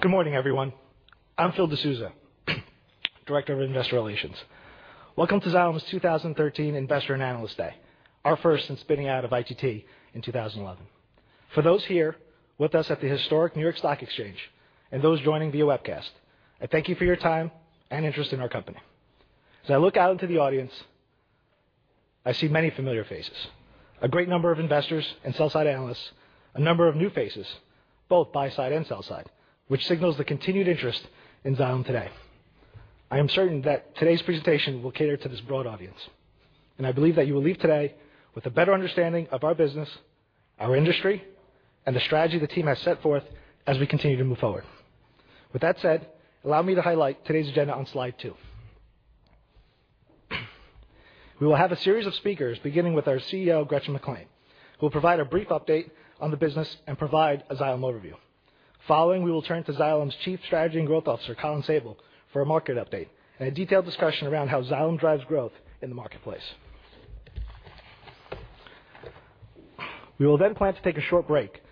Good morning, everyone. I'm Phil De Sousa, Director of Investor Relations. Welcome to Xylem's 2013 Investor and Analyst Day, our first since spinning out of ITT in 2011. For those here with us at the historic New York Stock Exchange, and those joining via webcast, I thank you for your time and interest in our company. As I look out into the audience, I see many familiar faces. A great number of investors and sell-side analysts, a number of new faces, both buy-side and sell-side, which signals the continued interest in Xylem today. I am certain that today's presentation will cater to this broad audience, and I believe that you will leave today with a better understanding of our business, our industry, and the strategy the team has set forth as we continue to move forward. With that said, allow me to highlight today's agenda on slide two. We will have a series of speakers beginning with our CEO, Gretchen McClain, who will provide a brief update on the business and provide a Xylem overview. Following, we will turn to Xylem's Chief Strategy and Growth Officer, Colin Sabol, for a market update and a detailed discussion around how Xylem drives growth in the marketplace. We will then plan to take a short break,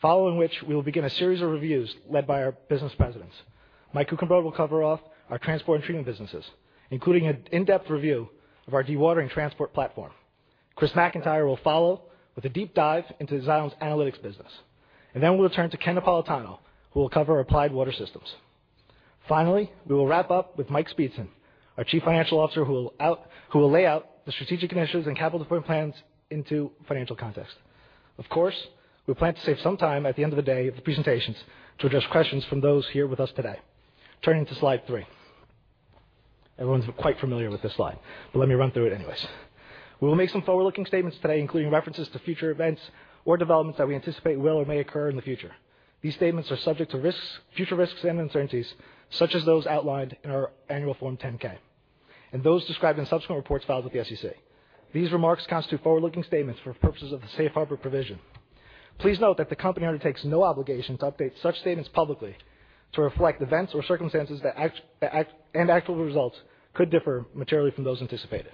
following which we will begin a series of reviews led by our business presidents. Mike Kuchenbrod will cover off our transport and treatment businesses, including an in-depth review of our dewatering transport platform. Chris McIntire will follow with a deep dive into Xylem's analytics business, and then we will turn to Ken Napolitano, who will cover Applied Water Systems. Finally, we will wrap up with Mike Speetzen, our Chief Financial Officer, who will lay out the strategic initiatives and capital deployment plans into financial context. Of course, we plan to save some time at the end of the day at the presentations to address questions from those here with us today. Turning to slide three. Everyone's quite familiar with this slide, but let me run through it anyways. We will make some forward-looking statements today, including references to future events or developments that we anticipate will or may occur in the future. These statements are subject to future risks and uncertainties, such as those outlined in our annual Form 10-K and those described in subsequent reports filed with the SEC. These remarks constitute forward-looking statements for purposes of the safe harbor provision. Please note that the company undertakes no obligation to update such statements publicly to reflect events or circumstances, and actual results could differ materially from those anticipated.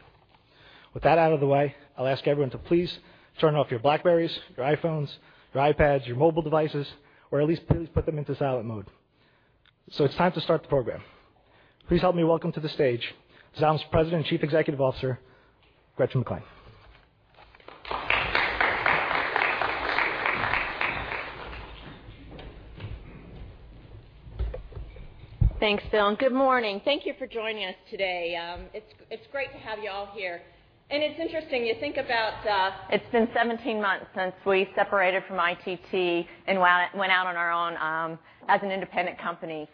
With that out of the way, I'll ask everyone to please turn off your BlackBerrys, your iPhones, your iPads, your mobile devices, or at least please put them into silent mode. It's time to start the program. Please help me welcome to the stage, Xylem's President and Chief Executive Officer, Gretchen McClain. Thanks, Phil, and good morning. Thank you for joining us today. It's great to have you all here. It's interesting, you think about, it's been 17 months since we separated from ITT and went out on our own, as an independent company.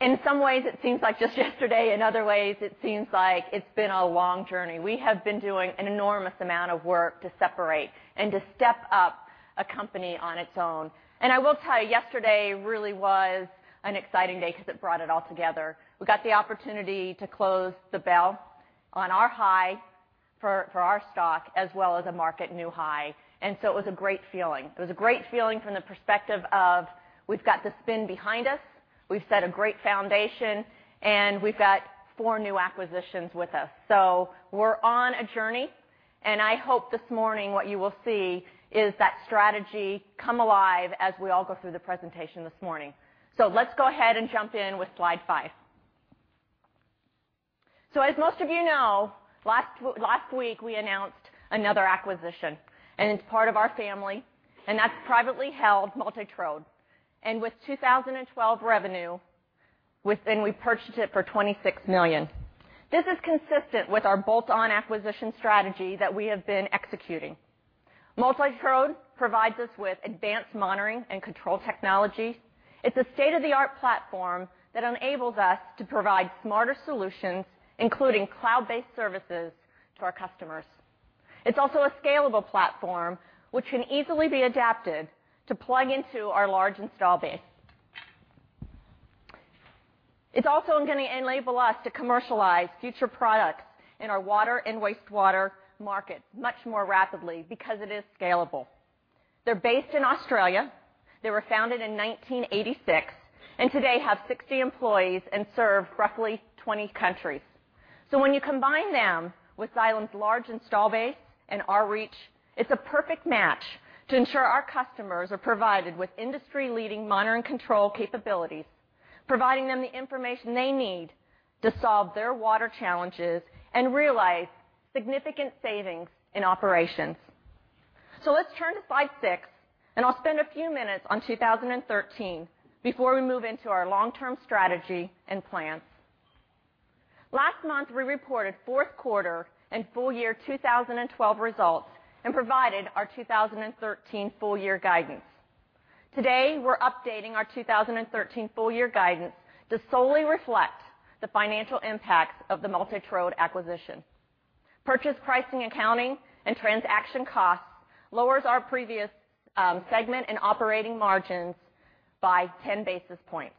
In some ways, it seems like just yesterday. In other ways, it seems like it's been a long journey. We have been doing an enormous amount of work to separate and to step up a company on its own. I will tell you, yesterday really was an exciting day because it brought it all together. We got the opportunity to close the bell on our high for our stock, as well as a market new high, it was a great feeling. It was a great feeling from the perspective of, we've got the spin behind us, we've set a great foundation, and we've got four new acquisitions with us. We're on a journey, and I hope this morning what you will see is that strategy come alive as we all go through the presentation this morning. Let's go ahead and jump in with slide five. As most of you know, last week, we announced another acquisition, and it's part of our family, and that's privately held, MultiTrode. With 2012 revenue, and we purchased it for $26 million. This is consistent with our bolt-on acquisition strategy that we have been executing. MultiTrode provides us with advanced monitoring and control technology. It's a state-of-the-art platform that enables us to provide smarter solutions, including cloud-based services to our customers. It's also a scalable platform, which can easily be adapted to plug into our large install base. It's also going to enable us to commercialize future products in our water and wastewater markets much more rapidly because it is scalable. They're based in Australia. They were founded in 1986, and today have 60 employees and serve roughly 20 countries. When you combine them with Xylem's large install base and our reach, it's a perfect match to ensure our customers are provided with industry-leading monitor and control capabilities, providing them the information they need to solve their water challenges and realize significant savings in operations. Let's turn to slide six, and I'll spend a few minutes on 2013 before we move into our long-term strategy and plans. Last month, we reported fourth quarter and full year 2012 results and provided our 2013 full-year guidance. Today, we're updating our 2013 full-year guidance to solely reflect the financial impacts of the MultiTrode acquisition. Purchase pricing, accounting, and transaction costs lowers our previous segment and operating margins by 10 basis points,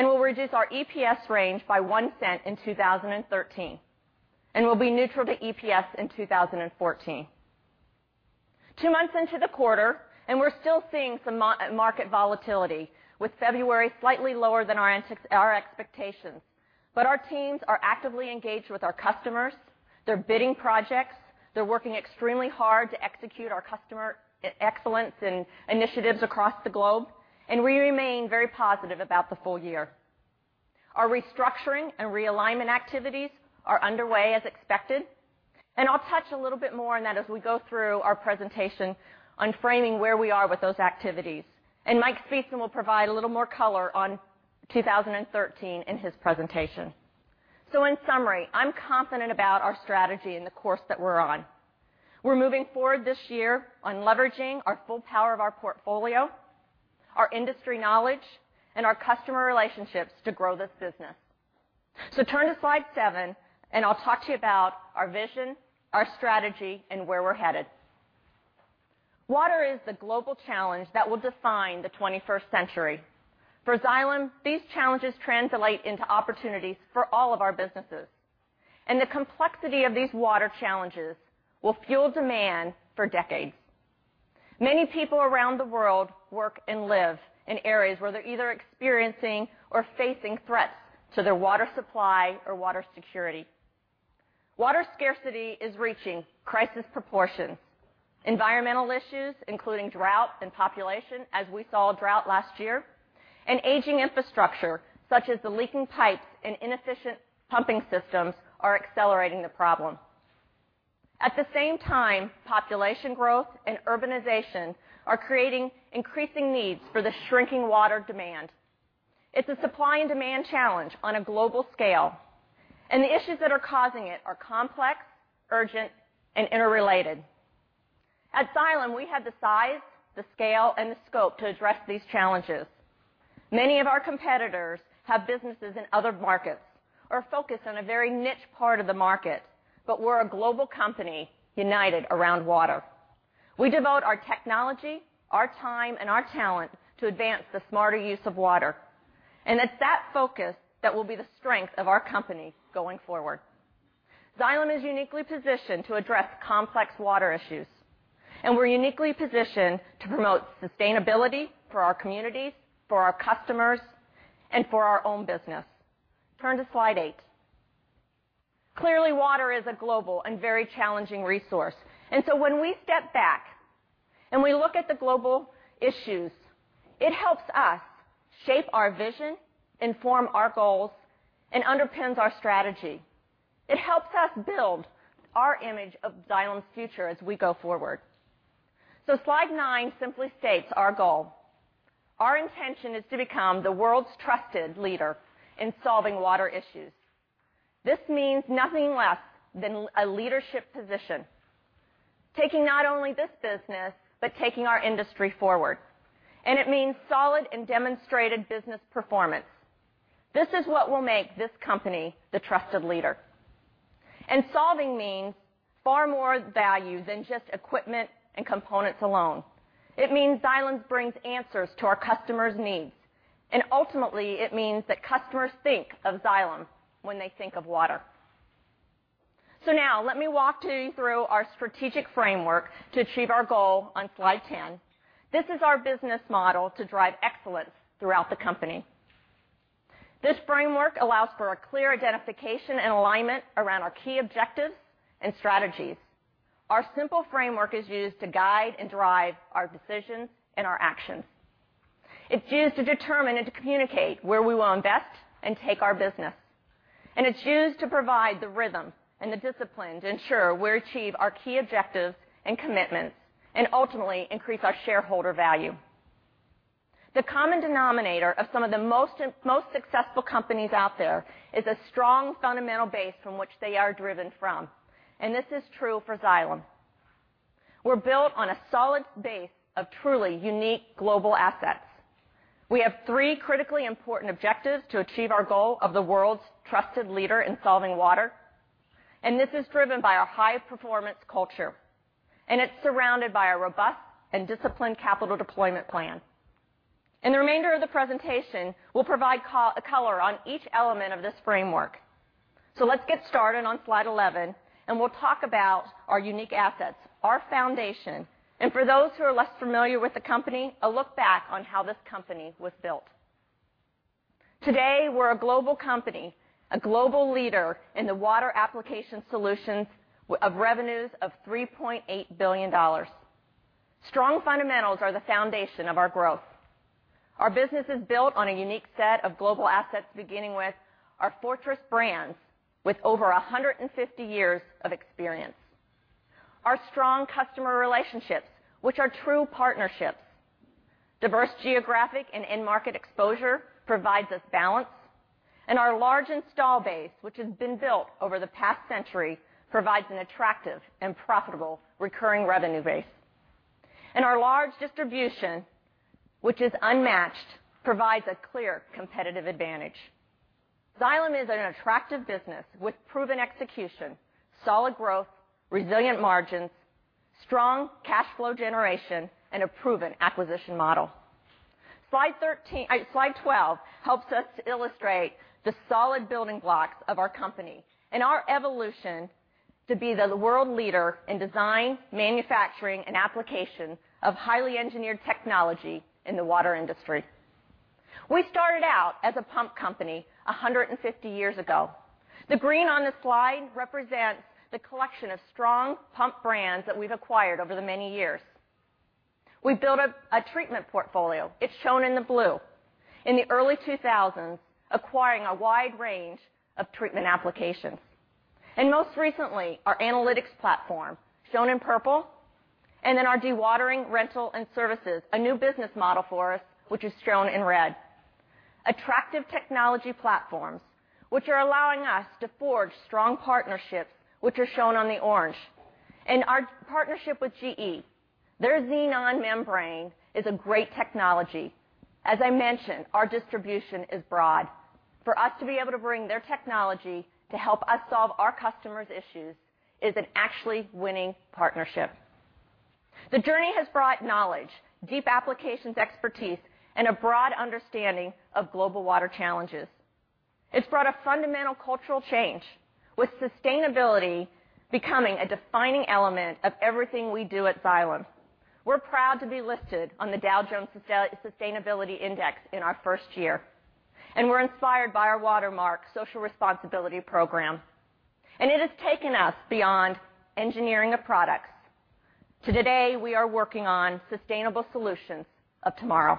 and will reduce our EPS range by $0.01 in 2013, and will be neutral to EPS in 2014. Two months into the quarter, and we're still seeing some market volatility, with February slightly lower than our expectations. Our teams are actively engaged with our customers. They're bidding projects. They're working extremely hard to execute our customer excellence and initiatives across the globe, and we remain very positive about the full year. Our restructuring and realignment activities are underway as expected, and I'll touch a little bit more on that as we go through our presentation on framing where we are with those activities. Mike Speetzen will provide a little more color on 2013 in his presentation. In summary, I'm confident about our strategy and the course that we're on. We're moving forward this year on leveraging our full power of our portfolio, our industry knowledge, and our customer relationships to grow this business. Turn to slide seven, and I'll talk to you about our vision, our strategy, and where we're headed. Water is the global challenge that will define the 21st century. For Xylem, these challenges translate into opportunities for all of our businesses. The complexity of these water challenges will fuel demand for decades. Many people around the world work and live in areas where they're either experiencing or facing threats to their water supply or water security. Water scarcity is reaching crisis proportions. Environmental issues, including drought and population, as we saw a drought last year, and aging infrastructure, such as the leaking pipes and inefficient pumping systems, are accelerating the problem. At the same time, population growth and urbanization are creating increasing needs for the shrinking water supply. It's a supply and demand challenge on a global scale, and the issues that are causing it are complex, urgent, and interrelated. At Xylem, we have the size, the scale, and the scope to address these challenges. Many of our competitors have businesses in other markets or are focused on a very niche part of the market. We're a global company united around water. We devote our technology, our time, and our talent to advance the smarter use of water. It's that focus that will be the strength of our company going forward. Xylem is uniquely positioned to address complex water issues, and we're uniquely positioned to promote sustainability for our communities, for our customers, and for our own business. Turn to Slide eight. Clearly, water is a global and very challenging resource. When we step back and we look at the global issues, it helps us shape our vision and form our goals and underpins our strategy. It helps us build our image of Xylem's future as we go forward. Slide nine simply states our goal. Our intention is to become the world's trusted leader in solving water issues. This means nothing less than a leadership position, taking not only this business, but taking our industry forward. It means solid and demonstrated business performance. This is what will make this company the trusted leader. Solving means far more value than just equipment and components alone. It means Xylem brings answers to our customers' needs, and ultimately, it means that customers think of Xylem when they think of water. Now let me walk you through our strategic framework to achieve our goal on Slide 10. This is our business model to drive excellence throughout the company. This framework allows for a clear identification and alignment around our key objectives and strategies. Our simple framework is used to guide and drive our decisions and our actions. It's used to determine and to communicate where we will invest and take our business. It's used to provide the rhythm and the discipline to ensure we achieve our key objectives and commitments, and ultimately increase our shareholder value. The common denominator of some of the most successful companies out there is a strong fundamental base from which they are driven from. This is true for Xylem. We're built on a solid base of truly unique global assets. We have three critically important objectives to achieve our goal of the world's trusted leader in solving water, and this is driven by a high-performance culture. It's surrounded by a robust and disciplined capital deployment plan. In the remainder of the presentation, we'll provide color on each element of this framework. Let's get started on slide 11, and we'll talk about our unique assets, our foundation, and for those who are less familiar with the company, a look back on how this company was built. Today, we're a global company, a global leader in the water application solutions of revenues of $3.8 billion. Strong fundamentals are the foundation of our growth. Our business is built on a unique set of global assets, beginning with our fortress brands with over 150 years of experience. Our strong customer relationships, which are true partnerships. Diverse geographic and end-market exposure provides us balance. Our large install base, which has been built over the past century, provides an attractive and profitable recurring revenue base. Our large distribution, which is unmatched, provides a clear competitive advantage. Xylem is an attractive business with proven execution, solid growth, resilient margins, strong cash flow generation, and a proven acquisition model. Slide 12 helps us illustrate the solid building blocks of our company and our evolution to be the world leader in design, manufacturing, and application of highly engineered technology in the water industry. We started out as a pump company 150 years ago. The green on this slide represents the collection of strong pump brands that we've acquired over the many years. We built a treatment portfolio, it's shown in the blue, in the early 2000s, acquiring a wide range of treatment applications. Most recently, our analytics platform, shown in purple, our dewatering rental and services, a new business model for us, which is shown in red. Attractive technology platforms, which are allowing us to forge strong partnerships, which are shown on the orange. Our partnership with GE, their ZeeWeed membrane is a great technology. As I mentioned, our distribution is broad. For us to be able to bring their technology to help us solve our customers' issues is an actually winning partnership. The journey has brought knowledge, deep applications expertise, and a broad understanding of global water challenges. It's brought a fundamental cultural change, with sustainability becoming a defining element of everything we do at Xylem. We're proud to be listed on the Dow Jones Sustainability Index in our first year, and we're inspired by our Watermark Social Responsibility program. It has taken us beyond engineering of products. Today, we are working on sustainable solutions of tomorrow.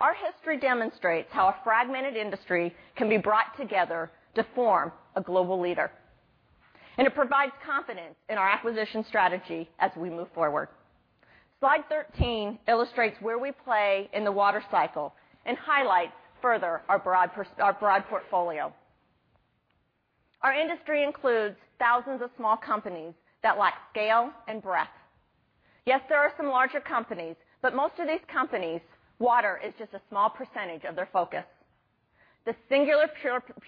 Our history demonstrates how a fragmented industry can be brought together to form a global leader, and it provides confidence in our acquisition strategy as we move forward. Slide 13 illustrates where we play in the water cycle and highlights further our broad portfolio. Our industry includes thousands of small companies that lack scale and breadth. Yes, there are some larger companies, but most of these companies, water is just a small percentage of their focus. The singular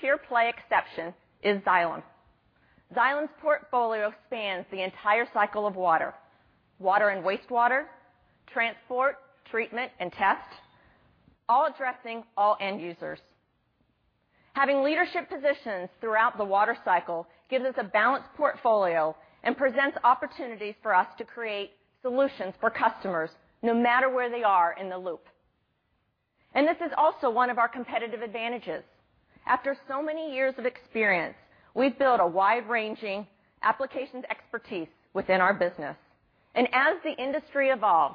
pure-play exception is Xylem. Xylem's portfolio spans the entire cycle of water. Water and wastewater, transport, treatment, and test, all addressing all end users. Having leadership positions throughout the water cycle gives us a balanced portfolio and presents opportunities for us to create solutions for customers, no matter where they are in the loop. This is also one of our competitive advantages. After so many years of experience, we've built a wide-ranging applications expertise within our business. As the industry evolves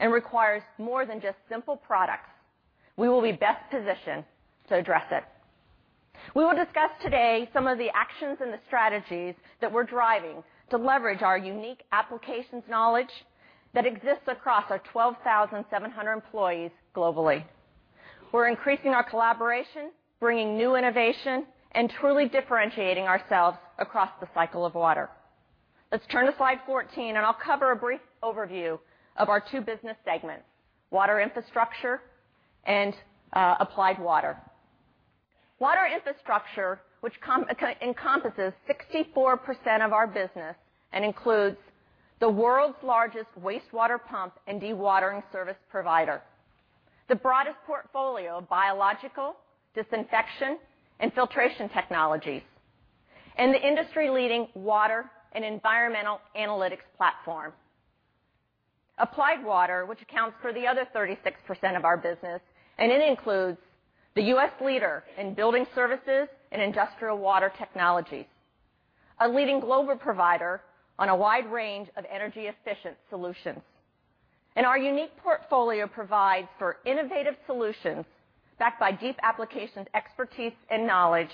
and requires more than just simple products, we will be best positioned to address it. We will discuss today some of the actions and the strategies that we're driving to leverage our unique applications knowledge that exists across our 12,700 employees globally. We're increasing our collaboration, bringing new innovation, and truly differentiating ourselves across the cycle of water. Let's turn to slide 14, and I'll cover a brief overview of our two business segments, Water Infrastructure and Applied Water. Water Infrastructure, which encompasses 64% of our business and includes the world's largest wastewater pump and dewatering service provider. The broadest portfolio of biological disinfection and filtration technologies, and the industry-leading water and environmental analytics platform. Applied Water, which accounts for the other 36% of our business, it includes the U.S. leader in building services and industrial water technologies, a leading global provider on a wide range of energy-efficient solutions. Our unique portfolio provides for innovative solutions backed by deep applications expertise and knowledge,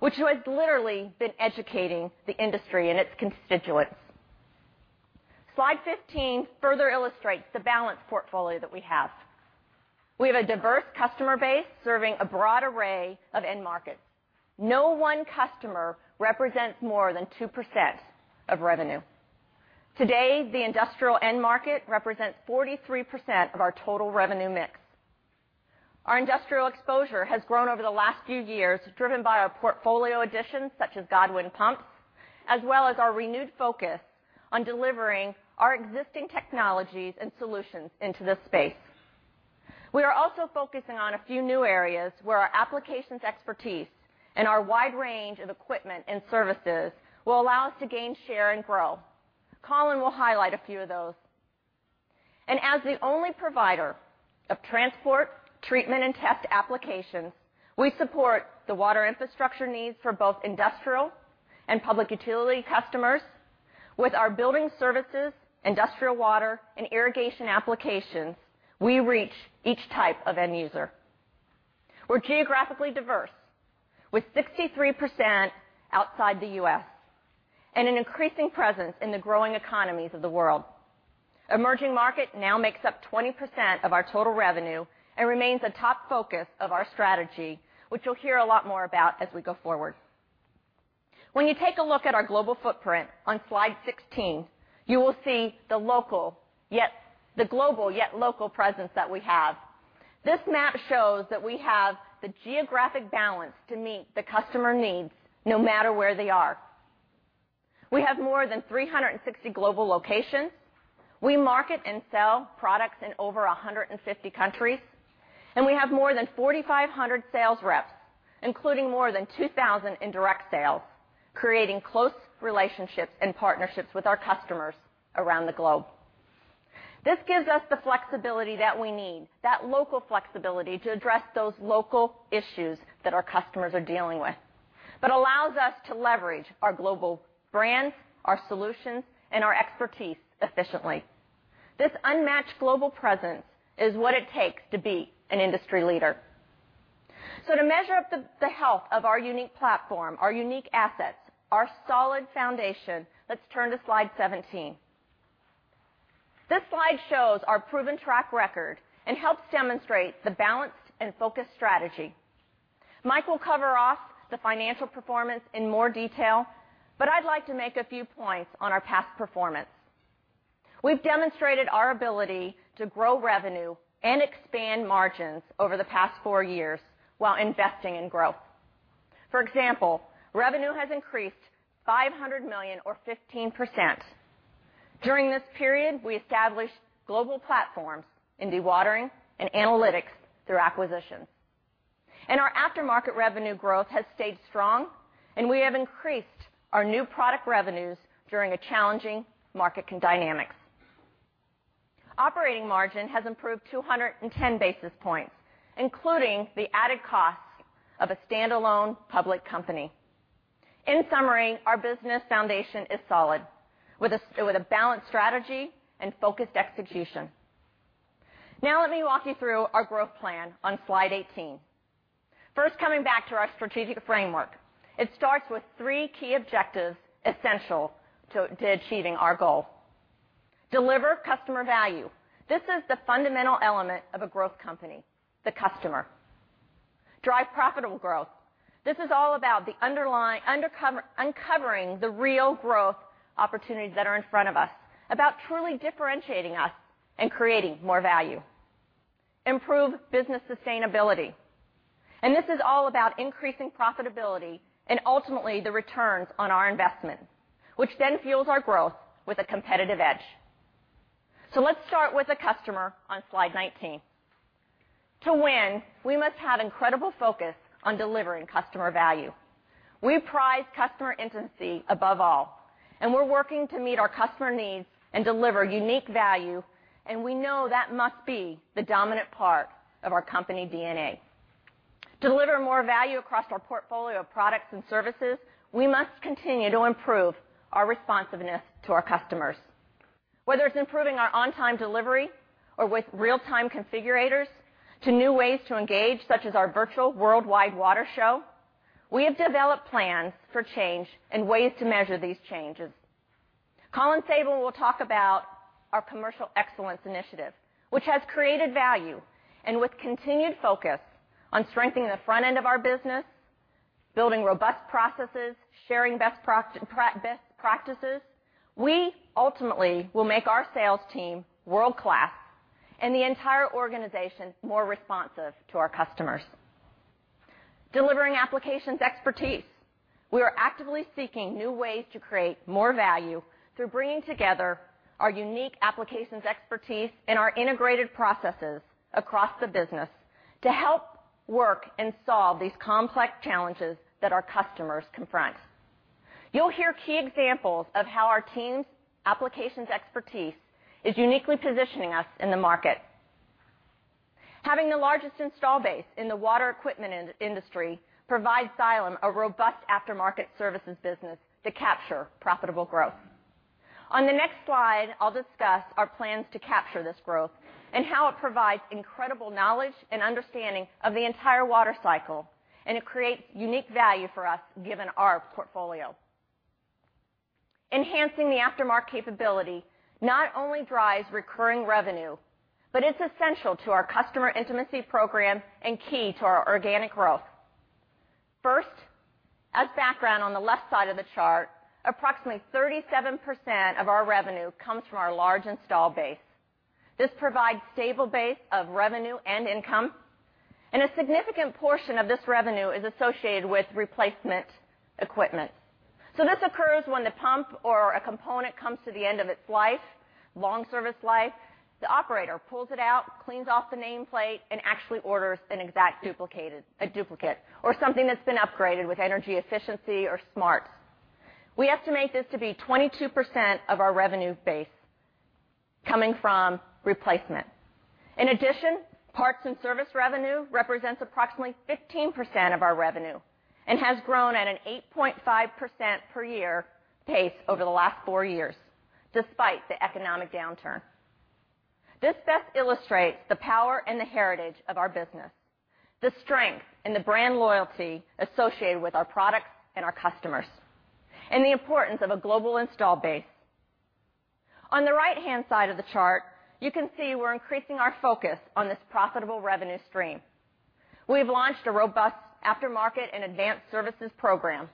which has literally been educating the industry and its constituents. Slide 15 further illustrates the balanced portfolio that we have. We have a diverse customer base serving a broad array of end markets. No one customer represents more than 2% of revenue. Today, the industrial end market represents 43% of our total revenue mix. Our industrial exposure has grown over the last few years, driven by our portfolio additions, such as Godwin Pumps, as well as our renewed focus on delivering our existing technologies and solutions into this space. We are also focusing on a few new areas where our applications expertise and our wide range of equipment and services will allow us to gain share and grow. Colin will highlight a few of those. As the only provider of transport, treatment, and test applications, we support the Water Infrastructure needs for both industrial and public utility customers. With our building services, industrial water, and irrigation applications, we reach each type of end user. We're geographically diverse, with 63% outside the U.S., and an increasing presence in the growing economies of the world. Emerging market now makes up 20% of our total revenue and remains a top focus of our strategy, which you'll hear a lot more about as we go forward. When you take a look at our global footprint on slide 16, you will see the global, yet local presence that we have. This map shows that we have the geographic balance to meet the customer needs, no matter where they are. We have more than 360 global locations. We market and sell products in over 150 countries. We have more than 4,500 sales reps, including more than 2,000 in direct sales, creating close relationships and partnerships with our customers around the globe. This gives us the flexibility that we need, that local flexibility to address those local issues that our customers are dealing with, but allows us to leverage our global brands, our solutions, and our expertise efficiently. This unmatched global presence is what it takes to be an industry leader. To measure up the health of our unique platform, our unique assets, our solid foundation, let's turn to slide 17. This slide shows our proven track record and helps demonstrate the balanced and focused strategy. Mike will cover off the financial performance in more detail, but I'd like to make a few points on our past performance. We've demonstrated our ability to grow revenue and expand margins over the past four years while investing in growth. For example, revenue has increased $500 million or 15%. During this period, we established global platforms in dewatering and analytics through acquisitions. Our aftermarket revenue growth has stayed strong, and we have increased our new product revenues during challenging market dynamics. Operating margin has improved 210 basis points, including the added costs of a standalone public company. In summary, our business foundation is solid, with a balanced strategy and focused execution. Let me walk you through our growth plan on slide 18. First, coming back to our strategic framework. It starts with three key objectives essential to achieving our goal. Deliver customer value. This is the fundamental element of a growth company, the customer. Drive profitable growth. This is all about uncovering the real growth opportunities that are in front of us, about truly differentiating us and creating more value. Improve business sustainability. This is all about increasing profitability and ultimately the returns on our investment, which then fuels our growth with a competitive edge. Let's start with the customer on slide 19. To win, we must have incredible focus on delivering customer value. We prize customer intimacy above all, and we're working to meet our customer needs and deliver unique value, and we know that must be the dominant part of our company DNA. To deliver more value across our portfolio of products and services, we must continue to improve our responsiveness to our customers. Whether it's improving our on-time delivery or with real-time configurators to new ways to engage, such as our virtual worldwide water show, we have developed plans for change and ways to measure these changes. Colin Sabol will talk about our commercial excellence initiative, which has created value and with continued focus on strengthening the front end of our business, building robust processes, sharing best practices, we ultimately will make our sales team world-class and the entire organization more responsive to our customers. Delivering applications expertise. We are actively seeking new ways to create more value through bringing together our unique applications expertise and our integrated processes across the business to help work and solve these complex challenges that our customers confront. You'll hear key examples of how our team's applications expertise is uniquely positioning us in the market. Having the largest install base in the water equipment industry provides Xylem a robust aftermarket services business to capture profitable growth. On the next slide, I'll discuss our plans to capture this growth and how it provides incredible knowledge and understanding of the entire water cycle, and it creates unique value for us given our portfolio. Enhancing the aftermarket capability not only drives recurring revenue, but it's essential to our customer intimacy program and key to our organic growth. First, as background on the left side of the chart, approximately 37% of our revenue comes from our large install base. This provides stable base of revenue and income, and a significant portion of this revenue is associated with replacement equipment. This occurs when the pump or a component comes to the end of its life, long service life. The operator pulls it out, cleans off the nameplate, and actually orders an exact duplicate, or something that's been upgraded with energy efficiency or smarts. We estimate this to be 22% of our revenue base coming from replacement. In addition, parts and service revenue represents approximately 15% of our revenue and has grown at an 8.5% per year pace over the last four years, despite the economic downturn. This best illustrates the power and the heritage of our business, the strength and the brand loyalty associated with our products and our customers, and the importance of a global install base. On the right-hand side of the chart, you can see we're increasing our focus on this profitable revenue stream. We've launched a robust aftermarket and advanced services program,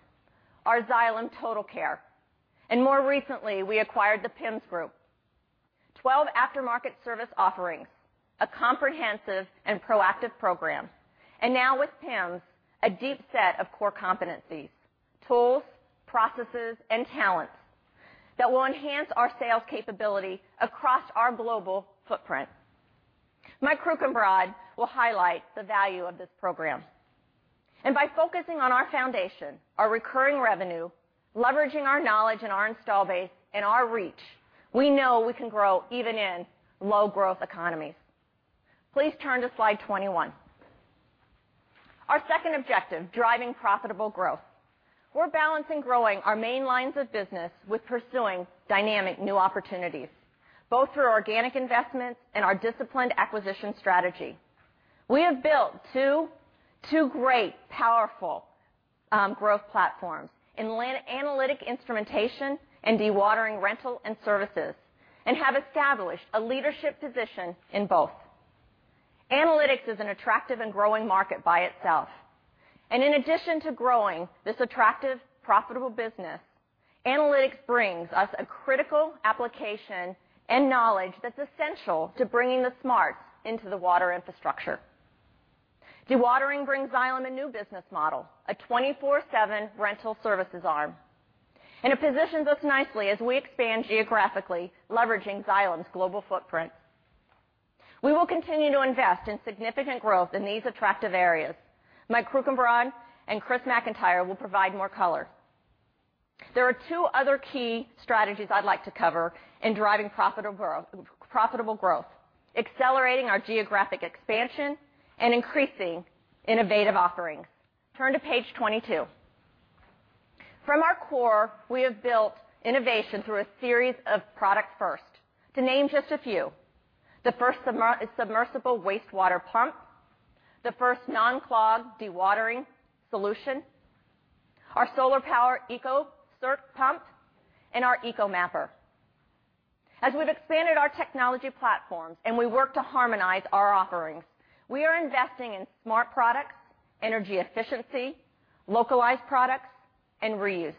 our Xylem TotalCare. More recently, we acquired the PIMS Group. 12 aftermarket service offerings, a comprehensive and proactive program. Now with PIMS, a deep set of core competencies, tools, processes, and talents. That will enhance our sales capability across our global footprint. Mike Kuchenbrod will highlight the value of this program. By focusing on our foundation, our recurring revenue, leveraging our knowledge and our install base and our reach, we know we can grow even in low-growth economies. Please turn to slide 21. Our second objective, driving profitable growth. We're balancing growing our main lines of business with pursuing dynamic new opportunities, both through organic investments and our disciplined acquisition strategy. We have built two great, powerful growth platforms in analytic instrumentation and dewatering rental and services, and have established a leadership position in both. Analytics is an attractive and growing market by itself. In addition to growing this attractive, profitable business, analytics brings us a critical application and knowledge that's essential to bringing the smarts into the water infrastructure. Dewatering brings Xylem a new business model, a 24/7 rental services arm. It positions us nicely as we expand geographically, leveraging Xylem's global footprint. We will continue to invest in significant growth in these attractive areas. Mike Kuchenbrod and Chris McIntire will provide more color. There are two other key strategies I'd like to cover in driving profitable growth, accelerating our geographic expansion, and increasing innovative offerings. Turn to page 22. From our core, we have built innovation through a series of product firsts. To name just a few, the first submersible wastewater pump, the first non-clog dewatering solution, our solar-powered ecocirc pump, and our EcoMapper. As we've expanded our technology platforms and we work to harmonize our offerings, we are investing in smart products, energy efficiency, localized products, and reuse.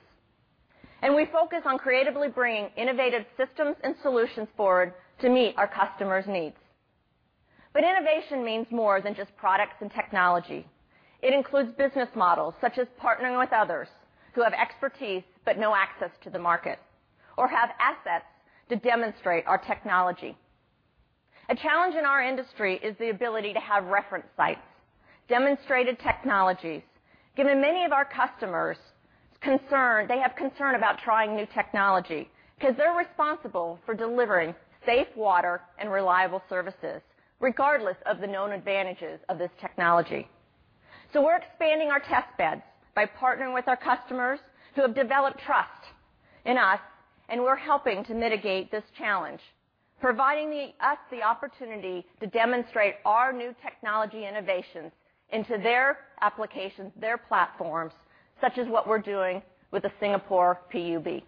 We focus on creatively bringing innovative systems and solutions forward to meet our customers' needs. Innovation means more than just products and technology. It includes business models, such as partnering with others who have expertise but no access to the market or have assets to demonstrate our technology. A challenge in our industry is the ability to have reference sites, demonstrated technologies, given many of our customers, they have concern about trying new technology, because they're responsible for delivering safe water and reliable services, regardless of the known advantages of this technology. We're expanding our test beds by partnering with our customers who have developed trust in us. We're helping to mitigate this challenge, providing us the opportunity to demonstrate our new technology innovations into their applications, their platforms, such as what we're doing with the Singapore PUB.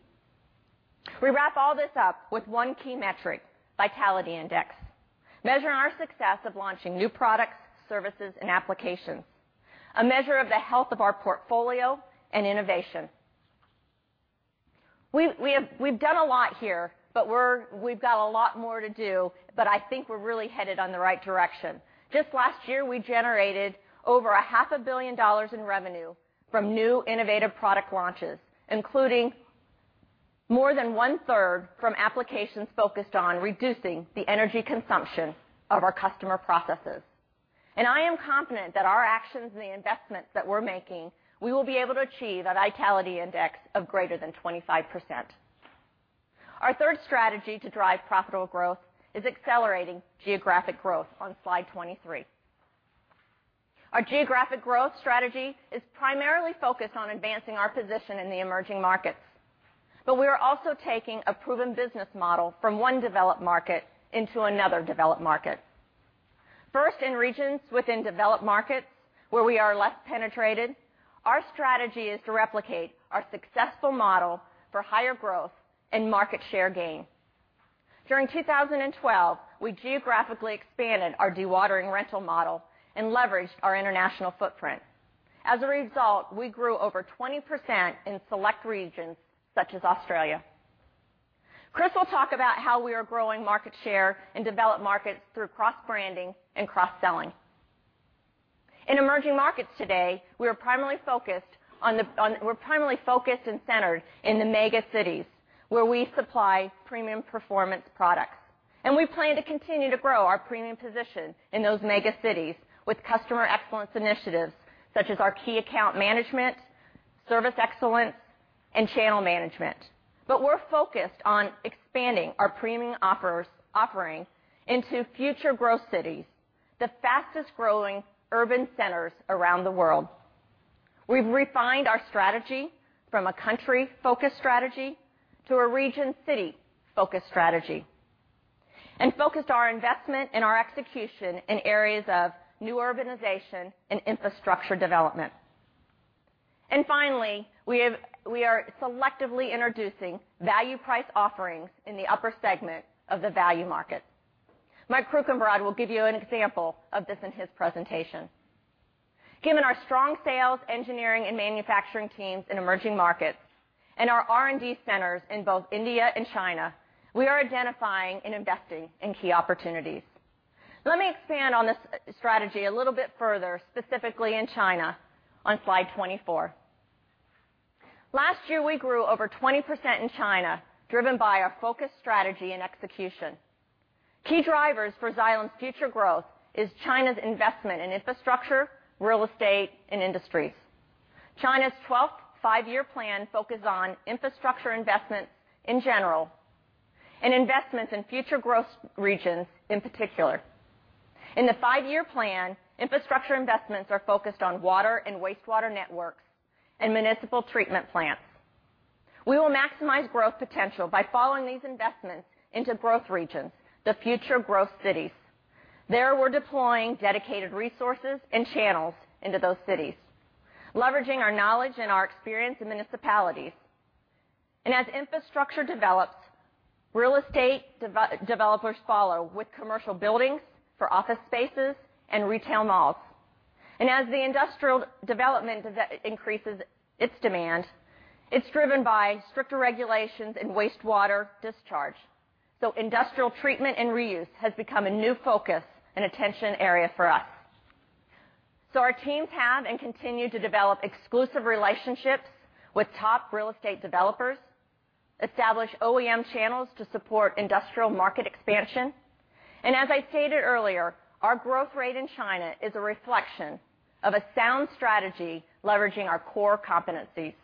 We wrap all this up with one key metric, Vitality Index, measuring our success of launching new products, services, and applications, a measure of the health of our portfolio and innovation. We've done a lot here, we've got a lot more to do, I think we're really headed in the right direction. Just last year, we generated over a half a billion dollars in revenue from new innovative product launches, including more than 1/3 from applications focused on reducing the energy consumption of our customer processes. I am confident that our actions and the investments that we're making, we will be able to achieve a Vitality Index of greater than 25%. Our third strategy to drive profitable growth is accelerating geographic growth on slide 23. Our geographic growth strategy is primarily focused on advancing our position in the emerging markets. We are also taking a proven business model from one developed market into another developed market. First, in regions within developed markets where we are less penetrated, our strategy is to replicate our successful model for higher growth and market share gain. During 2012, we geographically expanded our dewatering rental model and leveraged our international footprint. As a result, we grew over 20% in select regions such as Australia. Chris will talk about how we are growing market share in developed markets through cross-branding and cross-selling. In emerging markets today, we're primarily focused and centered in the mega cities, where we supply premium performance products. We plan to continue to grow our premium position in those mega cities with customer excellence initiatives, such as our key account management, service excellence, and channel management. We're focused on expanding our premium offering into future growth cities, the fastest-growing urban centers around the world. We've refined our strategy from a country-focused strategy to a region city-focused strategy and focused our investment and our execution in areas of new urbanization and infrastructure development. Finally, we are selectively introducing value price offerings in the upper segment of the value market. Mike Kuchenbrod will give you an example of this in his presentation. Given our strong sales, engineering, and manufacturing teams in emerging markets and our R&D centers in both India and China, we are identifying and investing in key opportunities. Let me expand on this strategy a little bit further, specifically in China on slide 24. Last year, we grew over 20% in China, driven by a focused strategy and execution. Key drivers for Xylem's future growth is China's investment in infrastructure, real estate, and industries. China's 12th five-year plan focuses on infrastructure investments in general and investments in future growth regions in particular. In the five-year plan, infrastructure investments are focused on water and wastewater networks and municipal treatment plants. We will maximize growth potential by following these investments into growth regions, the future growth cities. There, we're deploying dedicated resources and channels into those cities, leveraging our knowledge and our experience in municipalities. As infrastructure develops, real estate developers follow with commercial buildings for office spaces and retail malls. As the industrial development increases its demand, it is driven by stricter regulations in wastewater discharge. Industrial treatment and reuse has become a new focus and attention area for us. Our teams have and continue to develop exclusive relationships with top real estate developers, establish OEM channels to support industrial market expansion, and as I stated earlier, our growth rate in China is a reflection of a sound strategy leveraging our core competencies.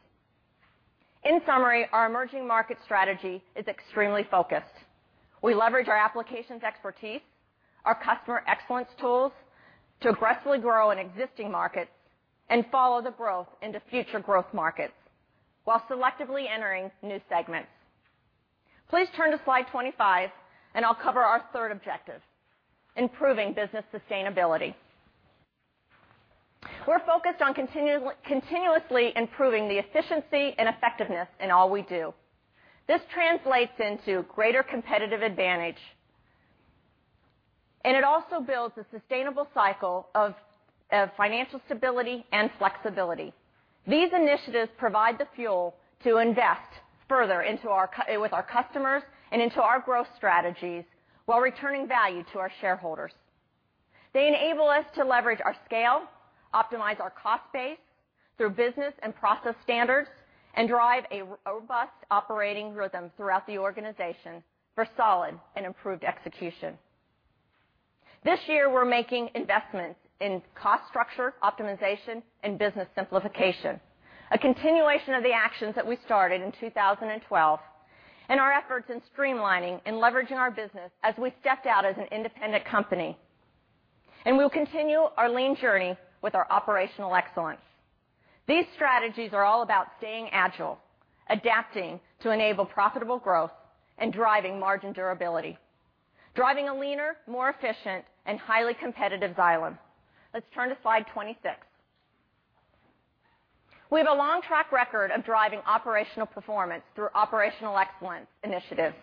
In summary, our emerging market strategy is extremely focused. We leverage our applications expertise, our customer excellence tools to aggressively grow in existing markets and follow the growth into future growth markets while selectively entering new segments. Please turn to slide 25, and I'll cover our third objective, improving business sustainability. We're focused on continuously improving the efficiency and effectiveness in all we do. This translates into greater competitive advantage. It also builds a sustainable cycle of financial stability and flexibility. These initiatives provide the fuel to invest further with our customers and into our growth strategies while returning value to our shareholders. They enable us to leverage our scale, optimize our cost base through business and process standards, and drive a robust operating rhythm throughout the organization for solid and improved execution. This year, we're making investments in cost structure optimization and business simplification, a continuation of the actions that we started in 2012 and our efforts in streamlining and leveraging our business as we stepped out as an independent company. We'll continue our lean journey with our operational excellence. These strategies are all about staying agile, adapting to enable profitable growth, and driving margin durability. Driving a leaner, more efficient, and highly competitive Xylem. Let's turn to slide 26. We have a long track record of driving operational performance through operational excellence initiatives.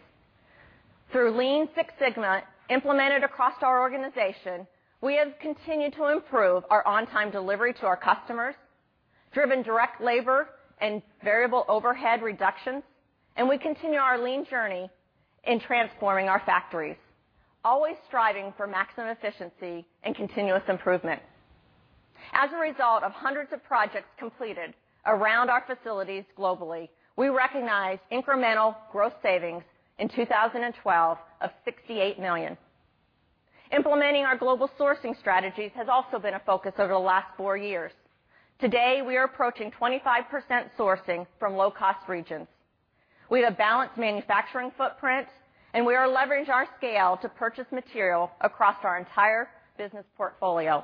Through Lean Six Sigma implemented across our organization, we have continued to improve our on-time delivery to our customers, driven direct labor and variable overhead reductions. We continue our lean journey in transforming our factories, always striving for maximum efficiency and continuous improvement. As a result of hundreds of projects completed around our facilities globally, we recognized incremental growth savings in 2012 of $68 million. Implementing our global sourcing strategies has also been a focus over the last four years. Today, we are approaching 25% sourcing from low-cost regions. We have a balanced manufacturing footprint, and we are leveraging our scale to purchase material across our entire business portfolio.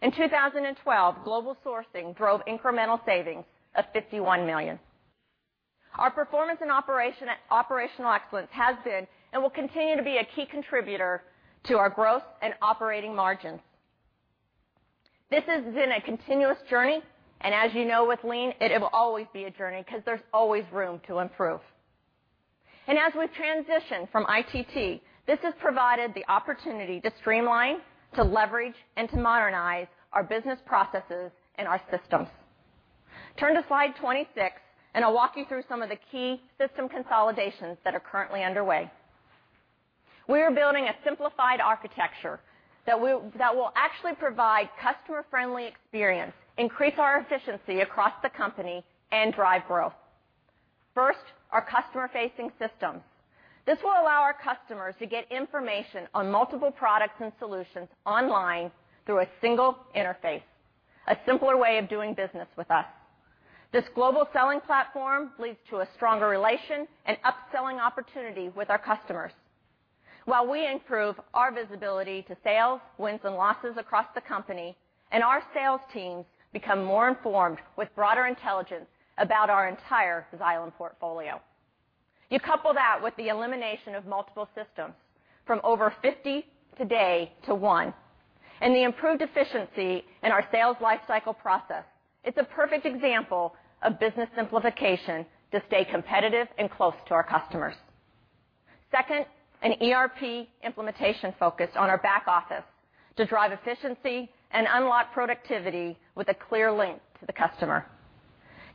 In 2012, global sourcing drove incremental savings of $51 million. Our performance in operational excellence has been and will continue to be a key contributor to our growth and operating margins. This has been a continuous journey. As you know, with lean, it will always be a journey because there's always room to improve. As we transition from ITT, this has provided the opportunity to streamline, to leverage, and to modernize our business processes and our systems. Turn to slide 26, and I'll walk you through some of the key system consolidations that are currently underway. We are building a simplified architecture that will actually provide customer-friendly experience, increase our efficiency across the company, and drive growth. First, our customer-facing systems. This will allow our customers to get information on multiple products and solutions online through a single interface. A simpler way of doing business with us. This global selling platform leads to a stronger relation and upselling opportunity with our customers. While we improve our visibility to sales, wins, and losses across the company and our sales teams become more informed with broader intelligence about our entire Xylem portfolio. You couple that with the elimination of multiple systems from over 50 today to one, and the improved efficiency in our sales life cycle process, it's a perfect example of business simplification to stay competitive and close to our customers. Second, an ERP implementation focused on our back office to drive efficiency and unlock productivity with a clear link to the customer.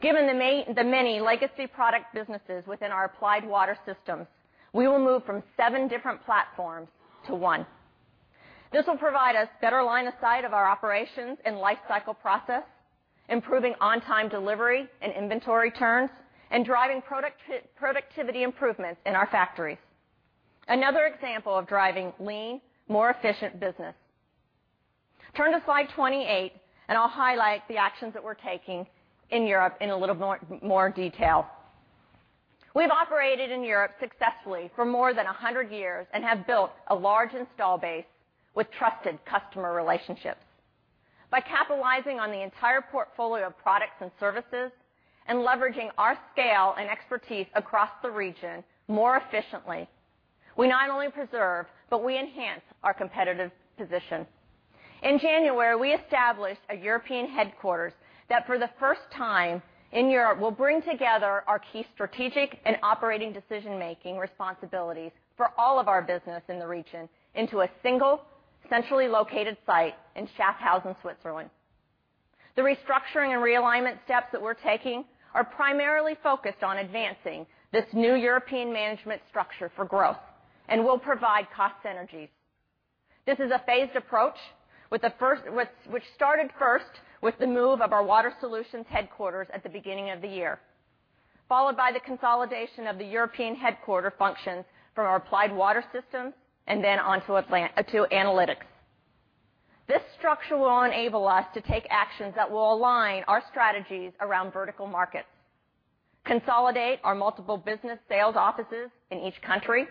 Given the many legacy product businesses within our Applied Water Systems, we will move from seven different platforms to one. This will provide us better line of sight of our operations and life cycle process, improving on-time delivery and inventory turns, and driving productivity improvements in our factories. Another example of driving lean, more efficient business. Turn to slide 28. I'll highlight the actions that we're taking in Europe in a little more detail. We've operated in Europe successfully for more than 100 years and have built a large install base with trusted customer relationships. By capitalizing on the entire portfolio of products and services and leveraging our scale and expertise across the region more efficiently, we not only preserve, but we enhance our competitive position. In January, we established a European headquarters that for the first time in Europe will bring together our key strategic and operating decision-making responsibilities for all of our business in the region into a single, centrally located site in Schaffhausen, Switzerland. The restructuring and realignment steps that we're taking are primarily focused on advancing this new European management structure for growth and will provide cost synergies. This is a phased approach, which started first with the move of our Water Solutions headquarters at the beginning of the year, followed by the consolidation of the European headquarter functions from our Applied Water Systems and then on to Analytics. This structure will enable us to take actions that will align our strategies around vertical markets, consolidate our multiple business sales offices in each country,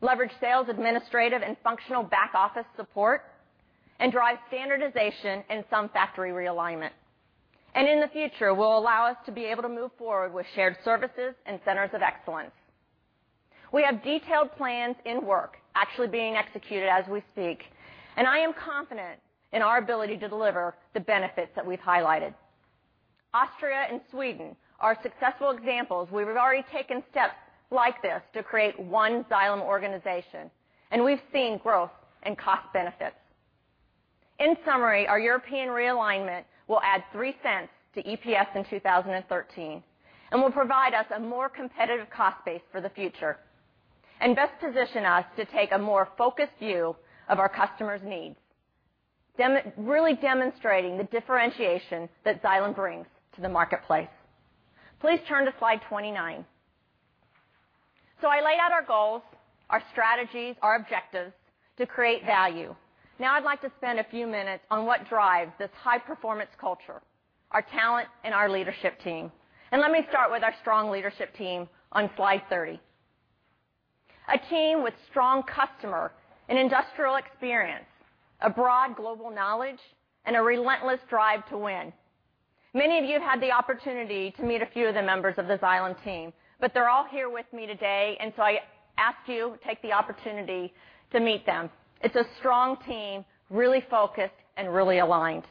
leverage sales, administrative, and functional back-office support, and drive standardization and some factory realignment. In the future, will allow us to be able to move forward with shared services and centers of excellence. We have detailed plans in work actually being executed as we speak. I am confident in our ability to deliver the benefits that we've highlighted. Austria and Sweden are successful examples where we've already taken steps like this to create one Xylem organization, and we've seen growth and cost benefits. In summary, our European realignment will add $0.03 to EPS in 2013. Will provide us a more competitive cost base for the future and best position us to take a more focused view of our customers' needs, really demonstrating the differentiation that Xylem brings to the marketplace. Please turn to slide 29. I laid out our goals, our strategies, our objectives to create value. Now I'd like to spend a few minutes on what drives this high-performance culture, our talent, and our leadership team. Let me start with our strong leadership team on slide 30. A team with strong customer and industrial experience, a broad global knowledge, and a relentless drive to win. Many of you have had the opportunity to meet a few of the members of the Xylem team, but they're all here with me today. I ask you, take the opportunity to meet them. It's a strong team, really focused and really aligned.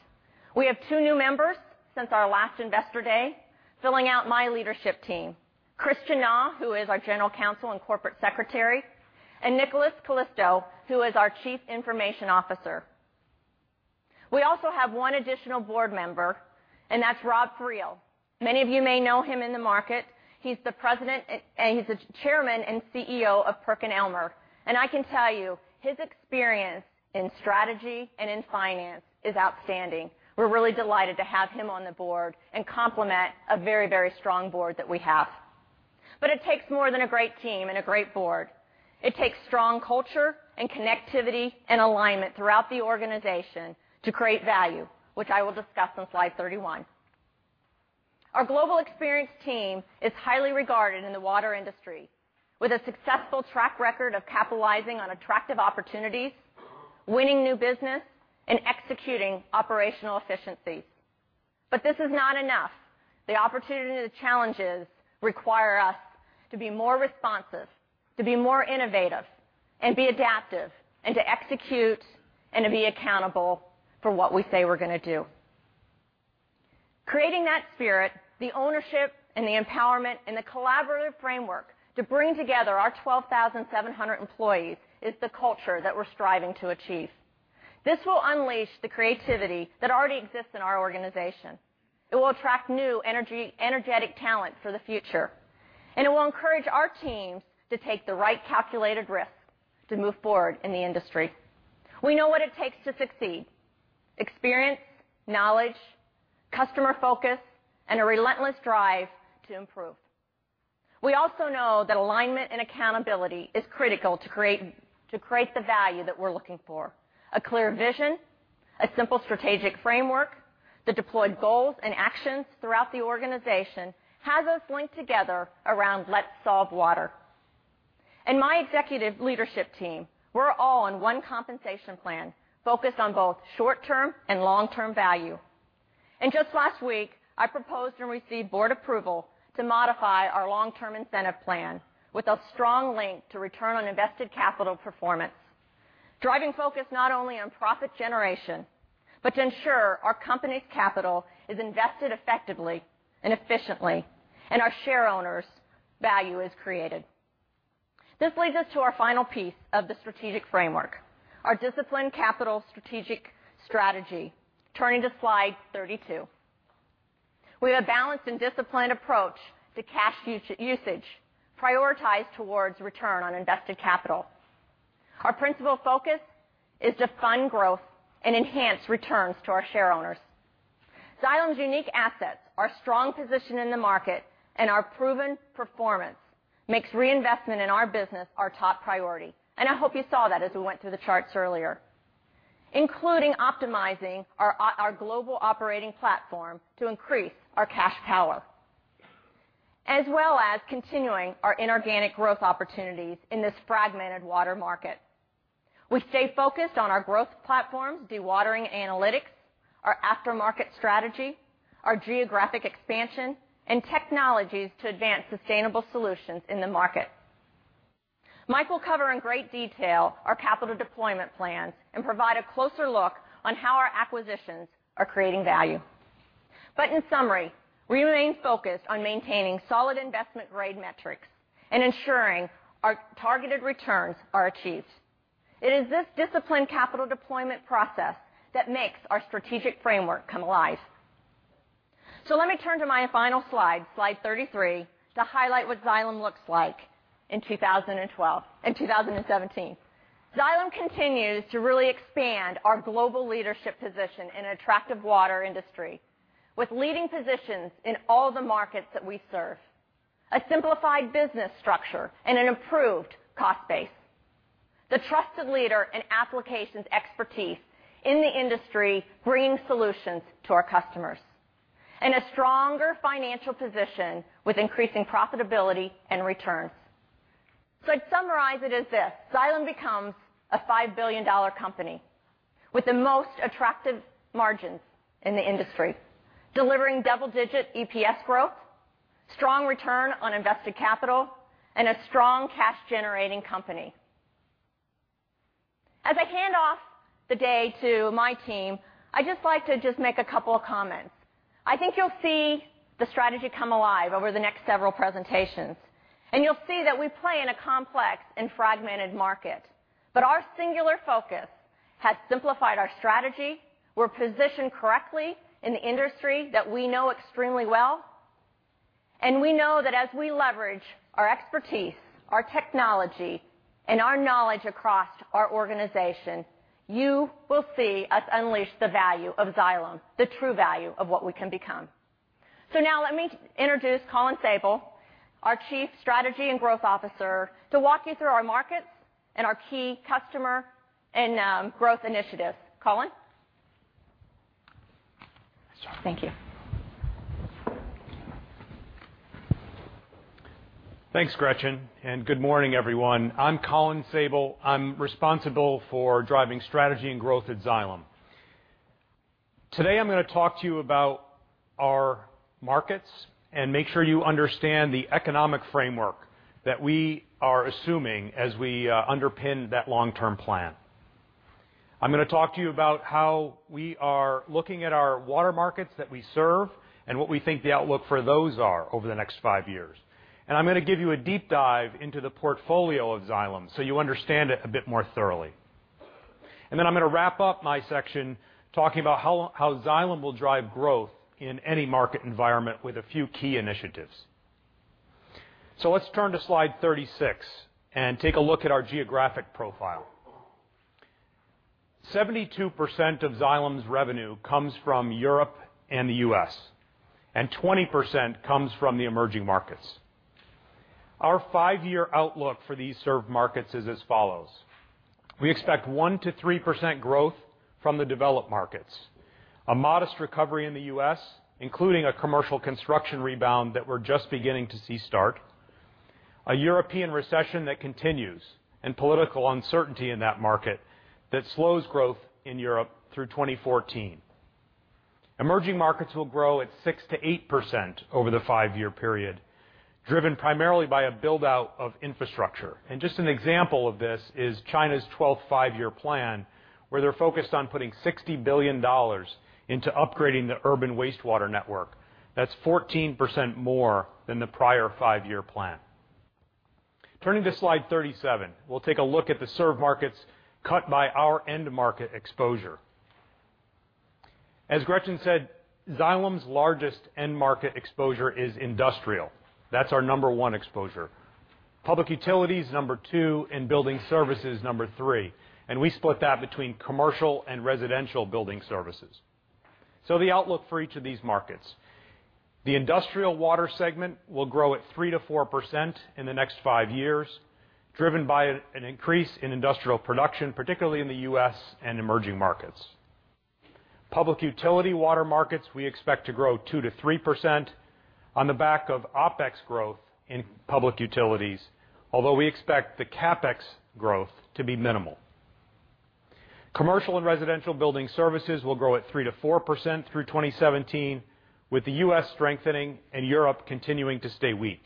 We have two new members since our last Investor Day, filling out my leadership team. Christian Na, who is our general counsel and corporate secretary, and Nicholas Callisto, who is our Chief Information Officer. We also have one additional board member, and that's Rob Friel. Many of you may know him in the market. He's the Chairman and CEO of PerkinElmer, and I can tell you, his experience in strategy and in finance is outstanding. We're really delighted to have him on the board and complement a very, very strong board that we have. It takes more than a great team and a great board. It takes strong culture and connectivity and alignment throughout the organization to create value, which I will discuss on slide 31. Our global experienced team is highly regarded in the water industry, with a successful track record of capitalizing on attractive opportunities, winning new business, and executing operational efficiencies. This is not enough. The opportunity, the challenges require us to be more responsive, to be more innovative, and be adaptive, and to execute and to be accountable for what we say we're going to do. Creating that spirit, the ownership and the empowerment and the collaborative framework to bring together our 12,700 employees is the culture that we're striving to achieve. This will unleash the creativity that already exists in our organization. It will attract new energetic talent for the future, and it will encourage our teams to take the right calculated risk to move forward in the industry. We know what it takes to succeed: experience, knowledge, customer focus, and a relentless drive to improve. We also know that alignment and accountability is critical to create the value that we're looking for. A clear vision, a simple strategic framework that deployed goals and actions throughout the organization has us linked together around Let's Solve Water. My executive leadership team, we're all on one compensation plan, focused on both short-term and long-term value. Just last week, I proposed and received board approval to modify our long-term incentive plan with a strong link to return on invested capital performance, driving focus not only on profit generation, but to ensure our company's capital is invested effectively and efficiently and our share owners' value is created. This leads us to our final piece of the strategic framework, our disciplined capital strategic strategy. Turning to slide 32. We have a balanced and disciplined approach to cash usage, prioritized towards return on invested capital. Our principal focus is to fund growth and enhance returns to our share owners. Xylem's unique assets, our strong position in the market, and our proven performance makes reinvestment in our business our top priority. I hope you saw that as we went through the charts earlier, including optimizing our global operating platform to increase our cash power, as well as continuing our inorganic growth opportunities in this fragmented water market. We stay focused on our growth platforms, dewatering analytics, our aftermarket strategy, our geographic expansion, and technologies to advance sustainable solutions in the market. Mike will cover in great detail our capital deployment plans and provide a closer look on how our acquisitions are creating value. In summary, we remain focused on maintaining solid investment grade metrics and ensuring our targeted returns are achieved. It is this disciplined capital deployment process that makes our strategic framework come alive. Let me turn to my final slide 33, to highlight what Xylem looks like in 2017. Xylem continues to really expand our global leadership position in an attractive water industry with leading positions in all the markets that we serve, a simplified business structure, and an improved cost base. The trusted leader in applications expertise in the industry, bringing solutions to our customers, and a stronger financial position with increasing profitability and returns. I'd summarize it as this: Xylem becomes a $5 billion company with the most attractive margins in the industry, delivering double-digit EPS growth, strong return on invested capital, and a strong cash-generating company. As I hand off the day to my team, I just like to just make a couple of comments. I think you'll see the strategy come alive over the next several presentations. You'll see that we play in a complex and fragmented market. Our singular focus has simplified our strategy. We're positioned correctly in the industry that we know extremely well. We know that as we leverage our expertise, our technology, and our knowledge across our organization, you will see us unleash the value of Xylem, the true value of what we can become. Now let me introduce Colin Sabol, our Chief Strategy and Growth Officer, to walk you through our markets and our key customer and growth initiatives. Colin. Sure. Thank you. Thanks, Gretchen. Good morning, everyone. I'm Colin Sabol. I'm responsible for driving strategy and growth at Xylem. Today, I'm going to talk to you about our markets and make sure you understand the economic framework that we are assuming as we underpin that long-term plan. I'm going to talk to you about how we are looking at our water markets that we serve and what we think the outlook for those are over the next five years. I'm going to give you a deep dive into the portfolio of Xylem so you understand it a bit more thoroughly. Then I'm going to wrap up my section, talking about how Xylem will drive growth in any market environment with a few key initiatives. Let's turn to slide 36 and take a look at our geographic profile. 72% of Xylem's revenue comes from Europe and the U.S. 20% comes from the emerging markets. Our five-year outlook for these served markets is as follows. We expect 1%-3% growth from the developed markets, a modest recovery in the U.S., including a commercial construction rebound that we're just beginning to see start, a European recession that continues, and political uncertainty in that market that slows growth in Europe through 2014. Emerging markets will grow at 6%-8% over the five-year period, driven primarily by a build-out of infrastructure. Just an example of this is China's 12th five-year plan, where they're focused on putting $60 billion into upgrading the urban wastewater network. That's 14% more than the prior five-year plan. Turning to slide 37, we'll take a look at the served markets cut by our end market exposure. As Gretchen said, Xylem's largest end market exposure is industrial. That's our number 1 exposure. Public utility is number 2, and building services, number 3. We split that between commercial and residential building services. The outlook for each of these markets. The industrial water segment will grow at 3%-4% in the next five years, driven by an increase in industrial production, particularly in the U.S. and emerging markets. Public utility water markets we expect to grow 2%-3% on the back of OpEx growth in public utilities. Although we expect the CapEx growth to be minimal. Commercial and residential building services will grow at 3%-4% through 2017, with the U.S. strengthening and Europe continuing to stay weak.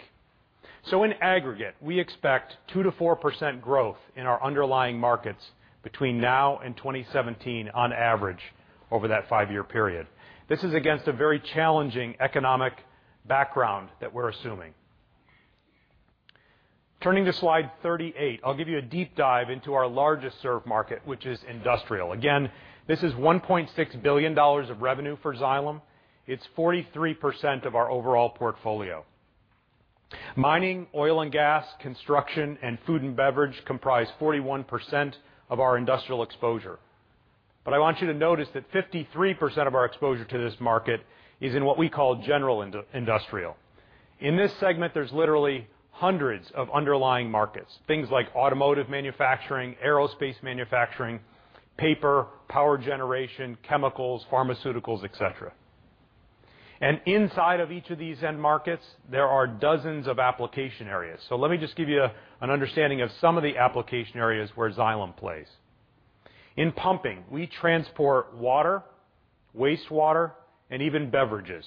In aggregate, we expect 2%-4% growth in our underlying markets between now and 2017 on average over that five-year period. This is against a very challenging economic background that we're assuming. Turning to slide 38, I'll give you a deep dive into our largest served market, which is industrial. Again, this is $1.6 billion of revenue for Xylem. It's 43% of our overall portfolio. Mining, oil and gas, construction, and food and beverage comprise 41% of our industrial exposure. I want you to notice that 53% of our exposure to this market is in what we call general industrial. In this segment, there's literally hundreds of underlying markets, things like automotive manufacturing, aerospace manufacturing, paper, power generation, chemicals, pharmaceuticals, et cetera. Inside of each of these end markets, there are dozens of application areas. Let me just give you an understanding of some of the application areas where Xylem plays. In pumping, we transport water, wastewater, and even beverages.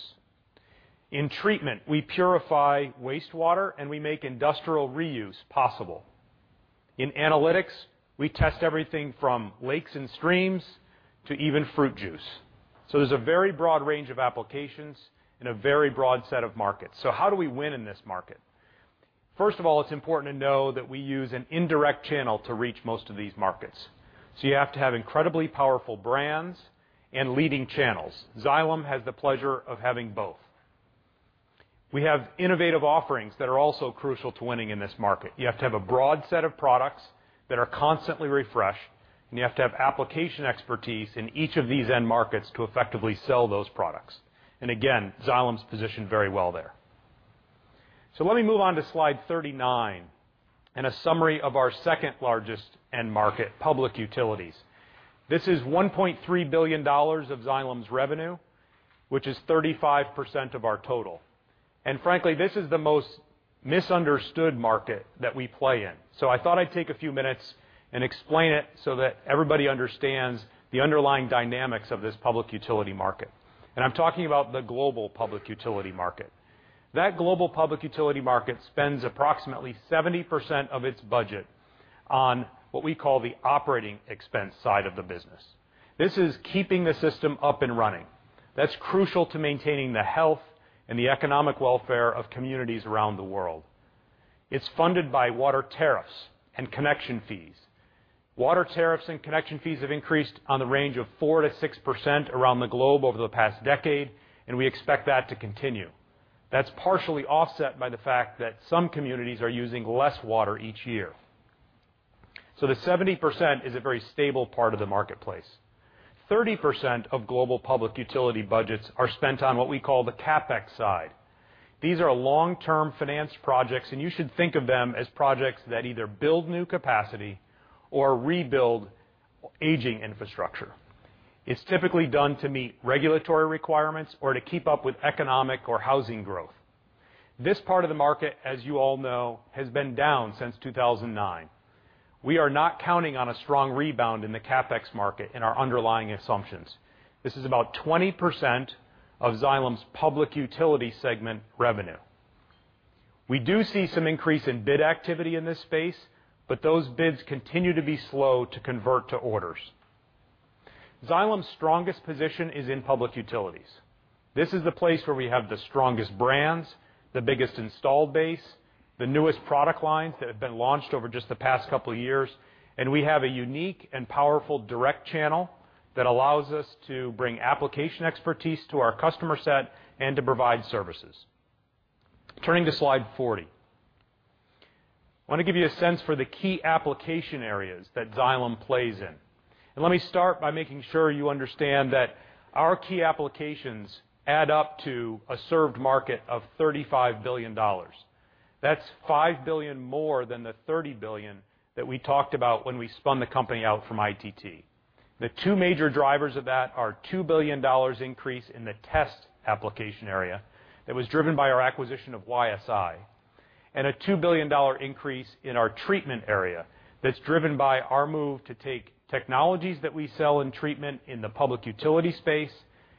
In treatment, we purify wastewater, and we make industrial reuse possible. In analytics, we test everything from lakes and streams to even fruit juice. There's a very broad range of applications and a very broad set of markets. How do we win in this market? First of all, it's important to know that we use an indirect channel to reach most of these markets. You have to have incredibly powerful brands and leading channels. Xylem has the pleasure of having both. We have innovative offerings that are also crucial to winning in this market. You have to have a broad set of products that are constantly refreshed, and you have to have application expertise in each of these end markets to effectively sell those products. Again, Xylem's positioned very well there. Let me move on to slide 39 and a summary of our second-largest end market, public utilities. This is $1.3 billion of Xylem's revenue, which is 35% of our total. Frankly, this is the most misunderstood market that we play in. I thought I'd take a few minutes and explain it so that everybody understands the underlying dynamics of this public utility market. I'm talking about the global public utility market. That global public utility market spends approximately 70% of its budget on what we call the operating expense side of the business. This is keeping the system up and running. That's crucial to maintaining the health and the economic welfare of communities around the world. It's funded by water tariffs and connection fees. Water tariffs and connection fees have increased on the range of 4%-6% around the globe over the past decade. We expect that to continue. That's partially offset by the fact that some communities are using less water each year. The 70% is a very stable part of the marketplace. 30% of global public utility budgets are spent on what we call the CapEx side. These are long-term financed projects. You should think of them as projects that either build new capacity or rebuild aging infrastructure. It's typically done to meet regulatory requirements or to keep up with economic or housing growth. This part of the market, as you all know, has been down since 2009. We are not counting on a strong rebound in the CapEx market in our underlying assumptions. This is about 20% of Xylem's public utility segment revenue. We do see some increase in bid activity in this space. Those bids continue to be slow to convert to orders. Xylem's strongest position is in public utilities. This is the place where we have the strongest brands, the biggest installed base, the newest product lines that have been launched over just the past couple of years, and we have a unique and powerful direct channel that allows us to bring application expertise to our customer set and to provide services. Turning to slide 40. I want to give you a sense for the key application areas that Xylem plays in. Let me start by making sure you understand that our key applications add up to a served market of $35 billion. That's $5 billion more than the $30 billion that we talked about when we spun the company out from ITT. The two major drivers of that are $2 billion increase in the test application area. That was driven by our acquisition of YSI. A $2 billion increase in our treatment area that's driven by our move to take technologies that we sell in treatment in the public utility space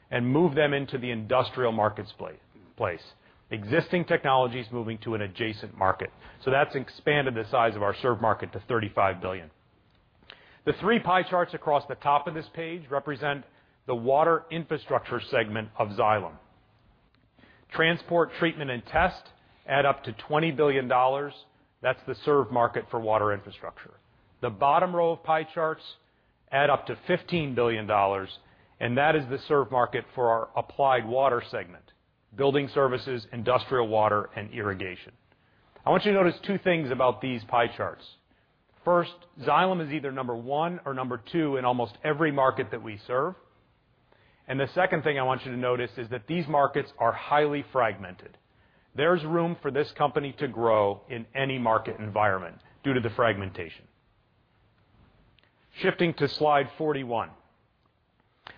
and move them into the industrial marketplace. Existing technologies moving to an adjacent market. That's expanded the size of our served market to $35 billion. The three pie charts across the top of this page represent the water infrastructure segment of Xylem. Transport, treatment, and test add up to $20 billion. That's the served market for water infrastructure. The bottom row of pie charts add up to $15 billion, and that is the served market for our applied water segment, building services, industrial water, and irrigation. I want you to notice two things about these pie charts. First, Xylem is either number one or number two in almost every market that we serve. The second thing I want you to notice is that these markets are highly fragmented. There's room for this company to grow in any market environment due to the fragmentation. Shifting to slide 41.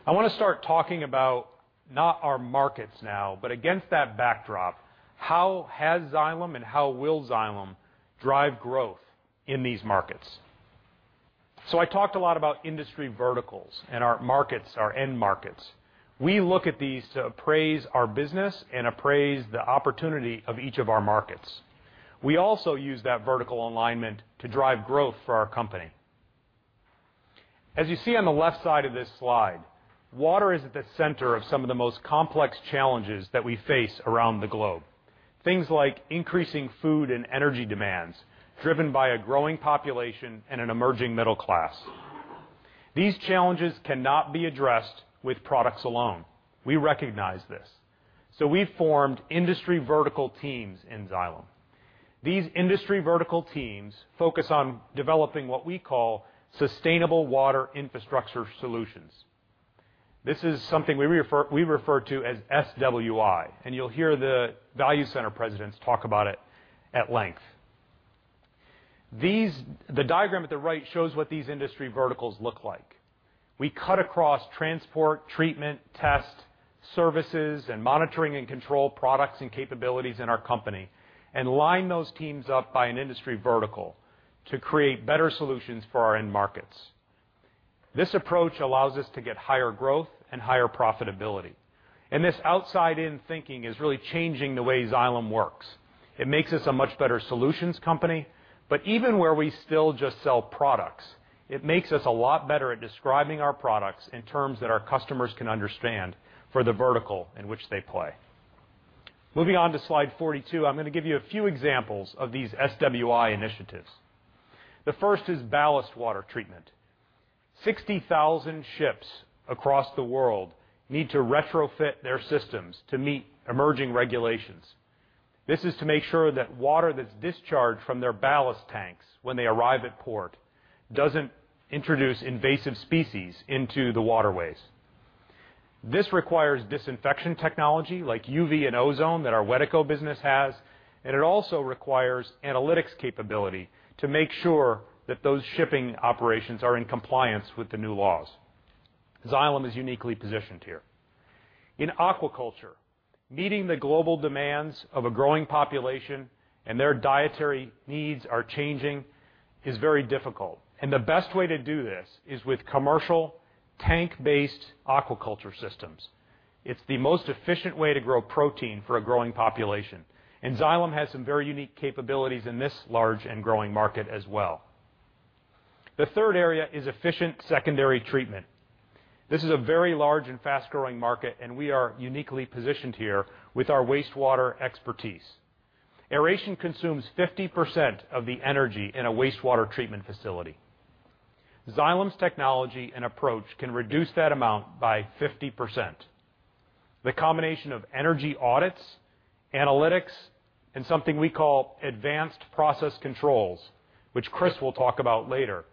I want to start talking about not our markets now, but against that backdrop, how has Xylem and how will Xylem drive growth in these markets? I talked a lot about industry verticals and our markets, our end markets. We look at these to appraise our business and appraise the opportunity of each of our markets. We also use that vertical alignment to drive growth for our company. As you see on the left side of this slide, water is at the center of some of the most complex challenges that we face around the globe. Things like increasing food and energy demands, driven by a growing population and an emerging middle class. These challenges cannot be addressed with products alone. We recognize this, we've formed industry vertical teams in Xylem. These industry vertical teams focus on developing what we call sustainable water infrastructure solutions. This is something we refer to as SWI, and you'll hear the value center presidents talk about it at length. The diagram at the right shows what these industry verticals look like. We cut across transport, treatment, test, services, and monitoring and control products and capabilities in our company and line those teams up by an industry vertical to create better solutions for our end markets. This approach allows us to get higher growth and higher profitability. This outside-in thinking is really changing the way Xylem works. It makes us a much better solutions company, but even where we still just sell products, it makes us a lot better at describing our products in terms that our customers can understand for the vertical in which they play. Moving on to slide 42, I'm going to give you a few examples of these SWI initiatives. The first is ballast water treatment. 60,000 ships across the world need to retrofit their systems to meet emerging regulations. This is to make sure that water that's discharged from their ballast tanks when they arrive at port doesn't introduce invasive species into the waterways. This requires disinfection technology like UV and ozone that our Wedeco business has, and it also requires analytics capability to make sure that those shipping operations are in compliance with the new laws. Xylem is uniquely positioned here. In aquaculture, meeting the global demands of a growing population and their dietary needs are changing is very difficult. The best way to do this is with commercial tank-based aquaculture systems. It's the most efficient way to grow protein for a growing population, and Xylem has some very unique capabilities in this large and growing market as well. The third area is efficient secondary treatment. This is a very large and fast-growing market, and we are uniquely positioned here with our wastewater expertise. Aeration consumes 50% of the energy in a wastewater treatment facility. Xylem's technology and approach can reduce that amount by 50%. The combination of energy audits, analytics, and something we call advanced process controls, which Chris will talk about later,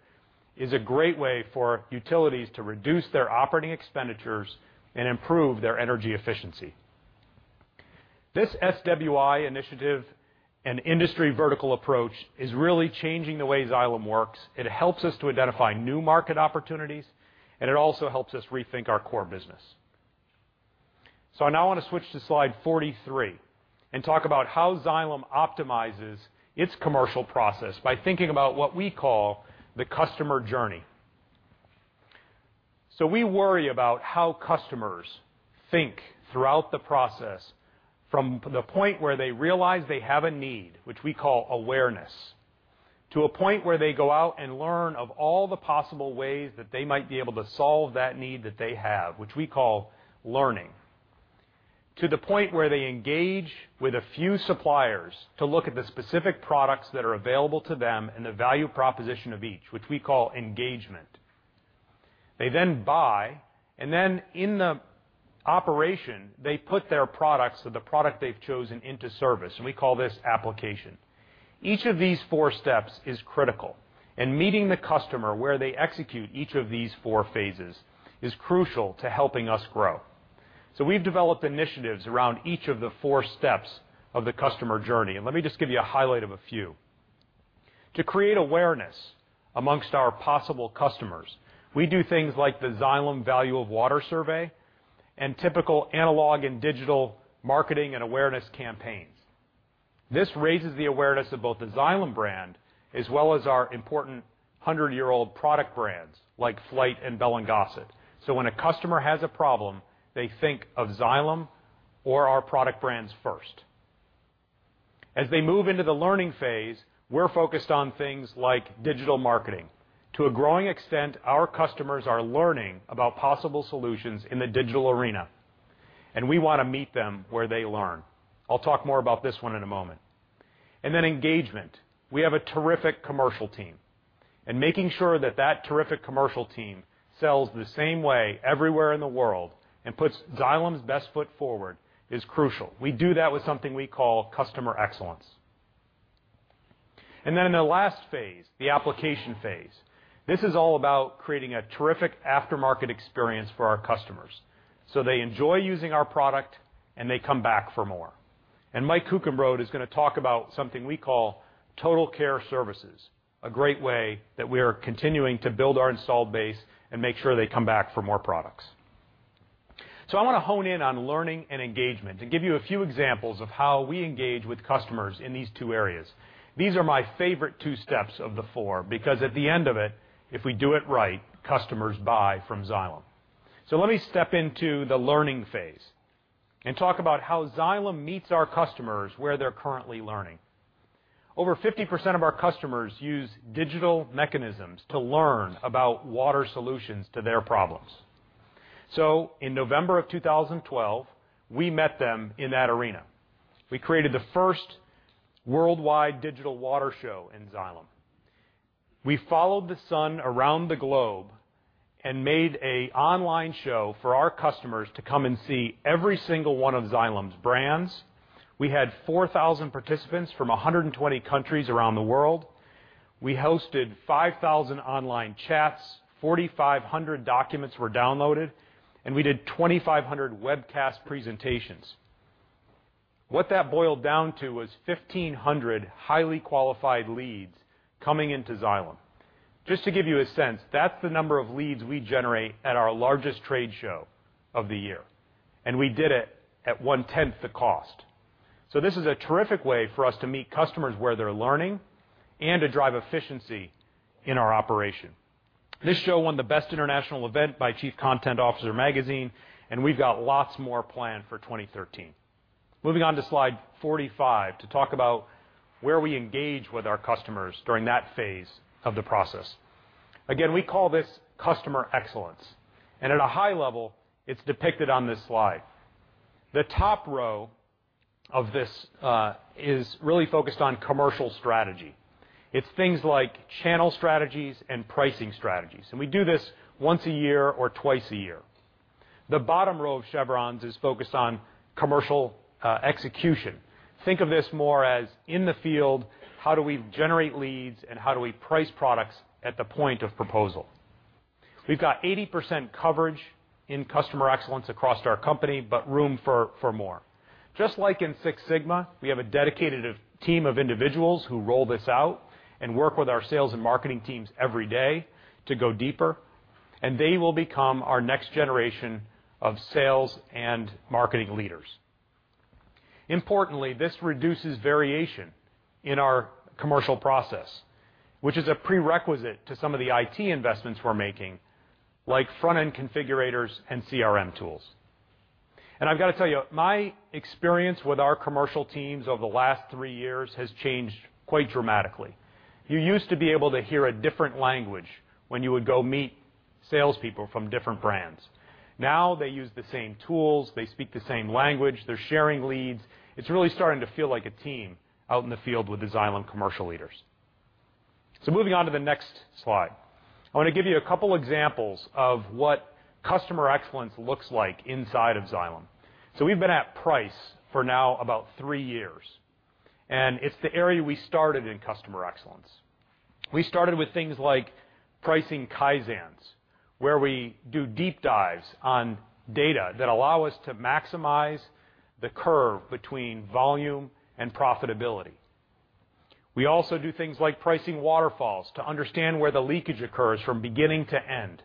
is a great way for utilities to reduce their operating expenditures and improve their energy efficiency. This SWI initiative and industry vertical approach is really changing the way Xylem works. It helps us to identify new market opportunities, and it also helps us rethink our core business. I now want to switch to slide 43 and talk about how Xylem optimizes its commercial process by thinking about what we call the customer journey. We worry about how customers think throughout the process, from the point where they realize they have a need, which we call awareness, to a point where they go out and learn of all the possible ways that they might be able to solve that need that they have, which we call learning. To the point where they engage with a few suppliers to look at the specific products that are available to them and the value proposition of each, which we call engagement. They then buy, and then in the operation, they put their products or the product they've chosen into service, and we call this application. Each of these four steps is critical, and meeting the customer where they execute each of these four phases is crucial to helping us grow. We've developed initiatives around each of the four steps of the customer journey. Let me just give you a highlight of a few. To create awareness amongst our possible customers, we do things like the Xylem Value of Water Survey and typical analog and digital marketing and awareness campaigns. This raises the awareness of both the Xylem brand as well as our important 100-year-old product brands like Flygt and Bell & Gossett. When a customer has a problem, they think of Xylem or our product brands first. As they move into the learning phase, we're focused on things like digital marketing. To a growing extent, our customers are learning about possible solutions in the digital arena, and we want to meet them where they learn. I'll talk more about this one in a moment. Engagement. We have a terrific commercial team, and making sure that terrific commercial team sells the same way everywhere in the world and puts Xylem's best foot forward is crucial. We do that with something we call customer excellence. In the last phase, the application phase. This is all about creating a terrific aftermarket experience for our customers, so they enjoy using our product and they come back for more. Mike Kuchenbrod is going to talk about something we call TotalCare Services, a great way that we are continuing to build our installed base and make sure they come back for more products. I want to hone in on learning and engagement and give you a few examples of how we engage with customers in these two areas. These are my favorite two steps of the four, because at the end of it, if we do it right, customers buy from Xylem. Let me step into the learning phase and talk about how Xylem meets our customers where they're currently learning. Over 50% of our customers use digital mechanisms to learn about water solutions to their problems. In November 2012, we met them in that arena. We created the first worldwide Digital Water Show in Xylem. We followed the sun around the globe and made an online show for our customers to come and see every single one of Xylem's brands. We had 4,000 participants from 120 countries around the world. We hosted 5,000 online chats, 4,500 documents were downloaded, and we did 2,500 webcast presentations. What that boiled down to was 1,500 highly qualified leads coming into Xylem. Just to give you a sense, that's the number of leads we generate at our largest trade show of the year, and we did it at one-tenth the cost. This is a terrific way for us to meet customers where they're learning and to drive efficiency in our operation. This show won the Best International Event by Chief Content Officer Magazine, and we've got lots more planned for 2013. Moving on to slide 45 to talk about where we engage with our customers during that phase of the process. Again, we call this customer excellence, and at a high level, it's depicted on this slide. The top row of this is really focused on commercial strategy. It's things like channel strategies and pricing strategies, and we do this once a year or twice a year. The bottom row of chevrons is focused on commercial execution. Think of this more as in the field, how do we generate leads, and how do we price products at the point of proposal? We've got 80% coverage in customer excellence across our company, but room for more. Just like in Six Sigma, we have a dedicated team of individuals who roll this out and work with our sales and marketing teams every day to go deeper, and they will become our next generation of sales and marketing leaders. Importantly, this reduces variation in our commercial process, which is a prerequisite to some of the IT investments we're making, like front-end configurators and CRM tools. I've got to tell you, my experience with our commercial teams over the last three years has changed quite dramatically. You used to be able to hear a different language when you would go meet salespeople from different brands. Now they use the same tools. They speak the same language. They're sharing leads. It's really starting to feel like a team out in the field with the Xylem commercial leaders. Moving on to the next slide. I want to give you a couple examples of what customer excellence looks like inside of Xylem. We've been at price for now about three years, and it's the area we started in customer excellence. We started with things like pricing kaizens, where we do deep dives on data that allow us to maximize the curve between volume and profitability. We also do things like pricing waterfalls to understand where the leakage occurs from beginning to end,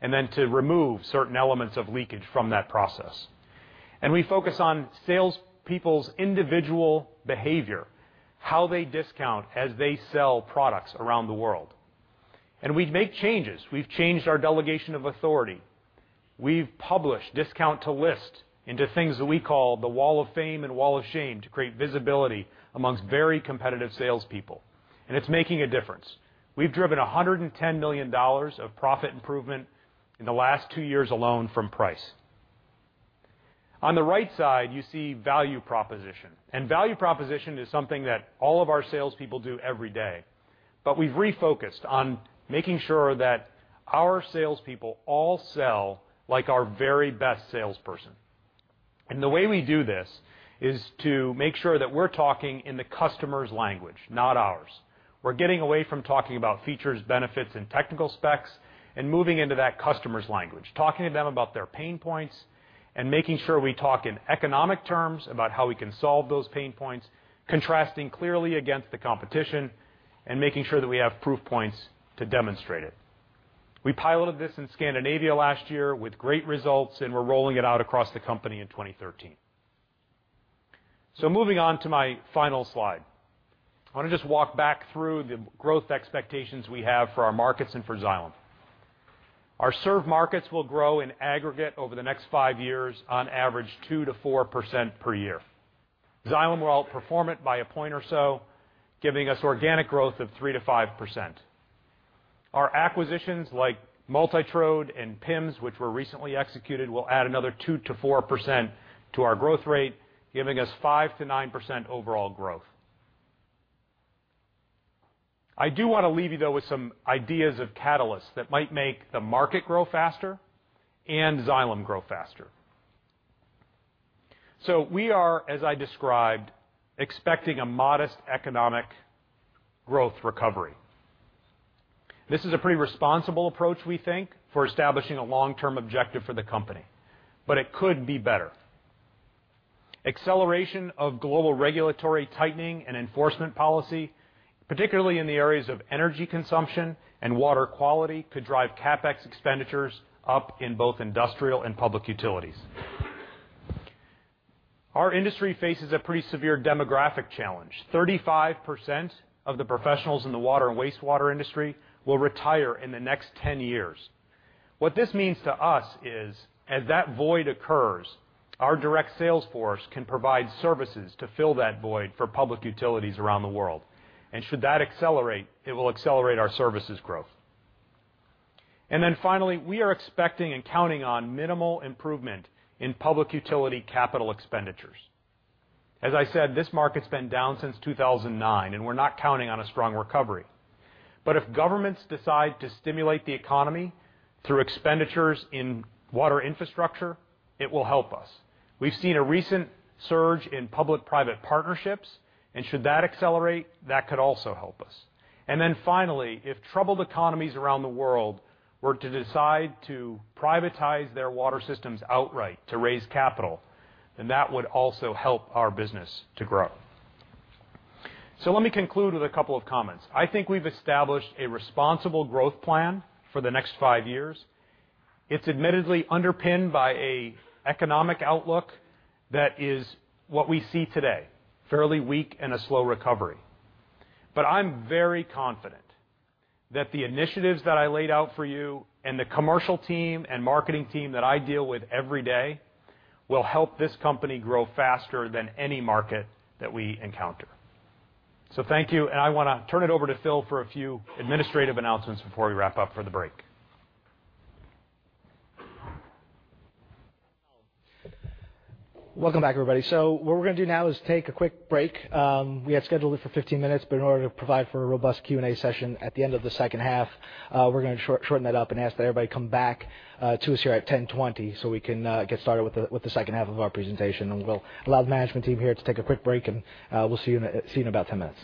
then to remove certain elements of leakage from that process. We focus on salespeople's individual behavior, how they discount as they sell products around the world. We make changes. We've changed our delegation of authority. We've published discount to list into things that we call the wall of fame and wall of shame to create visibility amongst very competitive salespeople. It's making a difference. We've driven $110 million of profit improvement in the last two years alone from price. On the right side, you see value proposition, value proposition is something that all of our salespeople do every day. We've refocused on making sure that our salespeople all sell like our very best salesperson. The way we do this is to make sure we're talking in the customer's language, not ours. We're getting away from talking about features, benefits, and technical specs and moving into that customer's language. Talking to them about their pain points and making sure we talk in economic terms about how we can solve those pain points, contrasting clearly against the competition, and making sure that we have proof points to demonstrate it. We piloted this in Scandinavia last year with great results, and we're rolling it out across the company in 2013. Moving on to my final slide. I want to just walk back through the growth expectations we have for our markets and for Xylem. Our served markets will grow in aggregate over the next five years on average, 2%-4% per year. Xylem will out-perform it by a point or so, giving us organic growth of 3%-5%. Our acquisitions, like MultiTrode and PIMS, which were recently executed, will add another 2%-4% to our growth rate, giving us 5%-9% overall growth. I do want to leave you, though, with some ideas of catalysts that might make the market grow faster and Xylem grow faster. We are, as I described, expecting a modest economic growth recovery. This is a pretty responsible approach, we think, for establishing a long-term objective for the company, but it could be better. Acceleration of global regulatory tightening and enforcement policy, particularly in the areas of energy consumption and water quality, could drive CapEx expenditures up in both industrial and public utilities. Our industry faces a pretty severe demographic challenge. 35% of the professionals in the water and wastewater industry will retire in the next 10 years. What this means to us is as that void occurs, our direct sales force can provide services to fill that void for public utilities around the world. Should that accelerate, it will accelerate our services growth. Finally, we are expecting and counting on minimal improvement in public utility capital expenditures. As I said, this market's been down since 2009, and we're not counting on a strong recovery. If governments decide to stimulate the economy through expenditures in water infrastructure, it will help us. We've seen a recent surge in public-private partnerships, should that accelerate, that could also help us. Finally, if troubled economies around the world were to decide to privatize their water systems outright to raise capital, that would also help our business to grow. Let me conclude with a couple of comments. I think we've established a responsible growth plan for the next five years. It's admittedly underpinned by an economic outlook that is what we see today, fairly weak and a slow recovery. I'm very confident that the initiatives that I laid out for you and the commercial team and marketing team that I deal with every day will help this company grow faster than any market that we encounter. Thank you, and I want to turn it over to Phil for a few administrative announcements before we wrap up for the break. Welcome back, everybody. What we're going to do now is take a quick break. We had scheduled it for 15 minutes, but in order to provide for a robust Q&A session at the end of the second half, we're going to shorten that up and ask that everybody come back to us here at 10:20 so we can get started with the second half of our presentation. We'll allow the management team here to take a quick break, and we'll see you in about 10 minutes.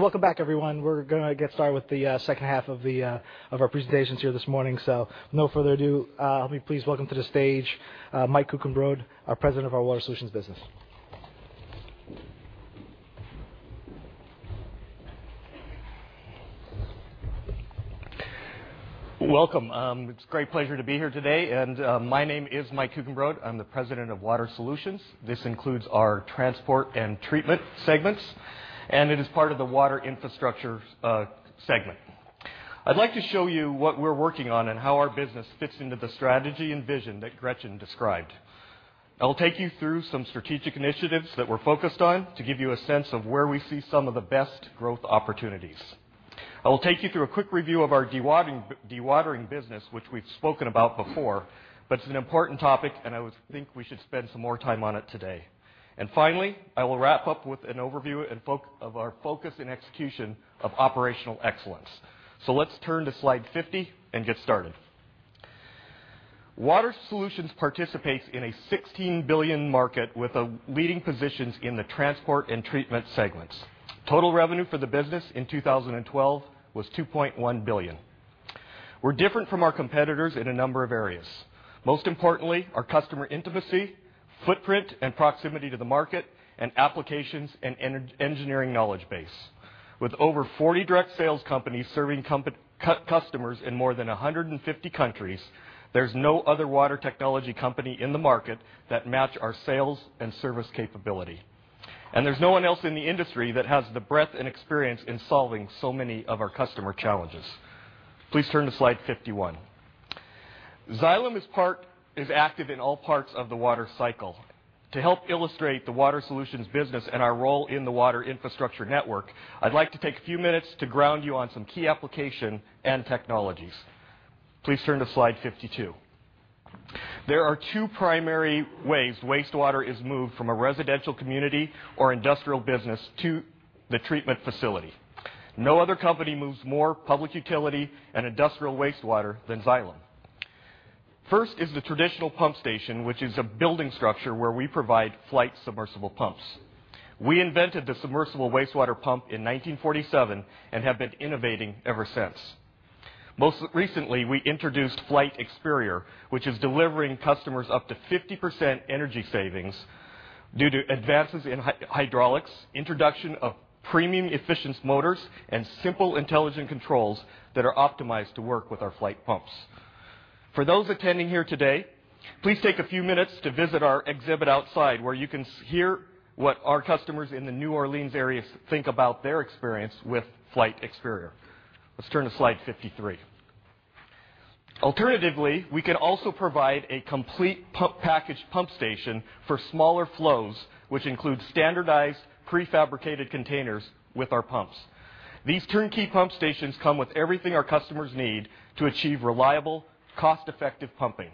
Welcome back everyone. We're going to get started with the second half of our presentations here this morning. With no further ado, help me please welcome to the stage, Mike Kuchenbrod, our President of our Water Solutions business. Welcome. It's a great pleasure to be here today, my name is Mike Kuchenbrod. I'm the President of Water Solutions. This includes our transport and treatment segments, it is part of the water infrastructure segment. I'd like to show you what we're working on and how our business fits into the strategy and vision that Gretchen described. I will take you through some strategic initiatives that we're focused on to give you a sense of where we see some of the best growth opportunities. I will take you through a quick review of our dewatering business, which we've spoken about before, but it's an important topic, I would think we should spend some more time on it today. Finally, I will wrap up with an overview of our focus and execution of operational excellence. Let's turn to slide 50 and get started. Water Solutions participates in a $16 billion market with leading positions in the transport and treatment segments. Total revenue for the business in 2012 was $2.1 billion. We're different from our competitors in a number of areas, most importantly, our customer intimacy, footprint, and proximity to the market and applications and engineering knowledge base. With over 40 direct sales companies serving customers in more than 150 countries, there's no other water technology company in the market that match our sales and service capability. There's no one else in the industry that has the breadth and experience in solving so many of our customer challenges. Please turn to slide 51. Xylem is active in all parts of the water cycle. To help illustrate the Water Solutions business and our role in the water infrastructure network, I'd like to take a few minutes to ground you on some key application and technologies. Please turn to slide 52. There are two primary ways wastewater is moved from a residential community or industrial business to the treatment facility. No other company moves more public utility and industrial wastewater than Xylem. First is the traditional pump station, which is a building structure where we provide Flygt submersible pumps. We invented the submersible wastewater pump in 1947 and have been innovating ever since. Most recently, we introduced Flygt Experior, which is delivering customers up to 50% energy savings due to advances in hydraulics, introduction of premium efficient motors, and simple intelligent controls that are optimized to work with our Flygt pumps. For those attending here today, please take a few minutes to visit our exhibit outside, where you can hear what our customers in the New Orleans area think about their experience with Flygt Experior. Let's turn to slide 53. Alternatively, we can also provide a complete packaged pump station for smaller flows, which include standardized prefabricated containers with our pumps. These turnkey pump stations come with everything our customers need to achieve reliable, cost-effective pumping.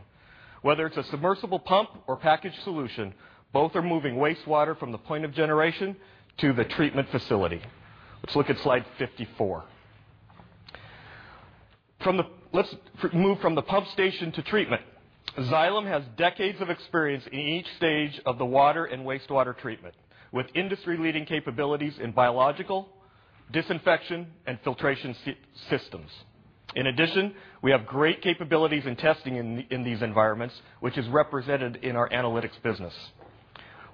Whether it's a submersible pump or packaged solution, both are moving wastewater from the point of generation to the treatment facility. Let's look at slide 54. Let's move from the pump station to treatment. Xylem has decades of experience in each stage of the water and wastewater treatment, with industry-leading capabilities in biological, disinfection, and filtration systems. In addition, we have great capabilities in testing in these environments, which is represented in our Analytics business.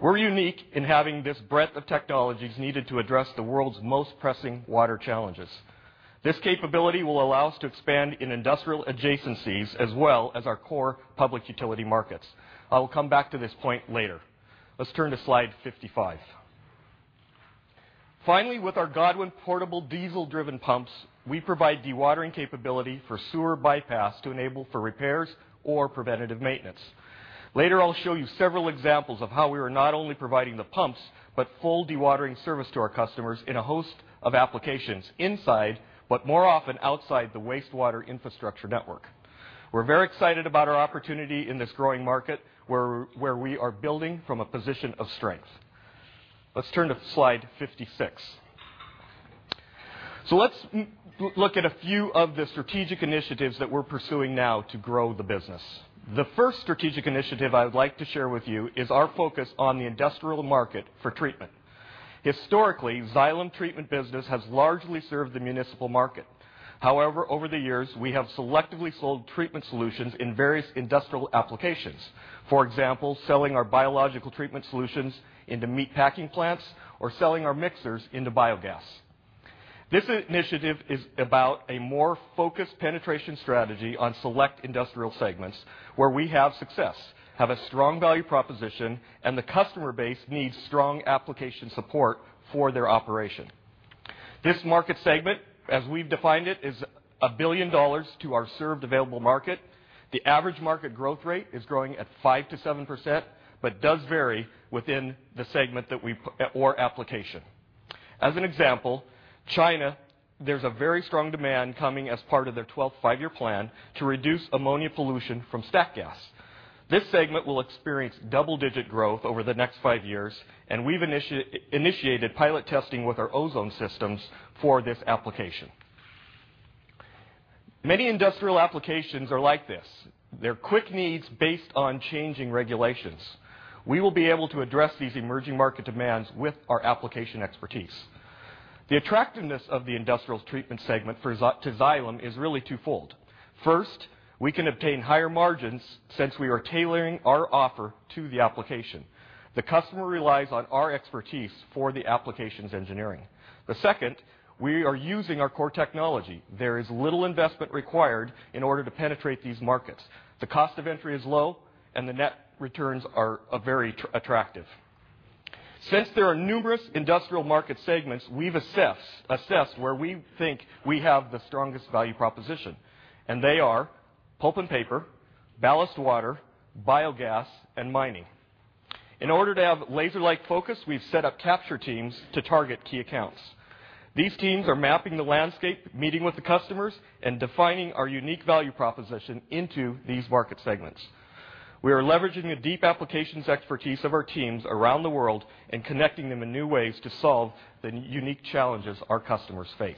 We're unique in having this breadth of technologies needed to address the world's most pressing water challenges. This capability will allow us to expand in industrial adjacencies as well as our core public utility markets. I will come back to this point later. Let's turn to slide 55. Finally, with our Godwin portable diesel-driven pumps, we provide dewatering capability for sewer bypass to enable for repairs or preventative maintenance. Later, I'll show you several examples of how we are not only providing the pumps, but full dewatering service to our customers in a host of applications inside, but more often outside, the wastewater infrastructure network. We're very excited about our opportunity in this growing market, where we are building from a position of strength. Let's turn to slide 56. Let's look at a few of the strategic initiatives that we're pursuing now to grow the business. The first strategic initiative I would like to share with you is our focus on the industrial market for treatment. Historically, Xylem Treatment business has largely served the municipal market. However, over the years, we have selectively sold treatment solutions in various industrial applications. For example, selling our biological treatment solutions into meat packing plants or selling our mixers into biogas. This initiative is about a more focused penetration strategy on select industrial segments where we have success, have a strong value proposition, and the customer base needs strong application support for their operation. This market segment, as we've defined it, is $1 billion to our served available market. The average market growth rate is growing at 5%-7%, but does vary within the segment or application. As an example, China, there is a very strong demand coming as part of their 12th five-year plan to reduce ammonia pollution from stack gas. This segment will experience double-digit growth over the next five years, and we have initiated pilot testing with our ozone systems for this application. Many industrial applications are like this. They are quick needs based on changing regulations. We will be able to address these emerging market demands with our application expertise. The attractiveness of the industrials treatment segment to Xylem is really twofold. First, we can obtain higher margins since we are tailoring our offer to the application. The customer relies on our expertise for the application's engineering. The second, we are using our core technology. There is little investment required in order to penetrate these markets. The cost of entry is low, and the net returns are very attractive. There are numerous industrial market segments, we have assessed where we think we have the strongest value proposition, and they are pulp and paper, ballast water, biogas, and mining. To have laser-like focus, we have set up capture teams to target key accounts. These teams are mapping the landscape, meeting with the customers, and defining our unique value proposition into these market segments. We are leveraging the deep applications expertise of our teams around the world and connecting them in new ways to solve the unique challenges our customers face.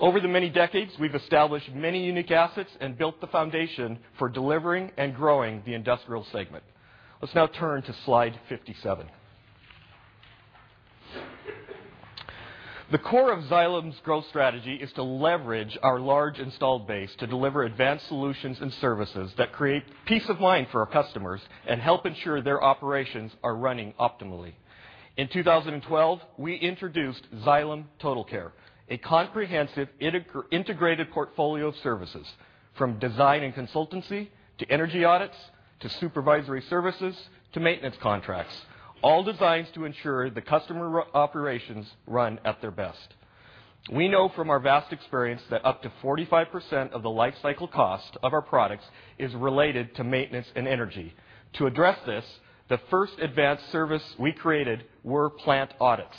Over the many decades, we have established many unique assets and built the foundation for delivering and growing the industrial segment. Let us now turn to slide 57. The core of Xylem's growth strategy is to leverage our large installed base to deliver advanced solutions and services that create peace of mind for our customers and help ensure their operations are running optimally. In 2012, we introduced Xylem TotalCare, a comprehensive, integrated portfolio of services, from design and consultancy, to energy audits, to supervisory services, to maintenance contracts, all designed to ensure the customer operations run at their best. We know from our vast experience that up to 45% of the life cycle cost of our products is related to maintenance and energy. To address this, the first advanced service we created were plant audits.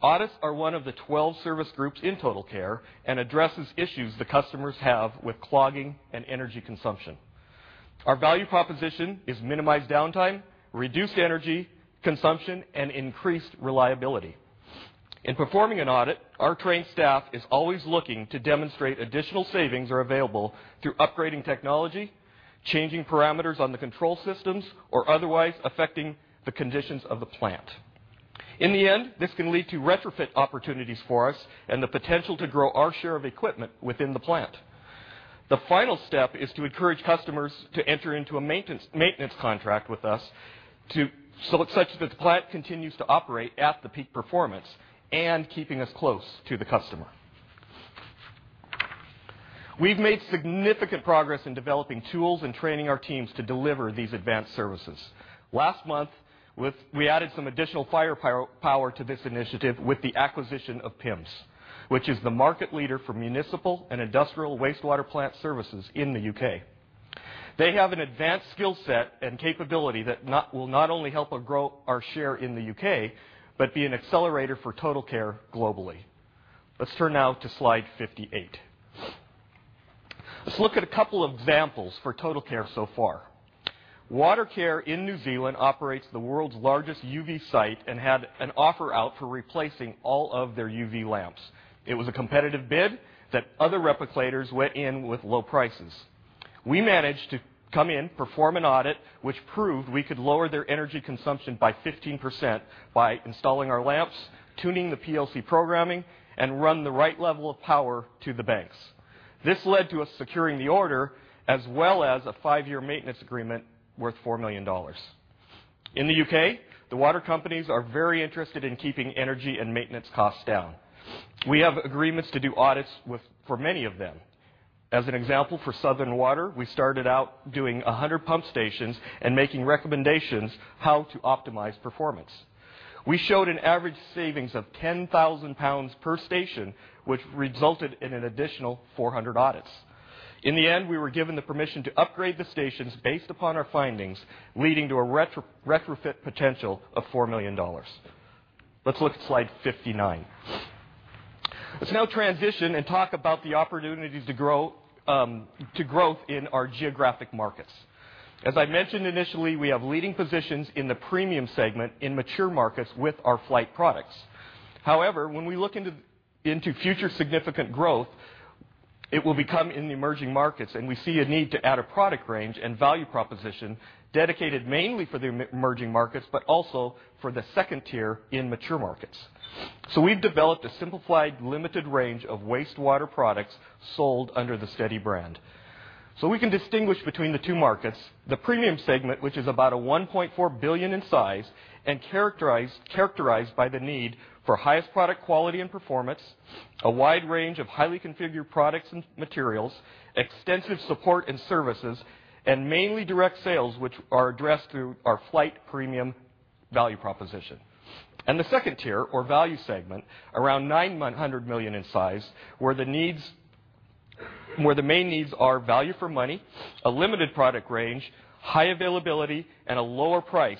Audits are one of the 12 service groups in TotalCare and addresses issues the customers have with clogging and energy consumption. Our value proposition is minimized downtime, reduced energy consumption, and increased reliability. Performing an audit, our trained staff is always looking to demonstrate additional savings are available through upgrading technology, changing parameters on the control systems, or otherwise affecting the conditions of the plant. In the end, this can lead to retrofit opportunities for us and the potential to grow our share of equipment within the plant. The final step is to encourage customers to enter into a maintenance contract with us such that the plant continues to operate at the peak performance and keeping us close to the customer. We have made significant progress in developing tools and training our teams to deliver these advanced services. Last month, we added some additional firepower to this initiative with the acquisition of PIMS, which is the market leader for municipal and industrial wastewater plant services in the U.K. They have an advanced skill set and capability that will not only help grow our share in the U.K., but be an accelerator for TotalCare globally. Let's turn now to slide 58. Let's look at a couple examples for TotalCare so far. Watercare in New Zealand operates the world's largest UV site and had an offer out for replacing all of their UV lamps. It was a competitive bid that other replicators went in with low prices. We managed to come in, perform an audit, which proved we could lower their energy consumption by 15% by installing our lamps, tuning the PLC programming, and run the right level of power to the banks. This led to us securing the order, as well as a five-year maintenance agreement worth $4 million. In the U.K., the water companies are very interested in keeping energy and maintenance costs down. We have agreements to do audits for many of them. As an example, for Southern Water, we started out doing 100 pump stations and making recommendations how to optimize performance. We showed an average savings of 10,000 pounds per station, which resulted in an additional 400 audits. In the end, we were given the permission to upgrade the stations based upon our findings, leading to a retrofit potential of $4 million. Let's look at slide 59. Let's now transition and talk about the opportunities to growth in our geographic markets. As I mentioned initially, we have leading positions in the premium segment in mature markets with our Flygt products. However, when we look into future significant growth, it will be coming in the emerging markets, and we see a need to add a product range and value proposition dedicated mainly for the emerging markets, but also for the 2 tier in mature markets. We've developed a simplified, limited range of wastewater products sold under the Steady brand. We can distinguish between the two markets. The premium segment, which is about 1.4 billion in size and characterized by the need for highest product quality and performance, a wide range of highly configured products and materials, extensive support and services, and mainly direct sales, which are addressed through our Flygt premium value proposition. The 2 tier or value segment, around 900 million in size, where the main needs are value for money, a limited product range, high availability, and a lower price.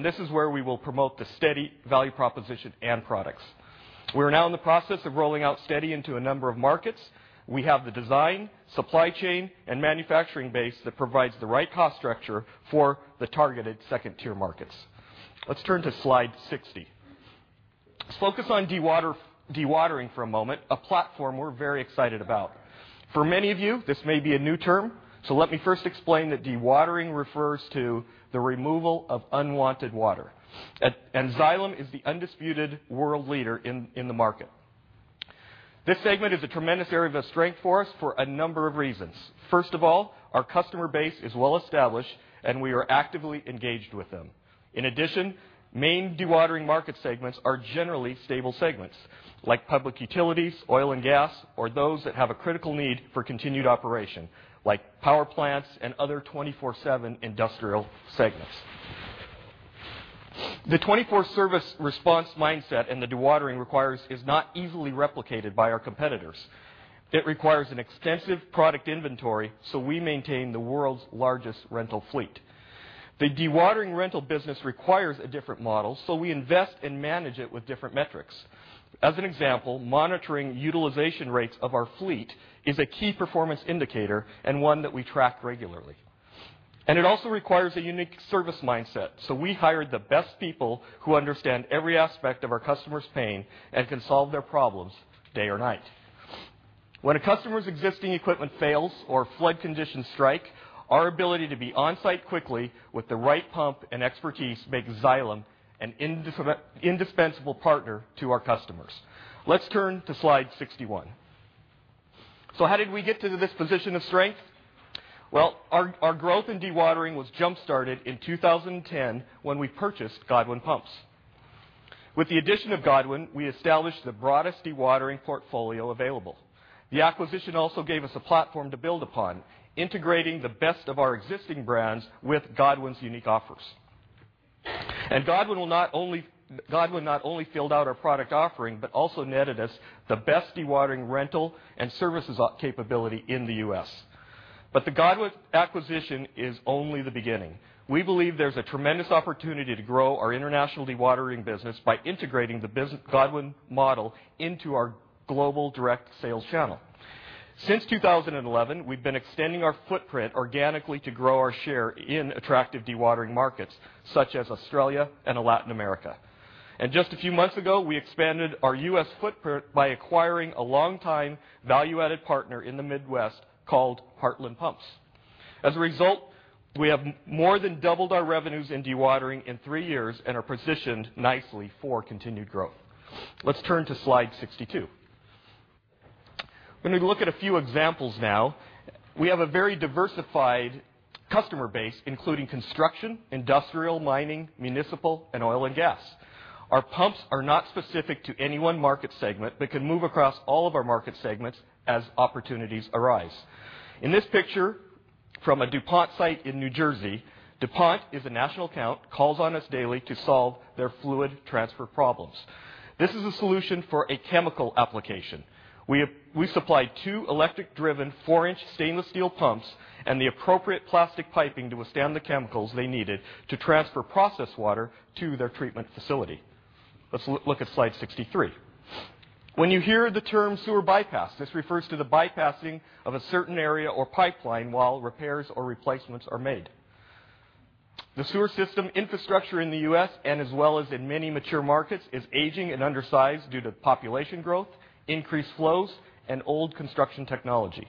This is where we will promote the Steady value proposition and products. We're now in the process of rolling out Steady into a number of markets. We have the design, supply chain, and manufacturing base that provides the right cost structure for the targeted 2-tier markets. Let's turn to slide 60. Let's focus on dewatering for a moment, a platform we're very excited about. For many of you, this may be a new term, let me first explain that dewatering refers to the removal of unwanted water. Xylem is the undisputed world leader in the market. This segment is a tremendous area of strength for us for a number of reasons. First of all, our customer base is well-established, and we are actively engaged with them. In addition, main dewatering market segments are generally stable segments like public utilities, oil and gas, or those that have a critical need for continued operation, like power plants and other 24/7 industrial segments. The 24 service response mindset in the dewatering requires is not easily replicated by our competitors. It requires an extensive product inventory, we maintain the world's largest rental fleet. The dewatering rental business requires a different model, we invest and manage it with different metrics. As an example, monitoring utilization rates of our fleet is a key performance indicator and one that we track regularly. It also requires a unique service mindset, we hire the best people who understand every aspect of our customer's pain and can solve their problems day or night. When a customer's existing equipment fails or flood conditions strike, our ability to be on-site quickly with the right pump and expertise makes Xylem an indispensable partner to our customers. Let's turn to slide 61. How did we get to this position of strength? Our growth in dewatering was jump-started in 2010 when we purchased Godwin Pumps. With the addition of Godwin, we established the broadest dewatering portfolio available. The acquisition also gave us a platform to build upon, integrating the best of our existing brands with Godwin's unique offers. Godwin not only filled out our product offering but also netted us the best dewatering rental and services capability in the U.S. The Godwin acquisition is only the beginning. We believe there's a tremendous opportunity to grow our international dewatering business by integrating the Godwin model into our global direct sales channel. Since 2011, we've been extending our footprint organically to grow our share in attractive dewatering markets such as Australia and Latin America. Just a few months ago, we expanded our U.S. footprint by acquiring a longtime value-added partner in the Midwest called Heartland Pumps. As a result, we have more than doubled our revenues in dewatering in three years and are positioned nicely for continued growth. Let's turn to slide 62. When we look at a few examples now, we have a very diversified customer base, including construction, industrial, mining, municipal, and oil and gas. Our pumps are not specific to any one market segment but can move across all of our market segments as opportunities arise. In this picture from a DuPont site in New Jersey, DuPont is a national account, calls on us daily to solve their fluid transfer problems. This is a solution for a chemical application. We supplied two electric-driven, four-inch stainless steel pumps and the appropriate plastic piping to withstand the chemicals they needed to transfer process water to their treatment facility. Let's look at slide 63. When you hear the term sewer bypass, this refers to the bypassing of a certain area or pipeline while repairs or replacements are made. The sewer system infrastructure in the U.S. and as well as in many mature markets is aging and undersized due to population growth, increased flows, and old construction technology.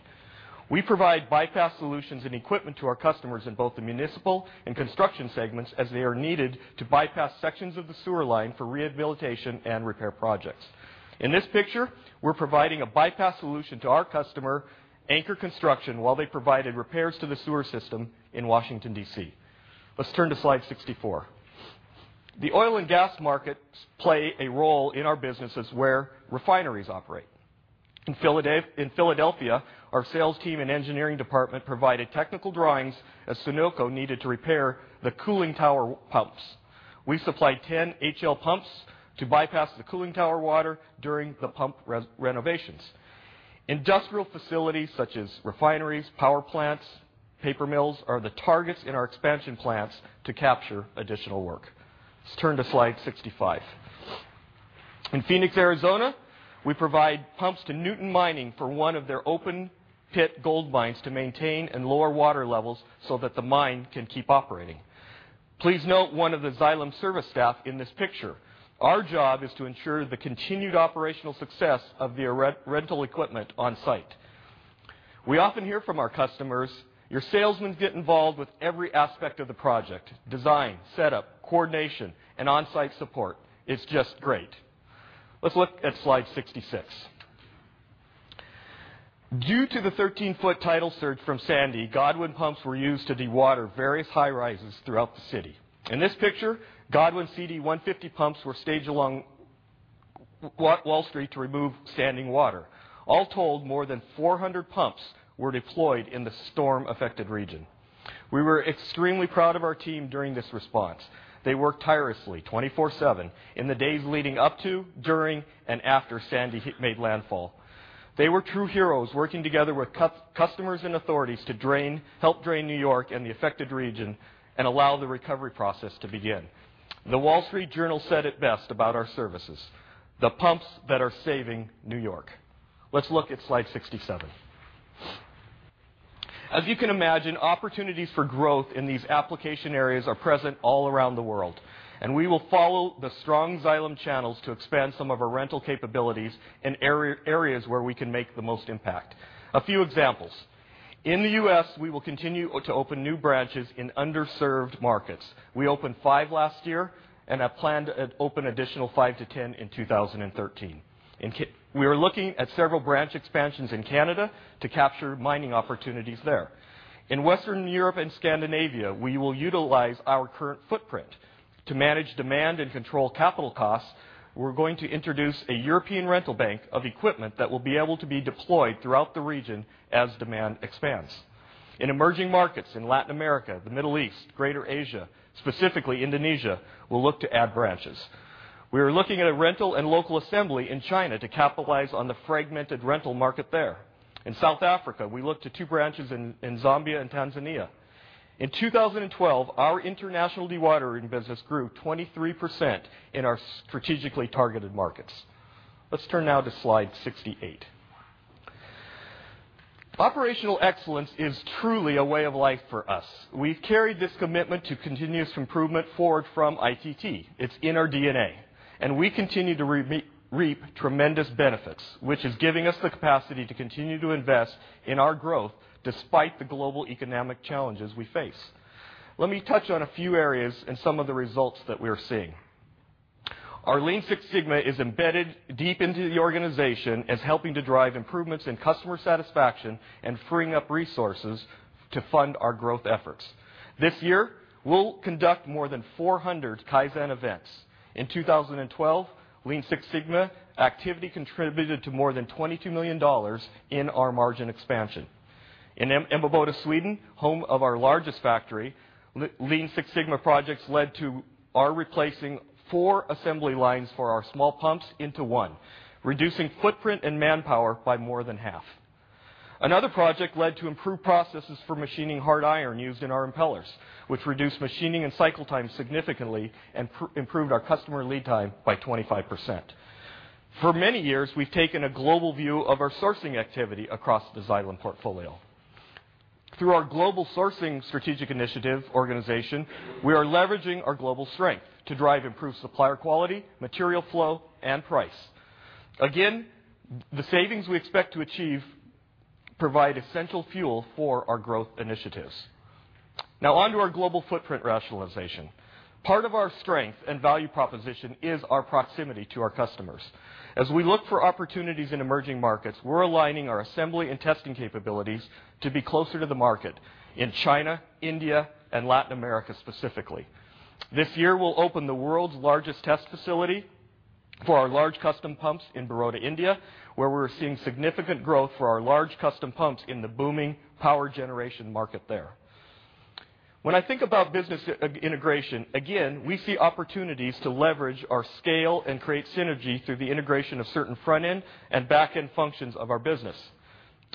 We provide bypass solutions and equipment to our customers in both the municipal and construction segments as they are needed to bypass sections of the sewer line for rehabilitation and repair projects. In this picture, we're providing a bypass solution to our customer, Anchor Construction, while they provided repairs to the sewer system in Washington, D.C. Let's turn to slide 64. The oil and gas markets play a role in our businesses where refineries operate. In Philadelphia, our sales team and engineering department provided technical drawings as Sunoco needed to repair the cooling tower pumps. We supplied 10 HL pumps to bypass the cooling tower water during the pump renovations. Industrial facilities such as refineries, power plants, paper mills are the targets in our expansion plans to capture additional work. Let's turn to slide 65. In Phoenix, Arizona, we provide pumps to Newmont Mining for one of their open-pit gold mines to maintain and lower water levels so that the mine can keep operating. Please note one of the Xylem service staff in this picture. Our job is to ensure the continued operational success of the rental equipment on site. We often hear from our customers, "Your salesmen get involved with every aspect of the project, design, setup, coordination, and on-site support. It's just great." Let's look at slide 66. Due to the 13-foot tidal surge from Hurricane Sandy, Godwin pumps were used to dewater various high-rises throughout the city. In this picture, Godwin CD150 pumps were staged along Wall Street to remove standing water. All told, more than 400 pumps were deployed in the storm-affected region. We were extremely proud of our team during this response. They worked tirelessly 24/7 in the days leading up to, during, and after Hurricane Sandy hit landfall. They were true heroes, working together with customers and authorities to help drain New York and the affected region and allow the recovery process to begin. "The Wall Street Journal" said it best about our services, "The pumps that are saving New York." Let's look at slide 67. As you can imagine, opportunities for growth in these application areas are present all around the world, we will follow the strong Xylem channels to expand some of our rental capabilities in areas where we can make the most impact. A few examples. In the U.S., we will continue to open new branches in underserved markets. We opened five last year and have planned to open an additional five to 10 in 2013. We are looking at several branch expansions in Canada to capture mining opportunities there. In Western Europe and Scandinavia, we will utilize our current footprint. To manage demand and control capital costs, we're going to introduce a European rental bank of equipment that will be able to be deployed throughout the region as demand expands. In emerging markets in Latin America, the Middle East, Greater Asia, specifically Indonesia, we'll look to add branches. We are looking at a rental and local assembly in China to capitalize on the fragmented rental market there. In South Africa, we look to two branches in Zambia and Tanzania. In 2012, our international dewatering business grew 23% in our strategically targeted markets. Let's turn now to slide 68. Operational excellence is truly a way of life for us. We've carried this commitment to continuous improvement forward from ITT. It's in our DNA, we continue to reap tremendous benefits, which is giving us the capacity to continue to invest in our growth despite the global economic challenges we face. Let me touch on a few areas and some of the results that we are seeing. Our Lean Six Sigma is embedded deep into the organization as helping to drive improvements in customer satisfaction and freeing up resources to fund our growth efforts. This year, we'll conduct more than 400 Kaizen events. In 2012, Lean Six Sigma activity contributed to more than $22 million in our margin expansion. In Mjölby, Sweden, home of our largest factory, Lean Six Sigma projects led to our replacing four assembly lines for our small pumps into one, reducing footprint and manpower by more than half. Another project led to improved processes for machining hard iron used in our impellers, which reduced machining and cycle time significantly and improved our customer lead time by 25%. For many years, we've taken a global view of our sourcing activity across the Xylem portfolio. Through our global sourcing strategic initiative organization, we are leveraging our global strength to drive improved supplier quality, material flow, and price. The savings we expect to achieve provide essential fuel for our growth initiatives. On to our global footprint rationalization. Part of our strength and value proposition is our proximity to our customers. As we look for opportunities in emerging markets, we're aligning our assembly and testing capabilities to be closer to the market in China, India, and Latin America specifically. This year, we'll open the world's largest test facility for our large custom pumps in Baroda, India, where we're seeing significant growth for our large custom pumps in the booming power generation market there. When I think about business integration, again, we see opportunities to leverage our scale and create synergy through the integration of certain front-end and back-end functions of our business.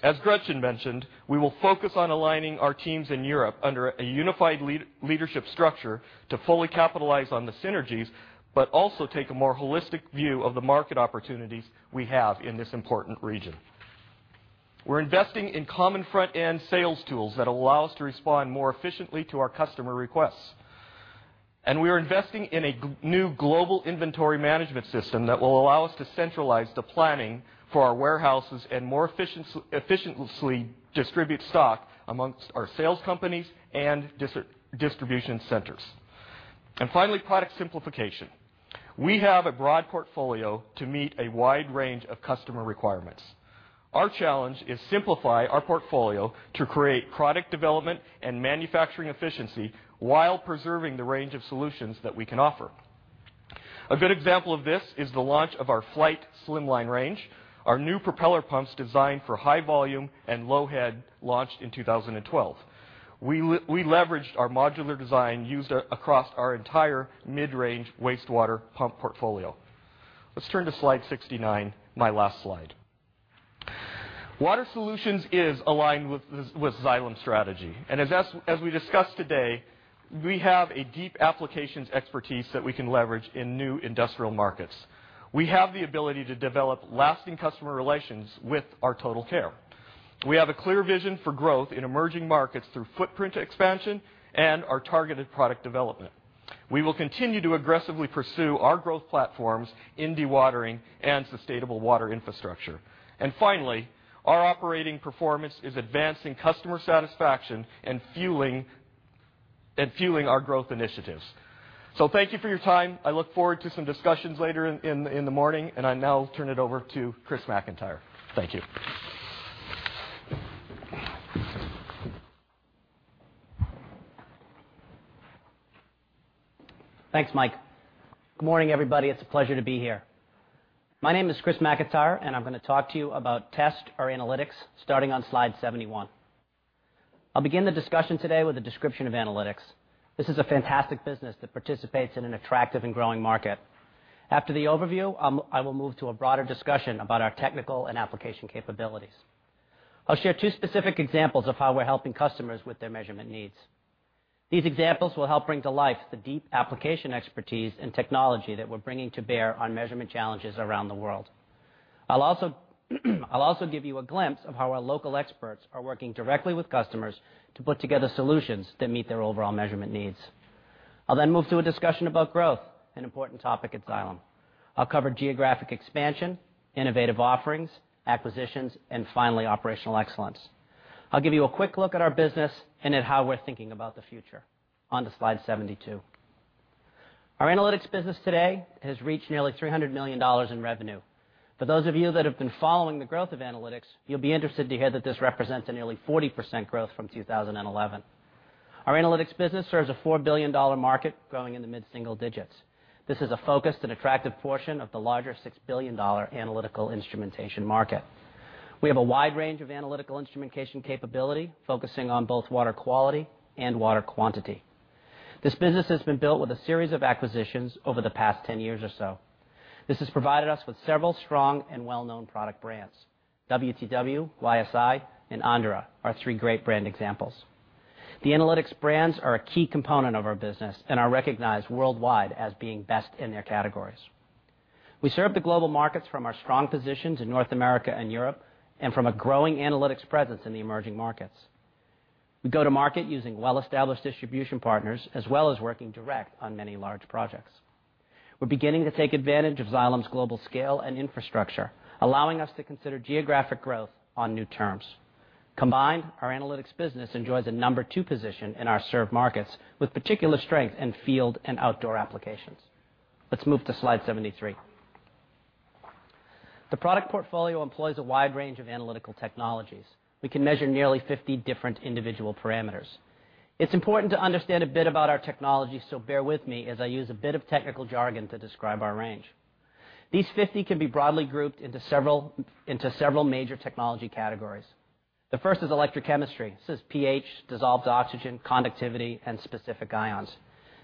As Gretchen mentioned, we will focus on aligning our teams in Europe under a unified leadership structure to fully capitalize on the synergies, also take a more holistic view of the market opportunities we have in this important region. We're investing in common front-end sales tools that allow us to respond more efficiently to our customer requests. We are investing in a new global inventory management system that will allow us to centralize the planning for our warehouses and more efficiently distribute stock amongst our sales companies and distribution centers. Finally, product simplification. We have a broad portfolio to meet a wide range of customer requirements. Our challenge is simplify our portfolio to create product development and manufacturing efficiency while preserving the range of solutions that we can offer. A good example of this is the launch of our Flygt Slimline range, our new propeller pumps designed for high volume and low head, launched in 2012. We leveraged our modular design used across our entire mid-range wastewater pump portfolio. Let's turn to slide 69, my last slide. Water Solutions is aligned with Xylem's strategy. As we discussed today, we have a deep applications expertise that we can leverage in new industrial markets. We have the ability to develop lasting customer relations with our TotalCare. We have a clear vision for growth in emerging markets through footprint expansion and our targeted product development. We will continue to aggressively pursue our growth platforms in dewatering and sustainable water infrastructure. Finally, our operating performance is advancing customer satisfaction and fueling our growth initiatives. Thank you for your time. I look forward to some discussions later in the morning, and I now turn it over to Chris McIntire. Thank you. Thanks, Mike. Good morning, everybody. It's a pleasure to be here. My name is Chris McIntire, and I'm going to talk to you about test our analytics, starting on slide 71. I'll begin the discussion today with a description of analytics. This is a fantastic business that participates in an attractive and growing market. After the overview, I will move to a broader discussion about our technical and application capabilities. I'll share two specific examples of how we're helping customers with their measurement needs. These examples will help bring to life the deep application expertise and technology that we're bringing to bear on measurement challenges around the world. I'll also give you a glimpse of how our local experts are working directly with customers to put together solutions that meet their overall measurement needs. I'll move to a discussion about growth, an important topic at Xylem. I'll cover geographic expansion, innovative offerings, acquisitions, and finally, operational excellence. I'll give you a quick look at our business and at how we're thinking about the future. On to slide 72. Our analytics business today has reached nearly $300 million in revenue. For those of you that have been following the growth of analytics, you'll be interested to hear that this represents a nearly 40% growth from 2011. Our analytics business serves a $4 billion market growing in the mid-single digits. This is a focused and attractive portion of the larger $6 billion analytical instrumentation market. We have a wide range of analytical instrumentation capability, focusing on both water quality and water quantity. This business has been built with a series of acquisitions over the past 10 years or so. This has provided us with several strong and well-known product brands. WTW, YSI, and Aanderaa are three great brand examples. The analytics brands are a key component of our business and are recognized worldwide as being best in their categories. We serve the global markets from our strong positions in North America and Europe and from a growing analytics presence in the emerging markets. We go to market using well-established distribution partners as well as working direct on many large projects. We're beginning to take advantage of Xylem's global scale and infrastructure, allowing us to consider geographic growth on new terms. Combined, our analytics business enjoys a number 2 position in our served markets, with particular strength in field and outdoor applications. Let's move to slide 73. The product portfolio employs a wide range of analytical technologies. We can measure nearly 50 different individual parameters. It's important to understand a bit about our technology, bear with me as I use a bit of technical jargon to describe our range. These 50 can be broadly grouped into several major technology categories. The first is electrochemistry. This is pH, dissolved oxygen, conductivity, and specific ions.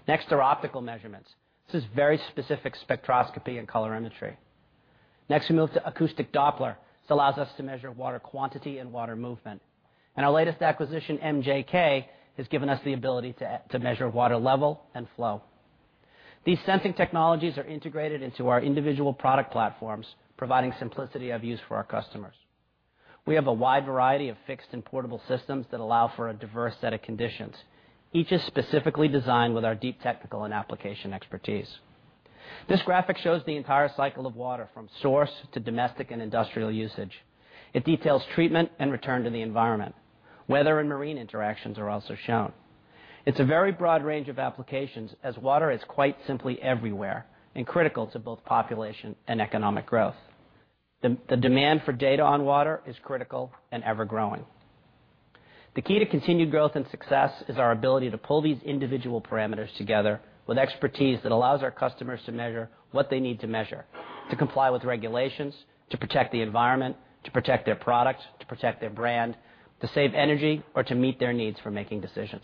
Next are optical measurements. This is very specific spectroscopy and colorimetry. Next, we move to acoustic Doppler. This allows us to measure water quantity and water movement. Our latest acquisition, MJK, has given us the ability to measure water level and flow. These sensing technologies are integrated into our individual product platforms, providing simplicity of use for our customers. We have a wide variety of fixed and portable systems that allow for a diverse set of conditions. Each is specifically designed with our deep technical and application expertise. This graphic shows the entire cycle of water, from source to domestic and industrial usage. It details treatment and return to the environment. Weather and marine interactions are also shown. It's a very broad range of applications, as water is quite simply everywhere and critical to both population and economic growth. The demand for data on water is critical and ever-growing. The key to continued growth and success is our ability to pull these individual parameters together with expertise that allows our customers to measure what they need to measure to comply with regulations, to protect the environment, to protect their product, to protect their brand, to save energy, or to meet their needs for making decisions.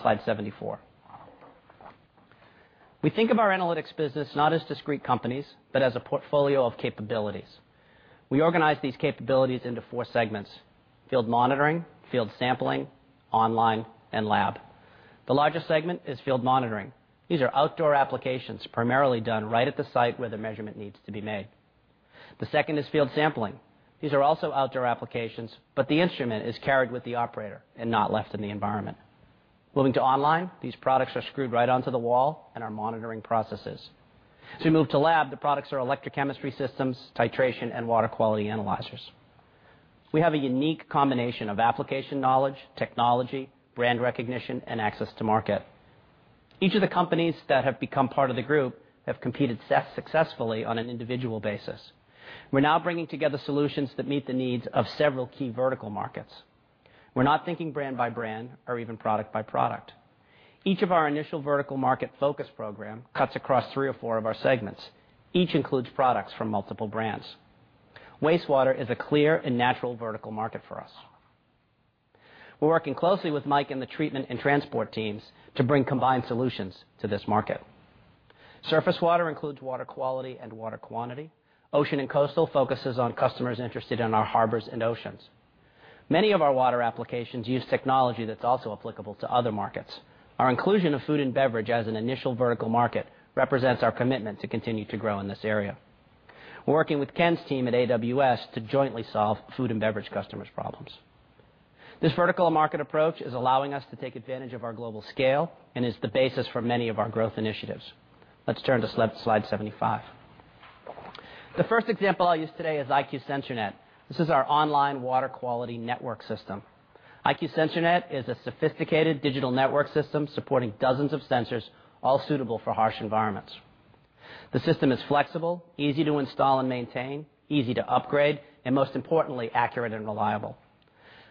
Slide 74. We think of our analytics business not as discrete companies, but as a portfolio of capabilities. We organize these capabilities into four segments: field monitoring, field sampling, online, and lab. The largest segment is field monitoring. These are outdoor applications, primarily done right at the site where the measurement needs to be made. The second is field sampling. These are also outdoor applications, but the instrument is carried with the operator and not left in the environment. Moving to online, these products are screwed right onto the wall and are monitoring processes. As we move to lab, the products are electrochemistry systems, titration, and water quality analyzers. We have a unique combination of application knowledge, technology, brand recognition, and access to market. Each of the companies that have become part of the group have competed successfully on an individual basis. We're now bringing together solutions that meet the needs of several key vertical markets. We're not thinking brand by brand or even product by product. Each of our initial vertical market focus program cuts across three or four of our segments. Each includes products from multiple brands. Wastewater is a clear and natural vertical market for us. We're working closely with Mike and the treatment and transport teams to bring combined solutions to this market. Surface water includes water quality and water quantity. Ocean and coastal focuses on customers interested in our harbors and oceans. Many of our water applications use technology that's also applicable to other markets. Our inclusion of food and beverage as an initial vertical market represents our commitment to continue to grow in this area. We're working with Ken's team at AWS to jointly solve food and beverage customers' problems. This vertical market approach is allowing us to take advantage of our global scale and is the basis for many of our growth initiatives. Let's turn to slide 75. The first example I'll use today is IQ Sensor Net. This is our online water quality network system. IQ Sensor Net is a sophisticated digital network system supporting dozens of sensors, all suitable for harsh environments. The system is flexible, easy to install and maintain, easy to upgrade, and most importantly, accurate and reliable.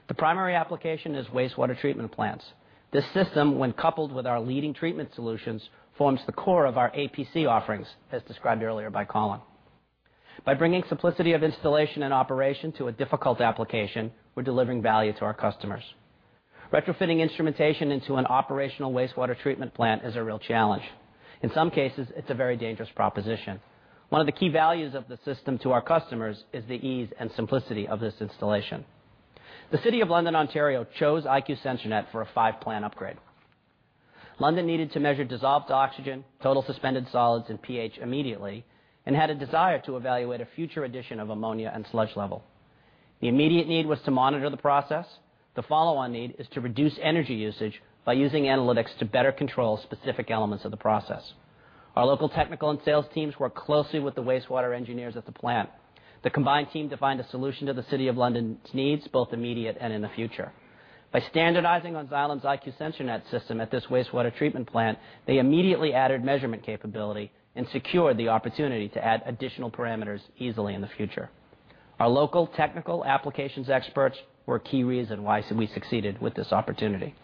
The primary application is wastewater treatment plants. This system, when coupled with our leading treatment solutions, forms the core of our APC offerings, as described earlier by Colin. By bringing simplicity of installation and operation to a difficult application, we're delivering value to our customers. Retrofitting instrumentation into an operational wastewater treatment plant is a real challenge. In some cases, it's a very dangerous proposition. One of the key values of the system to our customers is the ease and simplicity of this installation. The City of London, Ontario, chose IQ Sensor Net for a five-plant upgrade. London needed to measure dissolved oxygen, total suspended solids, and pH immediately, and had a desire to evaluate a future addition of ammonia and sludge level. The immediate need was to monitor the process. The follow-on need is to reduce energy usage by using Analytics to better control specific elements of the process. Our local technical and sales teams work closely with the wastewater engineers at the plant. The combined team defined a solution to the City of London's needs, both immediate and in the future. By standardizing on Xylem's IQ Sensor Net system at this wastewater treatment plant, they immediately added measurement capability and secured the opportunity to add additional parameters easily in the future. Our local technical applications experts were a key reason why we succeeded with this opportunity.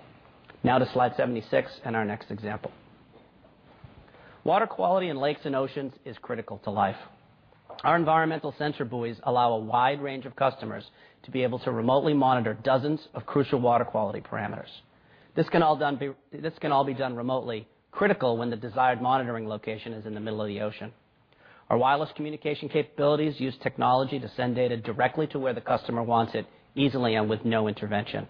To slide 76 and our next example. Water quality in lakes and oceans is critical to life. Our environmental sensor buoys allow a wide range of customers to be able to remotely monitor dozens of crucial water quality parameters. This can all be done remotely, critical when the desired monitoring location is in the middle of the ocean. Our wireless communication capabilities use technology to send data directly to where the customer wants it easily and with no intervention.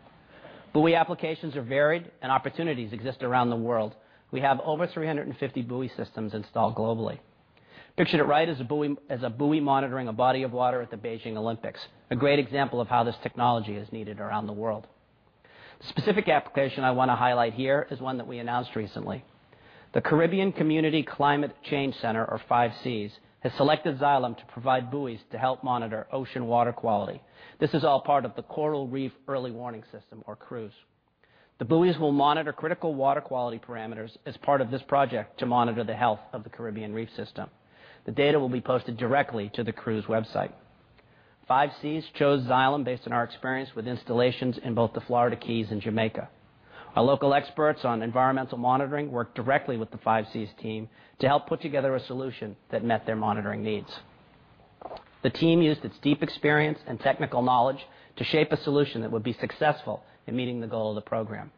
Buoy applications are varied and opportunities exist around the world. We have over 350 buoy systems installed globally. Pictured at right is a buoy monitoring a body of water at the Beijing Olympics, a great example of how this technology is needed around the world. Specific application I want to highlight here is one that we announced recently. The Caribbean Community Climate Change Centre, or CCCCC, has selected Xylem to provide buoys to help monitor ocean water quality. This is all part of the Coral Reef Early Warning System, or CREWS. The buoys will monitor critical water quality parameters as part of this project to monitor the health of the Caribbean reef system. The data will be posted directly to the CREWS website. CCCCC chose Xylem based on our experience with installations in both the Florida Keys and Jamaica. Our local experts on environmental monitoring work directly with the CCCCC team to help put together a solution that met their monitoring needs. The team used its deep experience and technical knowledge to shape a solution that would be successful in meeting the goal of the program.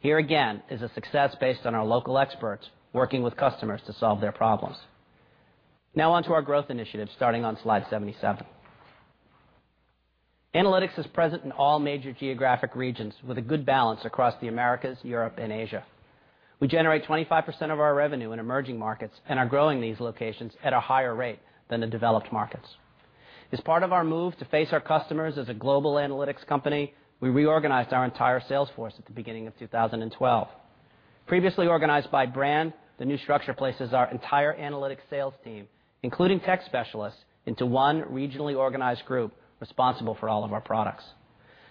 Here again is a success based on our local experts working with customers to solve their problems. On to our growth initiatives, starting on slide 77. Analytics is present in all major geographic regions with a good balance across the Americas, Europe, and Asia. We generate 25% of our revenue in emerging markets and are growing these locations at a higher rate than the developed markets. As part of our move to face our customers as a global Analytics company, we reorganized our entire sales force at the beginning of 2012. Previously organized by brand, the new structure places our entire Analytics sales team, including tech specialists, into one regionally organized group responsible for all of our products.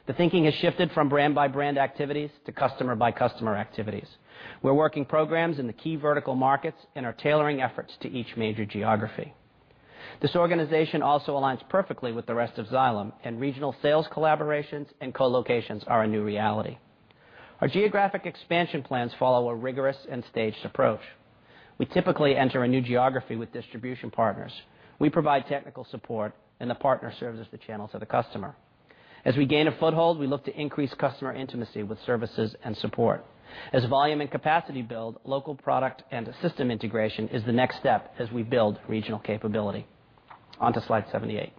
The thinking has shifted from brand-by-brand activities to customer-by-customer activities. We're working programs in the key vertical markets and are tailoring efforts to each major geography. This organization also aligns perfectly with the rest of Xylem, and regional sales collaborations and co-locations are a new reality. Our geographic expansion plans follow a rigorous and staged approach. We typically enter a new geography with distribution partners. We provide technical support, and the partner serves as the channel to the customer. As we gain a foothold, we look to increase customer intimacy with services and support. As volume and capacity build, local product and system integration is the next step as we build regional capability. On to slide 78.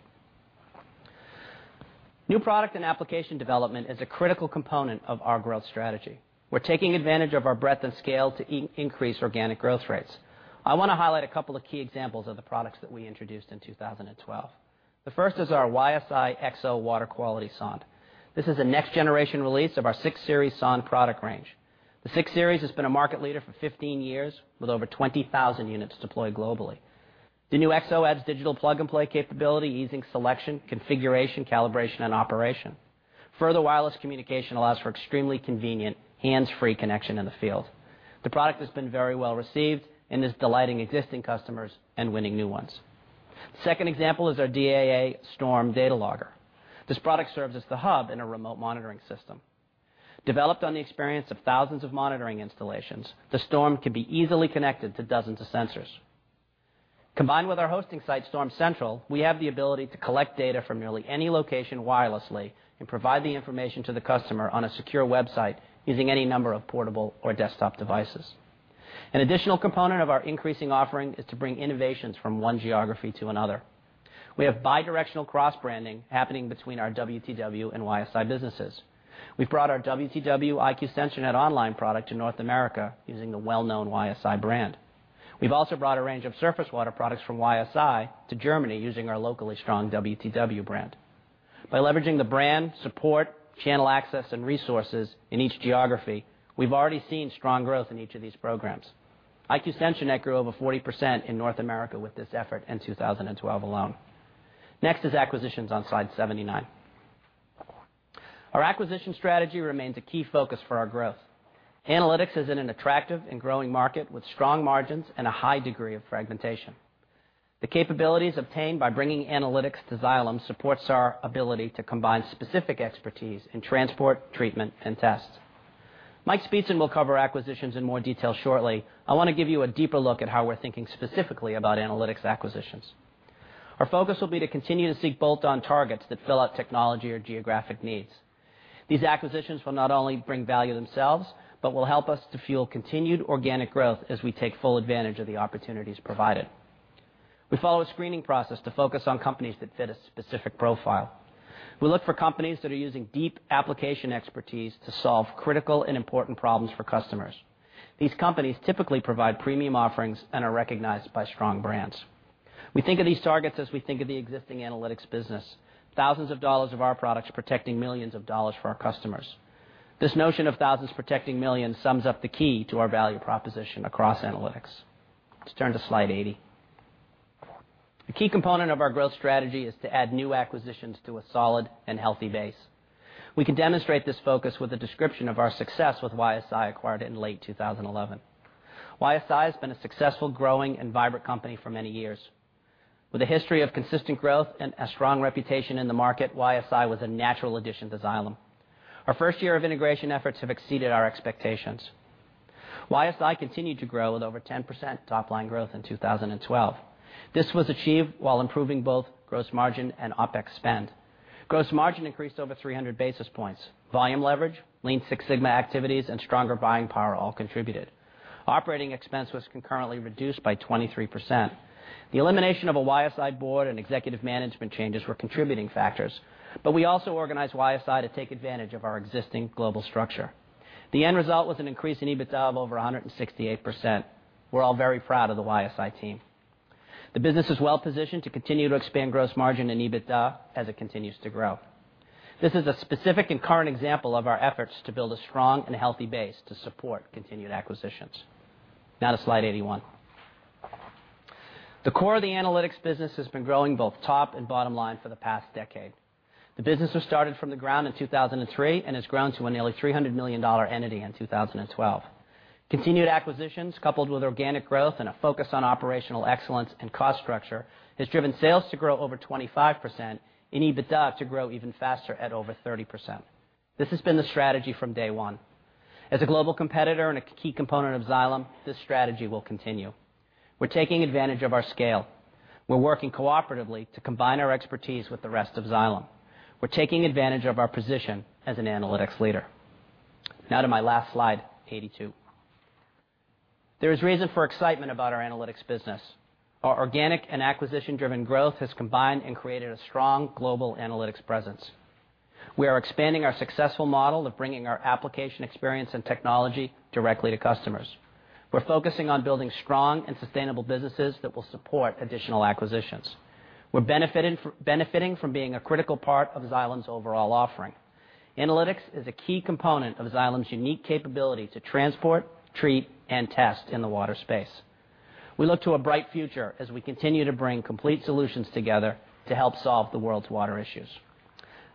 New product and application development is a critical component of our growth strategy. We're taking advantage of our breadth and scale to increase organic growth rates. I want to highlight a couple of key examples of the products that we introduced in 2012. The first is our YSI EXO water quality sonde. This is a next-generation release of our 600 Series sonde product range. The 600 Series has been a market leader for 15 years, with over 20,000 units deployed globally. The new EXO adds digital plug-and-play capability, easing selection, configuration, calibration, and operation. Further wireless communication allows for extremely convenient hands-free connection in the field. The product has been very well-received and is delighting existing customers and winning new ones. The second example is our Storm 3 data logger. This product serves as the hub in a remote monitoring system. Developed on the experience of thousands of monitoring installations, the Storm can be easily connected to dozens of sensors. Combined with our hosting site, Storm Central, we have the ability to collect data from nearly any location wirelessly and provide the information to the customer on a secure website using any number of portable or desktop devices. An additional component of our increasing offering is to bring innovations from one geography to another. We have bidirectional cross-branding happening between our WTW and YSI businesses. We've brought our WTW IQ Sensor Net online product to North America using the well-known YSI brand. We've also brought a range of surface water products from YSI to Germany using our locally strong WTW brand. By leveraging the brand, support, channel access, and resources in each geography, we've already seen strong growth in each of these programs. IQ Sensor Net grew over 40% in North America with this effort in 2012 alone. Next is acquisitions on slide 79. Our acquisition strategy remains a key focus for our growth. Analytics is in an attractive and growing market with strong margins and a high degree of fragmentation. The capabilities obtained by bringing analytics to Xylem supports our ability to combine specific expertise in transport, treatment, and tests. Mike Speetzen will cover acquisitions in more detail shortly. I want to give you a deeper look at how we're thinking specifically about analytics acquisitions. Our focus will be to continue to seek bolt-on targets that fill out technology or geographic needs. These acquisitions will not only bring value themselves but will help us to fuel continued organic growth as we take full advantage of the opportunities provided. We follow a screening process to focus on companies that fit a specific profile. We look for companies that are using deep application expertise to solve critical and important problems for customers. These companies typically provide premium offerings and are recognized by strong brands. We think of these targets as we think of the existing analytics business. Thousands of dollars of our products protecting millions of dollars for our customers. This notion of thousands protecting millions sums up the key to our value proposition across analytics. Let's turn to slide 80. A key component of our growth strategy is to add new acquisitions to a solid and healthy base. We can demonstrate this focus with a description of our success with YSI, acquired in late 2011. YSI has been a successful, growing, and vibrant company for many years. With a history of consistent growth and a strong reputation in the market, YSI was a natural addition to Xylem. Our first year of integration efforts have exceeded our expectations. YSI continued to grow at over 10% top-line growth in 2012. This was achieved while improving both gross margin and OpEx spend. Gross margin increased over 300 basis points. Volume leverage, Lean Six Sigma activities, and stronger buying power all contributed. Operating expense was concurrently reduced by 23%. The elimination of a YSI board and executive management changes were contributing factors. We also organized YSI to take advantage of our existing global structure. The end result was an increase in EBITDA of over 168%. We're all very proud of the YSI team. The business is well-positioned to continue to expand gross margin and EBITDA as it continues to grow. This is a specific and current example of our efforts to build a strong and healthy base to support continued acquisitions. Now to slide 81. The core of the analytics business has been growing both top and bottom line for the past decade. The business was started from the ground in 2003 and has grown to a nearly $300 million entity in 2012. Continued acquisitions, coupled with organic growth and a focus on operational excellence and cost structure, has driven sales to grow over 25% and EBITDA to grow even faster at over 30%. This has been the strategy from day one. As a global competitor and a key component of Xylem, this strategy will continue. We're taking advantage of our scale. We're working cooperatively to combine our expertise with the rest of Xylem. We're taking advantage of our position as an analytics leader. Now to my last slide, 82. There is reason for excitement about our analytics business. Our organic and acquisition-driven growth has combined and created a strong global analytics presence. We are expanding our successful model of bringing our application experience and technology directly to customers. We're focusing on building strong and sustainable businesses that will support additional acquisitions. We're benefiting from being a critical part of Xylem's overall offering. Analytics is a key component of Xylem's unique capability to transport, treat, and test in the water space. We look to a bright future as we continue to bring complete solutions together to help solve the world's water issues.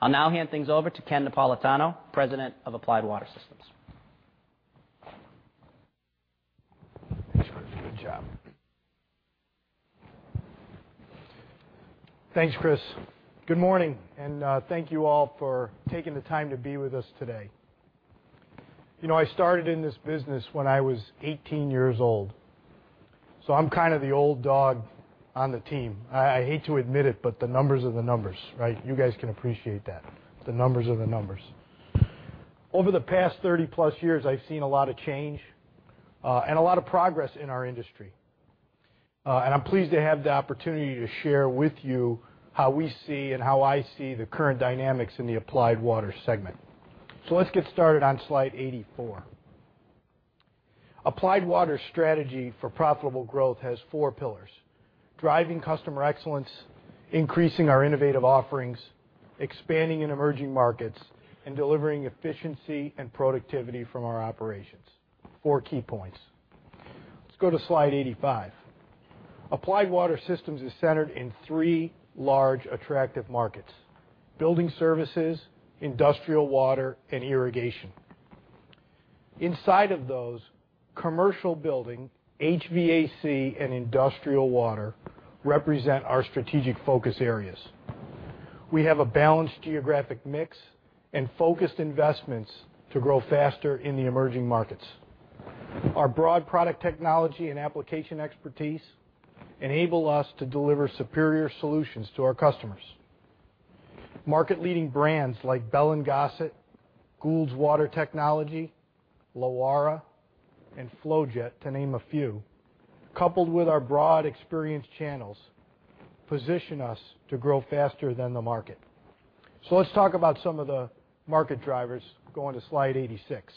I'll now hand things over to Ken Napolitano, President of Applied Water Systems. Thanks, Chris. Good job. Thanks, Chris. Good morning, thank you all for taking the time to be with us today. I started in this business when I was 18 years old, so I'm kind of the old dog on the team. I hate to admit it, but the numbers are the numbers, right? You guys can appreciate that. The numbers are the numbers. Over the past 30-plus years, I've seen a lot of change and a lot of progress in our industry. I'm pleased to have the opportunity to share with you how we see and how I see the current dynamics in the Applied Water segment. Let's get started on slide 84. Applied Water's strategy for profitable growth has four pillars: driving customer excellence, increasing our innovative offerings, expanding in emerging markets, and delivering efficiency and productivity from our operations. Four key points. Let's go to slide 85. Applied Water Systems is centered in three large attractive markets: building services, industrial water, and irrigation. Inside of those, commercial building, HVAC, and industrial water represent our strategic focus areas. We have a balanced geographic mix and focused investments to grow faster in the emerging markets. Our broad product technology and application expertise enable us to deliver superior solutions to our customers. Market-leading brands like Bell & Gossett, Goulds Water Technology, Lowara, and Flojet, to name a few, coupled with our broad, experienced channels, position us to grow faster than the market. Let's talk about some of the market drivers, going to slide 86.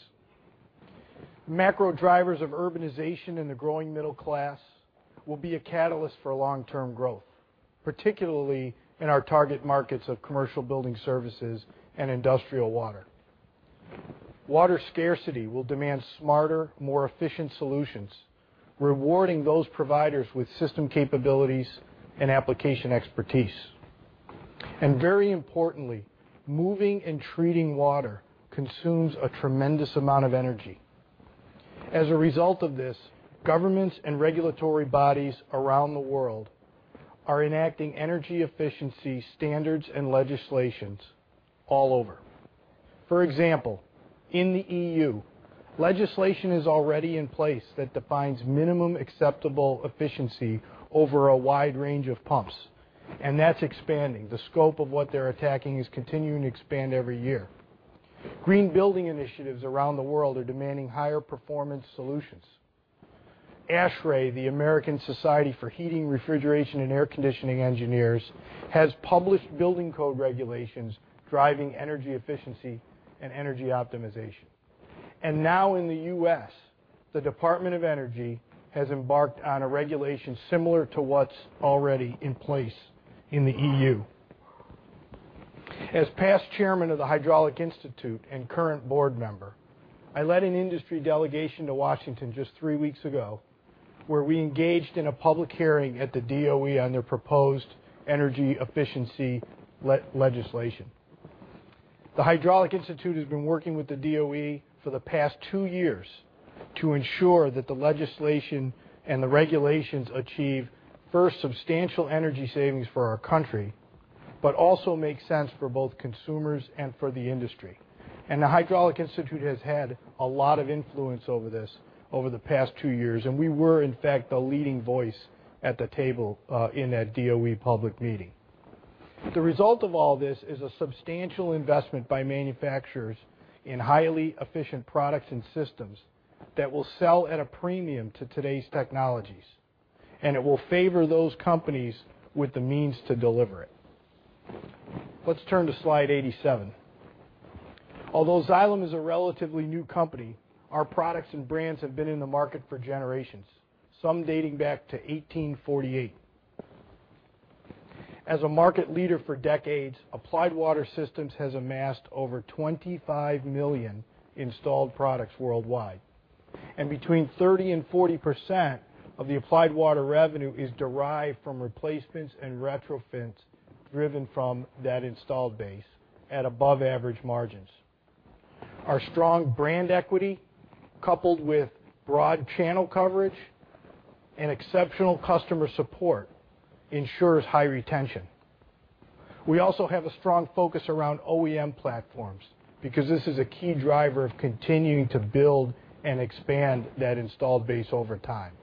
Macro drivers of urbanization and the growing middle class will be a catalyst for long-term growth, particularly in our target markets of commercial building services and industrial water. Water scarcity will demand smarter, more efficient solutions, rewarding those providers with system capabilities and application expertise. Very importantly, moving and treating water consumes a tremendous amount of energy. As a result of this, governments and regulatory bodies around the world are enacting energy efficiency standards and legislations all over. For example, in the EU, legislation is already in place that defines minimum acceptable efficiency over a wide range of pumps, and that's expanding. The scope of what they're attacking is continuing to expand every year. Green building initiatives around the world are demanding higher performance solutions. ASHRAE, the American Society for Heating, Refrigeration and Air-Conditioning Engineers, has published building code regulations driving energy efficiency and energy optimization. Now in the U.S., the Department of Energy has embarked on a regulation similar to what's already in place in the EU. As past chairman of the Hydraulic Institute and current board member, I led an industry delegation to Washington just three weeks ago, where we engaged in a public hearing at the DOE on their proposed energy efficiency legislation. The Hydraulic Institute has been working with the DOE for the past two years to ensure that the legislation and the regulations achieve, first, substantial energy savings for our country, but also makes sense for both consumers and for the industry. The Hydraulic Institute has had a lot of influence over this over the past two years, and we were, in fact, the leading voice at the table in that DOE public meeting. The result of all this is a substantial investment by manufacturers in highly efficient products and systems that will sell at a premium to today's technologies, and it will favor those companies with the means to deliver it. Let's turn to slide 87. Although Xylem is a relatively new company, our products and brands have been in the market for generations, some dating back to 1848. As a market leader for decades, Applied Water Systems has amassed over 25 million installed products worldwide, and between 30% and 40% of the Applied Water revenue is derived from replacements and retrofits driven from that installed base at above-average margins. Our strong brand equity, coupled with broad channel coverage and exceptional customer support, ensures high retention. We also have a strong focus around OEM platforms because this is a key driver of continuing to build and expand that installed base over time.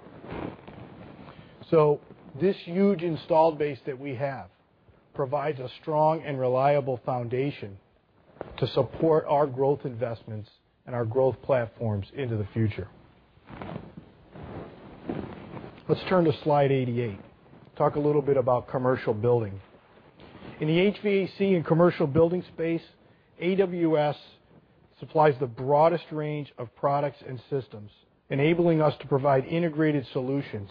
This huge installed base that we have provides a strong and reliable foundation to support our growth investments and our growth platforms into the future. Let's turn to slide 88. Talk a little bit about commercial building. In the HVAC and commercial building space, AWS supplies the broadest range of products and systems, enabling us to provide integrated solutions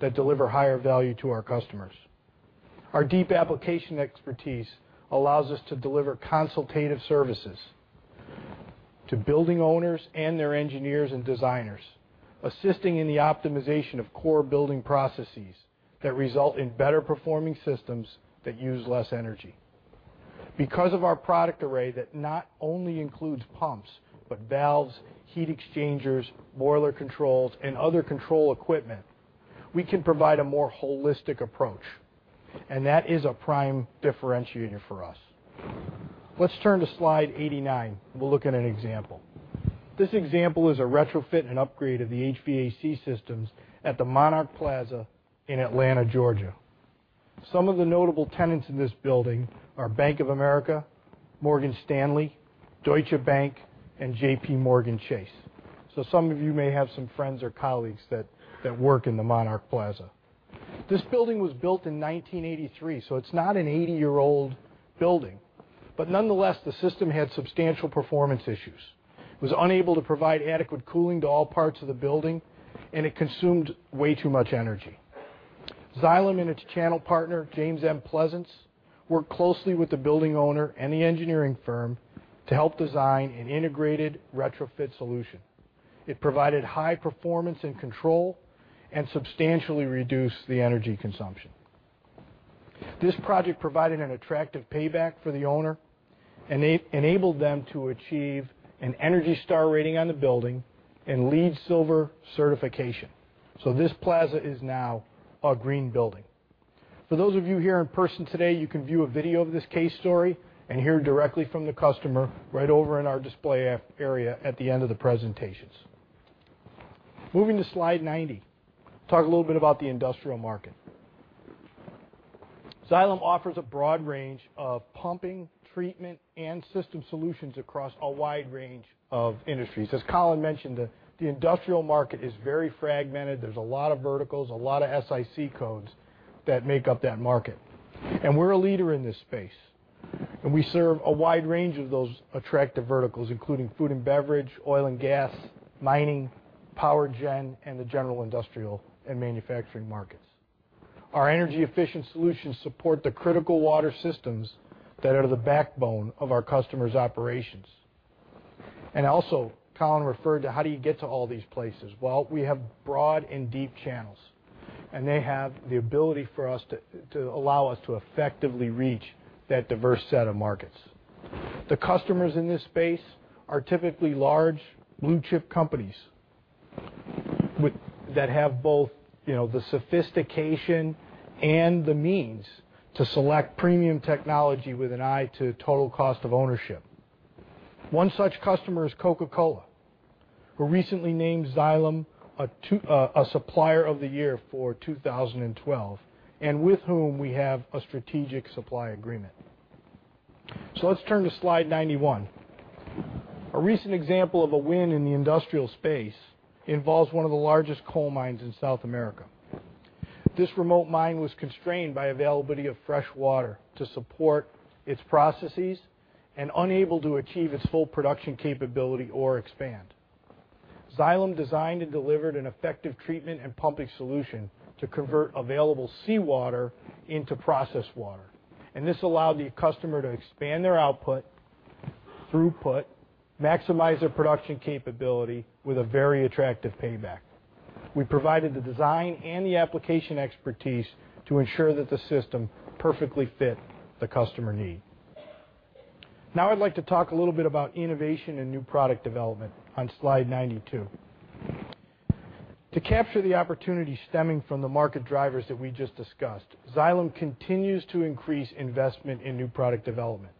that deliver higher value to our customers. Our deep application expertise allows us to deliver consultative services to building owners and their engineers and designers, assisting in the optimization of core building processes that result in better performing systems that use less energy. Because of our product array that not only includes pumps, but valves, heat exchangers, boiler controls, and other control equipment, we can provide a more holistic approach, and that is a prime differentiator for us. Let's turn to slide 89. We'll look at an example. This example is a retrofit and upgrade of the HVAC systems at the Monarch Plaza in Atlanta, Georgia. Some of the notable tenants in this building are Bank of America, Morgan Stanley, Deutsche Bank, and JPMorgan Chase. Some of you may have some friends or colleagues that work in the Monarch Plaza. This building was built in 1983, so it's not an 80-year-old building. Nonetheless, the system had substantial performance issues. It was unable to provide adequate cooling to all parts of the building, and it consumed way too much energy. Xylem and its channel partner, James M. Pleasants, worked closely with the building owner and the engineering firm to help design an integrated retrofit solution. It provided high performance and control, and substantially reduced the energy consumption. This project provided an attractive payback for the owner and enabled them to achieve an Energy Star rating on the building and LEED Silver certification. This plaza is now a green building. For those of you here in person today, you can view a video of this case story and hear directly from the customer right over in our display area at the end of the presentations. Moving to slide 90, talk a little bit about the industrial market. Xylem offers a broad range of pumping, treatment, and system solutions across a wide range of industries. As Colin mentioned, the industrial market is very fragmented. There's a lot of verticals, a lot of SIC codes that make up that market. We're a leader in this space. We serve a wide range of those attractive verticals, including food and beverage, oil and gas, mining, power gen, and the general industrial and manufacturing markets. Our energy-efficient solutions support the critical water systems that are the backbone of our customers' operations. Also, Colin referred to how do you get to all these places? We have broad and deep channels, and they have the ability for us to allow us to effectively reach that diverse set of markets. The customers in this space are typically large blue-chip companies that have both the sophistication and the means to select premium technology with an eye to total cost of ownership. One such customer is Coca-Cola, who recently named Xylem a Supplier of the Year for 2012, and with whom we have a strategic supply agreement. Let's turn to slide 91. A recent example of a win in the industrial space involves one of the largest coal mines in South America. This remote mine was constrained by availability of fresh water to support its processes and unable to achieve its full production capability or expand. Xylem designed and delivered an effective treatment and pumping solution to convert available seawater into processed water, this allowed the customer to expand their output, throughput, maximize their production capability with a very attractive payback. We provided the design and the application expertise to ensure that the system perfectly fit the customer need. I'd like to talk a little bit about innovation and new product development on Slide 92. To capture the opportunity stemming from the market drivers that we just discussed, Xylem continues to increase investment in new product development,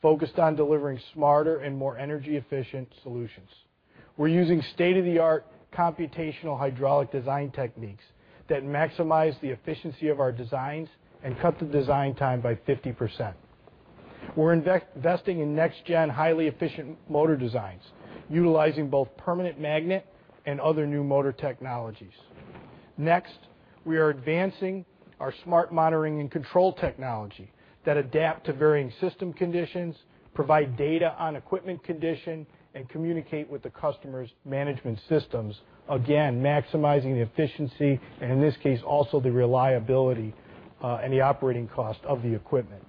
focused on delivering smarter and more energy-efficient solutions. We're using state-of-the-art computational hydraulic design techniques that maximize the efficiency of our designs and cut the design time by 50%. We're investing in next-gen, highly efficient motor designs, utilizing both permanent magnet and other new motor technologies. Next, we are advancing our smart monitoring and control technology that adapt to varying system conditions, provide data on equipment condition, and communicate with the customer's management systems, again, maximizing the efficiency, and in this case, also the reliability and the operating cost of the equipment.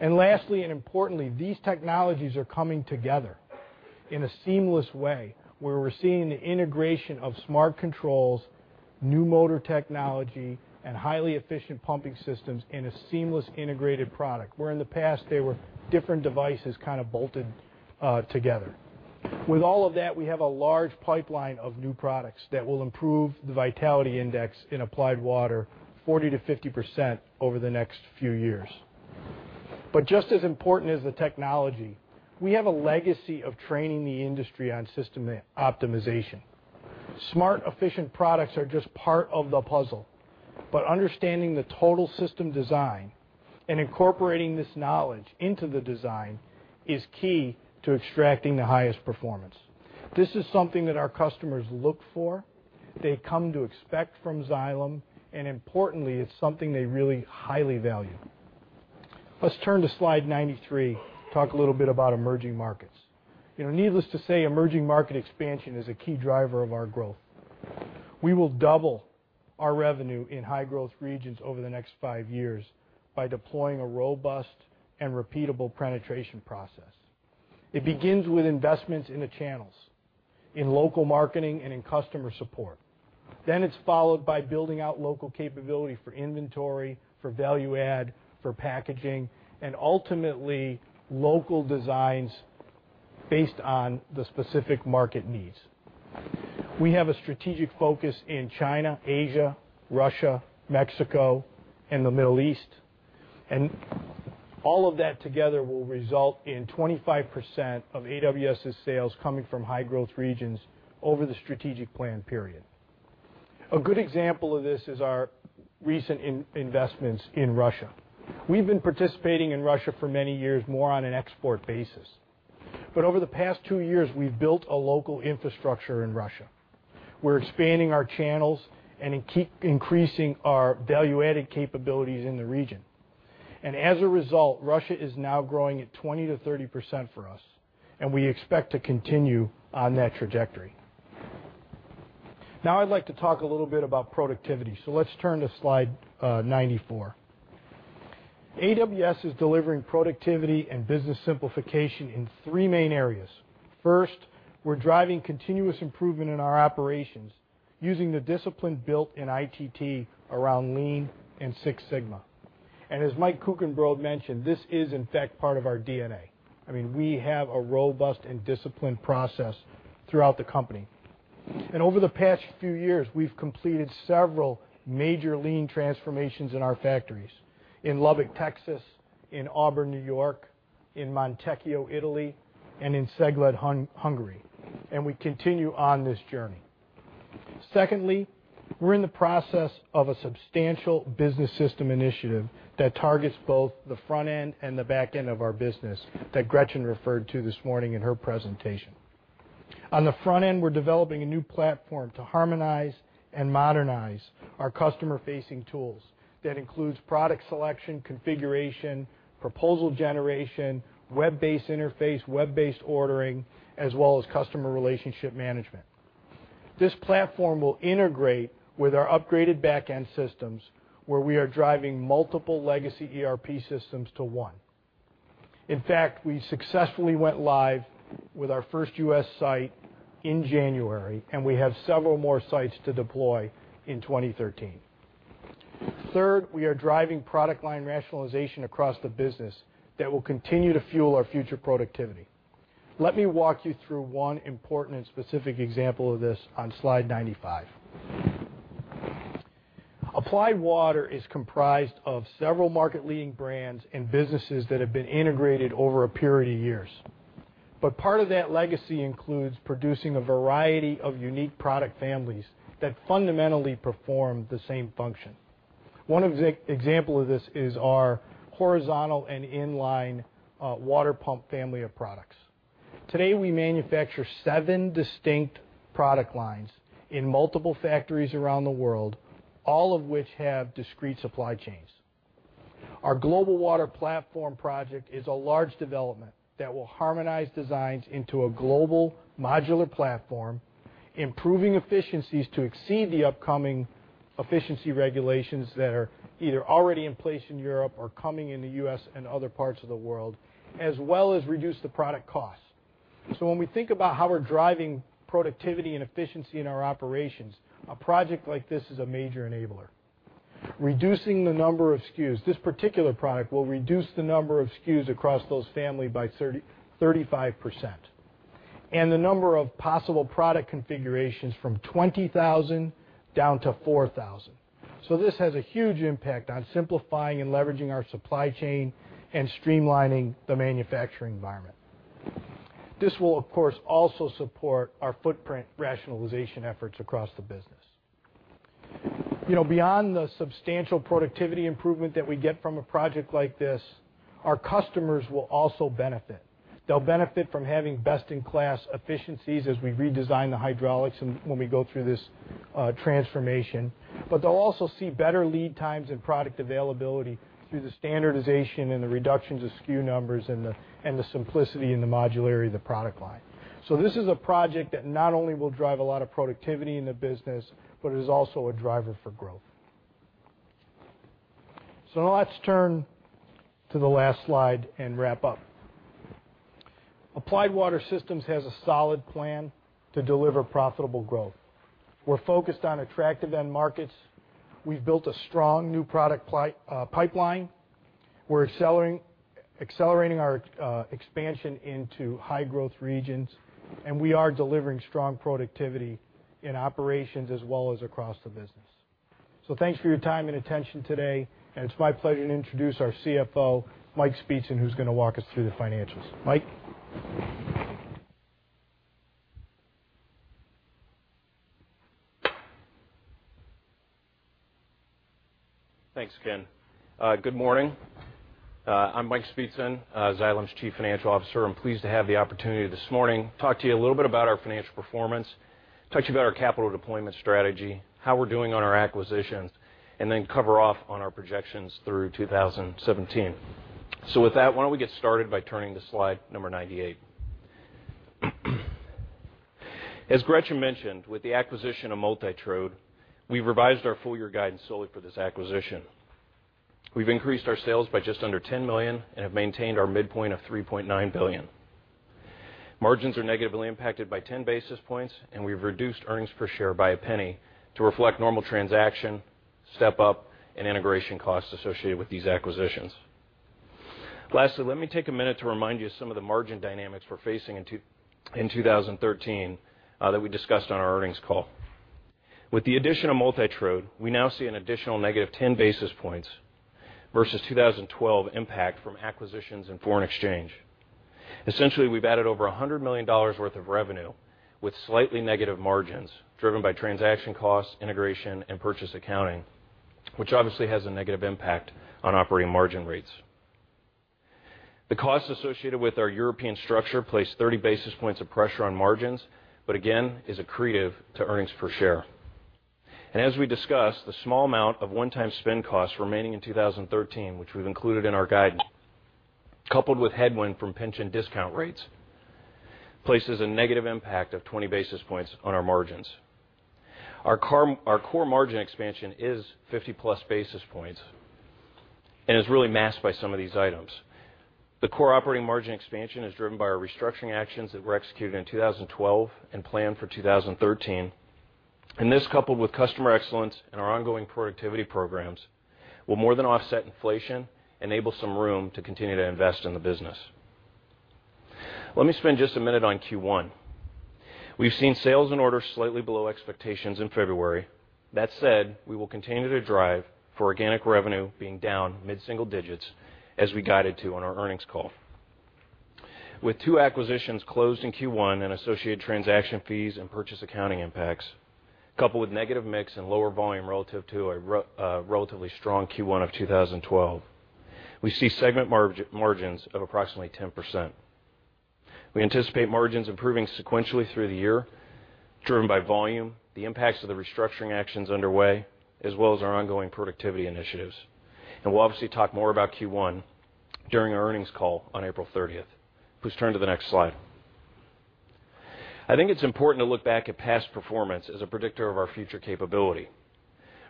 Lastly, and importantly, these technologies are coming together in a seamless way where we're seeing the integration of smart controls, new motor technology, and highly efficient pumping systems in a seamless integrated product, where in the past they were different devices kind of bolted together. With all of that, we have a large pipeline of new products that will improve the Vitality Index in Applied Water 40%-50% over the next few years. Just as important as the technology, we have a legacy of training the industry on system optimization. Smart, efficient products are just part of the puzzle, understanding the total system design and incorporating this knowledge into the design is key to extracting the highest performance. This is something that our customers look for, they come to expect from Xylem, and importantly, it's something they really highly value. Let's turn to slide 93, talk a little bit about emerging markets. Needless to say, emerging market expansion is a key driver of our growth. We will double our revenue in high-growth regions over the next five years by deploying a robust and repeatable penetration process. It begins with investments in the channels, in local marketing, and in customer support. It's followed by building out local capability for inventory, for value add, for packaging, and ultimately, local designs based on the specific market needs. We have a strategic focus in China, Asia, Russia, Mexico, and the Middle East. All of that together will result in 25% of AWS' sales coming from high-growth regions over the strategic plan period. A good example of this is our recent investments in Russia. We've been participating in Russia for many years, more on an export basis. Over the past two years, we've built a local infrastructure in Russia. We're expanding our channels and increasing our value-added capabilities in the region. As a result, Russia is now growing at 20%-30% for us, and we expect to continue on that trajectory. I'd like to talk a little bit about productivity, so let's turn to slide 94. AWS is delivering productivity and business simplification in three main areas. First, we're driving continuous improvement in our operations using the discipline built in ITT around Lean and Six Sigma. As Mike Kuchenbrod mentioned, this is in fact part of our DNA. We have a robust and disciplined process throughout the company. Over the past few years, we've completed several major Lean transformations in our factories in Lubbock, Texas, in Auburn, New York, in Montecchio, Italy, and in Cegléd, Hungary, and we continue on this journey. Secondly, we're in the process of a substantial business system initiative that targets both the front end and the back end of our business that Gretchen referred to this morning in her presentation. On the front end, we're developing a new platform to harmonize and modernize our customer-facing tools. That includes product selection, configuration, proposal generation, web-based interface, web-based ordering, as well as customer relationship management. This platform will integrate with our upgraded back-end systems, where we are driving multiple legacy ERP systems to one. In fact, we successfully went live with our first U.S. site in January, and we have several more sites to deploy in 2013. Third, we are driving product line rationalization across the business that will continue to fuel our future productivity. Let me walk you through one important and specific example of this on slide 95. Applied Water is comprised of several market-leading brands and businesses that have been integrated over a period of years. Part of that legacy includes producing a variety of unique product families that fundamentally perform the same function. One example of this is our horizontal and in-line water pump family of products. Today, we manufacture seven distinct product lines in multiple factories around the world, all of which have discrete supply chains. Our Global Water Platform project is a large development that will harmonize designs into a global modular platform, improving efficiencies to exceed the upcoming efficiency regulations that are either already in place in Europe or coming in the U.S. and other parts of the world, as well as reduce the product cost. When we think about how we're driving productivity and efficiency in our operations, a project like this is a major enabler. Reducing the number of SKUs. This particular product will reduce the number of SKUs across those family by 35%. The number of possible product configurations from 20,000 down to 4,000. This has a huge impact on simplifying and leveraging our supply chain and streamlining the manufacturing environment. This will, of course, also support our footprint rationalization efforts across the business. Beyond the substantial productivity improvement that we get from a project like this, our customers will also benefit. They'll benefit from having best-in-class efficiencies as we redesign the hydraulics and when we go through this transformation. They'll also see better lead times and product availability through the standardization and the reductions of SKU numbers and the simplicity and the modularity of the product line. This is a project that not only will drive a lot of productivity in the business, but is also a driver for growth. Now let's turn to the last slide and wrap up. Applied Water Systems has a solid plan to deliver profitable growth. We're focused on attractive end markets. We've built a strong new product pipeline. We're accelerating our expansion into high-growth regions, and we are delivering strong productivity in operations as well as across the business. Thanks for your time and attention today, and it's my pleasure to introduce our CFO, Mike Speetzen, who's going to walk us through the financials. Mike? Thanks, Ken. Good morning. I'm Mike Speetzen, Xylem's Chief Financial Officer. I'm pleased to have the opportunity this morning to talk to you a little bit about our financial performance, talk to you about our capital deployment strategy, how we're doing on our acquisitions, and then cover off on our projections through 2017. With that, why don't we get started by turning to slide number 98. As Gretchen mentioned, with the acquisition of MultiTrode, we revised our full-year guidance solely for this acquisition. We've increased our sales by just under $10 million and have maintained our midpoint of $3.9 billion. Margins are negatively impacted by 10 basis points, and we've reduced earnings per share by $0.01 to reflect normal transaction, step-up, and integration costs associated with these acquisitions. Lastly, let me take a minute to remind you of some of the margin dynamics we're facing in 2013, that we discussed on our earnings call. With the addition of MultiTrode, we now see an additional negative 10 basis points versus 2012 impact from acquisitions and foreign exchange. Essentially, we've added over $100 million worth of revenue with slightly negative margins, driven by transaction costs, integration, and purchase accounting. Which obviously has a negative impact on operating margin rates. The costs associated with our European structure place 30 basis points of pressure on margins, but again, is accretive to earnings per share. As we discussed, the small amount of one-time spend costs remaining in 2013, which we've included in our guidance, coupled with headwind from pension discount rates, places a negative impact of 20 basis points on our margins. Our core margin expansion is 50-plus basis points and is really masked by some of these items. The core operating margin expansion is driven by our restructuring actions that were executed in 2012 and planned for 2013. This, coupled with customer excellence and our ongoing productivity programs, will more than offset inflation, enable some room to continue to invest in the business. Let me spend just a minute on Q1. We've seen sales and orders slightly below expectations in February. That said, we will continue to drive for organic revenue being down mid-single digits as we guided to on our earnings call. With two acquisitions closed in Q1 and associated transaction fees and purchase accounting impacts, coupled with negative mix and lower volume relative to a relatively strong Q1 of 2012, we see segment margins of approximately 10%. We anticipate margins improving sequentially through the year, driven by volume, the impacts of the restructuring actions underway, as well as our ongoing productivity initiatives. We'll obviously talk more about Q1 during our earnings call on April 30th. Please turn to the next slide. I think it's important to look back at past performance as a predictor of our future capability.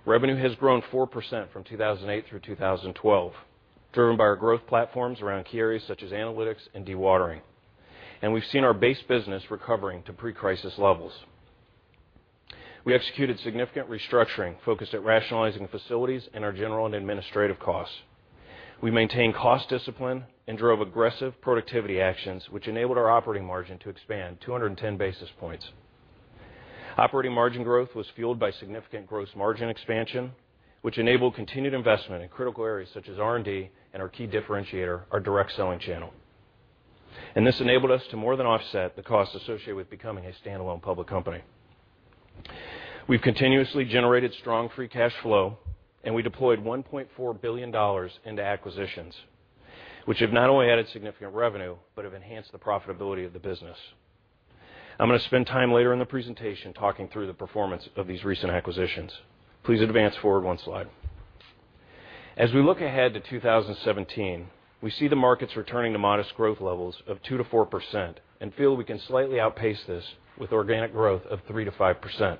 Revenue has grown 4% from 2008 through 2012, driven by our growth platforms around key areas such as analytics and dewatering, and we've seen our base business recovering to pre-crisis levels. We executed significant restructuring focused at rationalizing facilities and our general and administrative costs. We maintained cost discipline and drove aggressive productivity actions, which enabled our operating margin to expand 210 basis points. Operating margin growth was fueled by significant gross margin expansion, which enabled continued investment in critical areas such as R&D and our key differentiator, our direct selling channel. This enabled us to more than offset the cost associated with becoming a standalone public company. We've continuously generated strong free cash flow, and we deployed $1.4 billion into acquisitions, which have not only added significant revenue but have enhanced the profitability of the business. I'm going to spend time later in the presentation talking through the performance of these recent acquisitions. Please advance forward one slide. As we look ahead to 2017, we see the markets returning to modest growth levels of 2%-4% and feel we can slightly outpace this with organic growth of 3%-5%.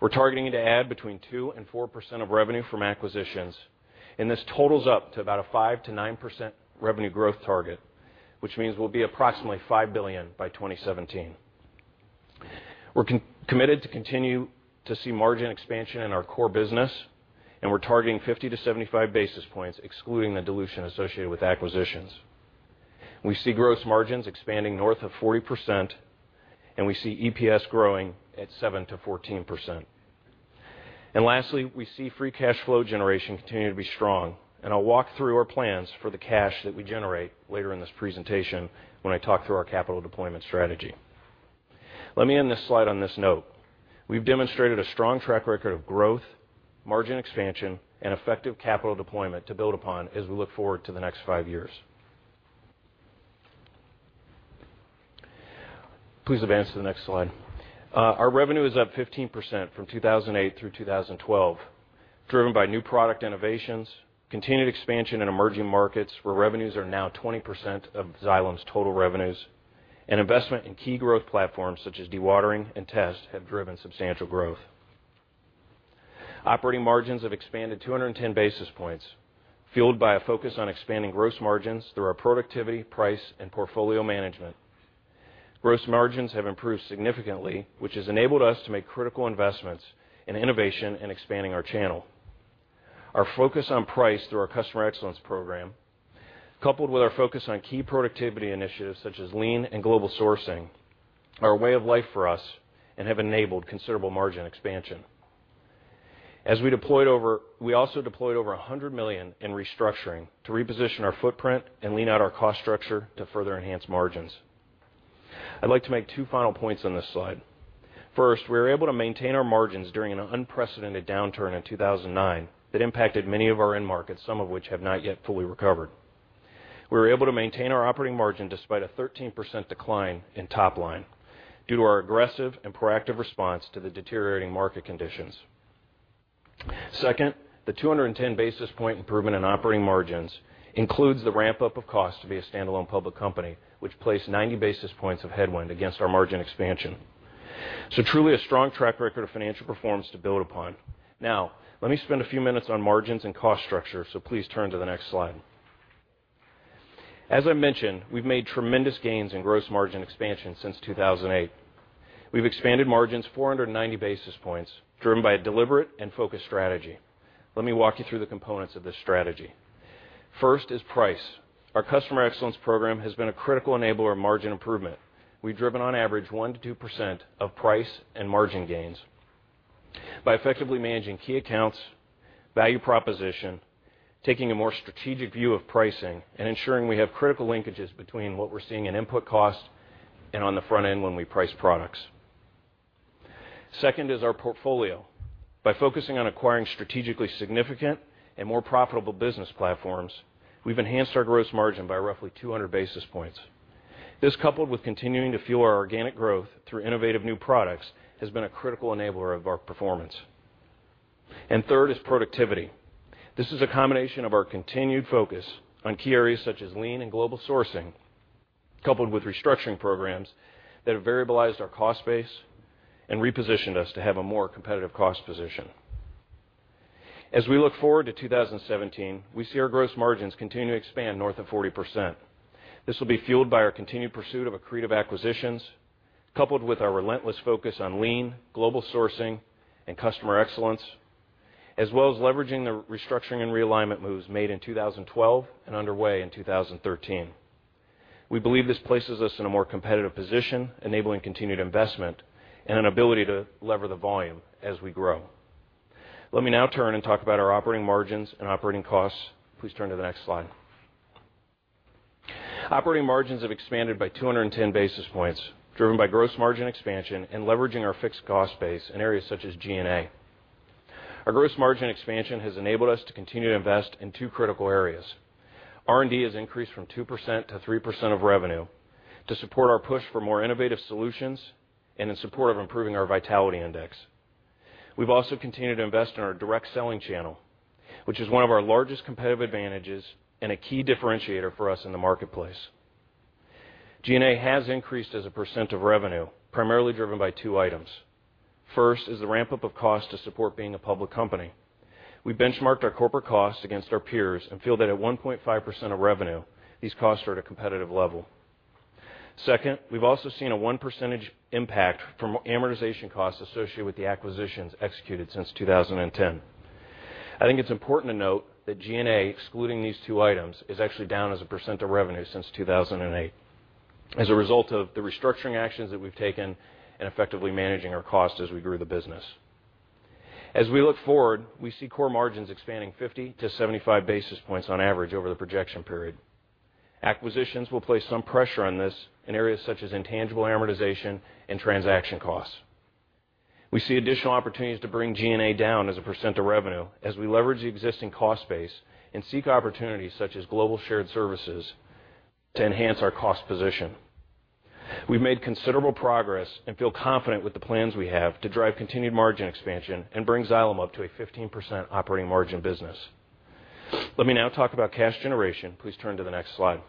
We're targeting to add between 2% and 4% of revenue from acquisitions, this totals up to about a 5%-9% revenue growth target, which means we'll be approximately $5 billion by 2017. We're committed to continue to see margin expansion in our core business, we're targeting 50-75 basis points, excluding the dilution associated with acquisitions. We see gross margins expanding north of 40%, and we see EPS growing at 7%-14%. Lastly, we see free cash flow generation continuing to be strong, and I'll walk through our plans for the cash that we generate later in this presentation when I talk through our capital deployment strategy. Let me end this slide on this note. We've demonstrated a strong track record of growth, margin expansion, and effective capital deployment to build upon as we look forward to the next five years. Please advance to the next slide. Our revenue is up 15% from 2008 through 2012, driven by new product innovations, continued expansion in emerging markets, where revenues are now 20% of Xylem's total revenues. Investment in key growth platforms such as dewatering and test have driven substantial growth. Operating margins have expanded 210 basis points, fueled by a focus on expanding gross margins through our productivity, price, and portfolio management. Gross margins have improved significantly, which has enabled us to make critical investments in innovation and expanding our channel. Our focus on price through our customer cxcellence program, coupled with our focus on key productivity initiatives such as Lean and Global Sourcing, are a way of life for us and have enabled considerable margin expansion. We also deployed over $100 million in restructuring to reposition our footprint and lean out our cost structure to further enhance margins. I'd like to make two final points on this slide. First, we were able to maintain our margins during an unprecedented downturn in 2009 that impacted many of our end markets, some of which have not yet fully recovered. We were able to maintain our operating margin despite a 13% decline in top line due to our aggressive and proactive response to the deteriorating market conditions. Second, the 210-basis point improvement in operating margins includes the ramp-up of cost to be a standalone public company, which placed 90 basis points of headwind against our margin expansion. Truly a strong track record of financial performance to build upon. Let me spend a few minutes on margins and cost structure, so please turn to the next slide. As I mentioned, we've made tremendous gains in gross margin expansion since 2008. We've expanded margins 490 basis points, driven by a deliberate and focused strategy. Let me walk you through the components of this strategy. First is price. Our customer excellence program has been a critical enabler of margin improvement. We've driven on average 1%-2% of price and margin gains. By effectively managing key accounts, value proposition, taking a more strategic view of pricing and ensuring we have critical linkages between what we're seeing in input costs and on the front end when we price products. Second is our portfolio. By focusing on acquiring strategically significant and more profitable business platforms, we've enhanced our gross margin by roughly 200 basis points. This, coupled with continuing to fuel our organic growth through innovative new products, has been a critical enabler of our performance. Third is productivity. This is a combination of our continued focus on key areas such as Lean and Global Sourcing, coupled with restructuring programs that have variabilized our cost base and repositioned us to have a more competitive cost position. As we look forward to 2017, we see our gross margins continue to expand north of 40%. This will be fueled by our continued pursuit of accretive acquisitions, coupled with our relentless focus on Lean, Global Sourcing and customer excellence, as well as leveraging the restructuring and realignment moves made in 2012 and underway in 2013. We believe this places us in a more competitive position, enabling continued investment and an ability to lever the volume as we grow. Let me now turn and talk about our operating margins and operating costs. Please turn to the next slide. Operating margins have expanded by 210 basis points, driven by gross margin expansion and leveraging our fixed cost base in areas such as G&A. Our gross margin expansion has enabled us to continue to invest in two critical areas. R&D has increased from 2% to 3% of revenue to support our push for more innovative solutions and in support of improving our Vitality Index. We've also continued to invest in our direct selling channel, which is one of our largest competitive advantages and a key differentiator for us in the marketplace. G&A has increased as a percent of revenue, primarily driven by two items. First is the ramp-up of cost to support being a public company. We benchmarked our corporate costs against our peers and feel that at 1.5% of revenue, these costs are at a competitive level. Second, we've also seen a one percentage impact from amortization costs associated with the acquisitions executed since 2010. I think it's important to note that G&A, excluding these two items, is actually down as a percent of revenue since 2008 as a result of the restructuring actions that we've taken and effectively managing our costs as we grew the business. As we look forward, we see core margins expanding 50 to 75 basis points on average over the projection period. Acquisitions will place some pressure on this in areas such as intangible amortization and transaction costs. We see additional opportunities to bring G&A down as a percent of revenue as we leverage the existing cost base and seek opportunities such as global shared services to enhance our cost position. We've made considerable progress and feel confident with the plans we have to drive continued margin expansion and bring Xylem up to a 15% operating margin business. Let me now talk about cash generation. Please turn to the next slide.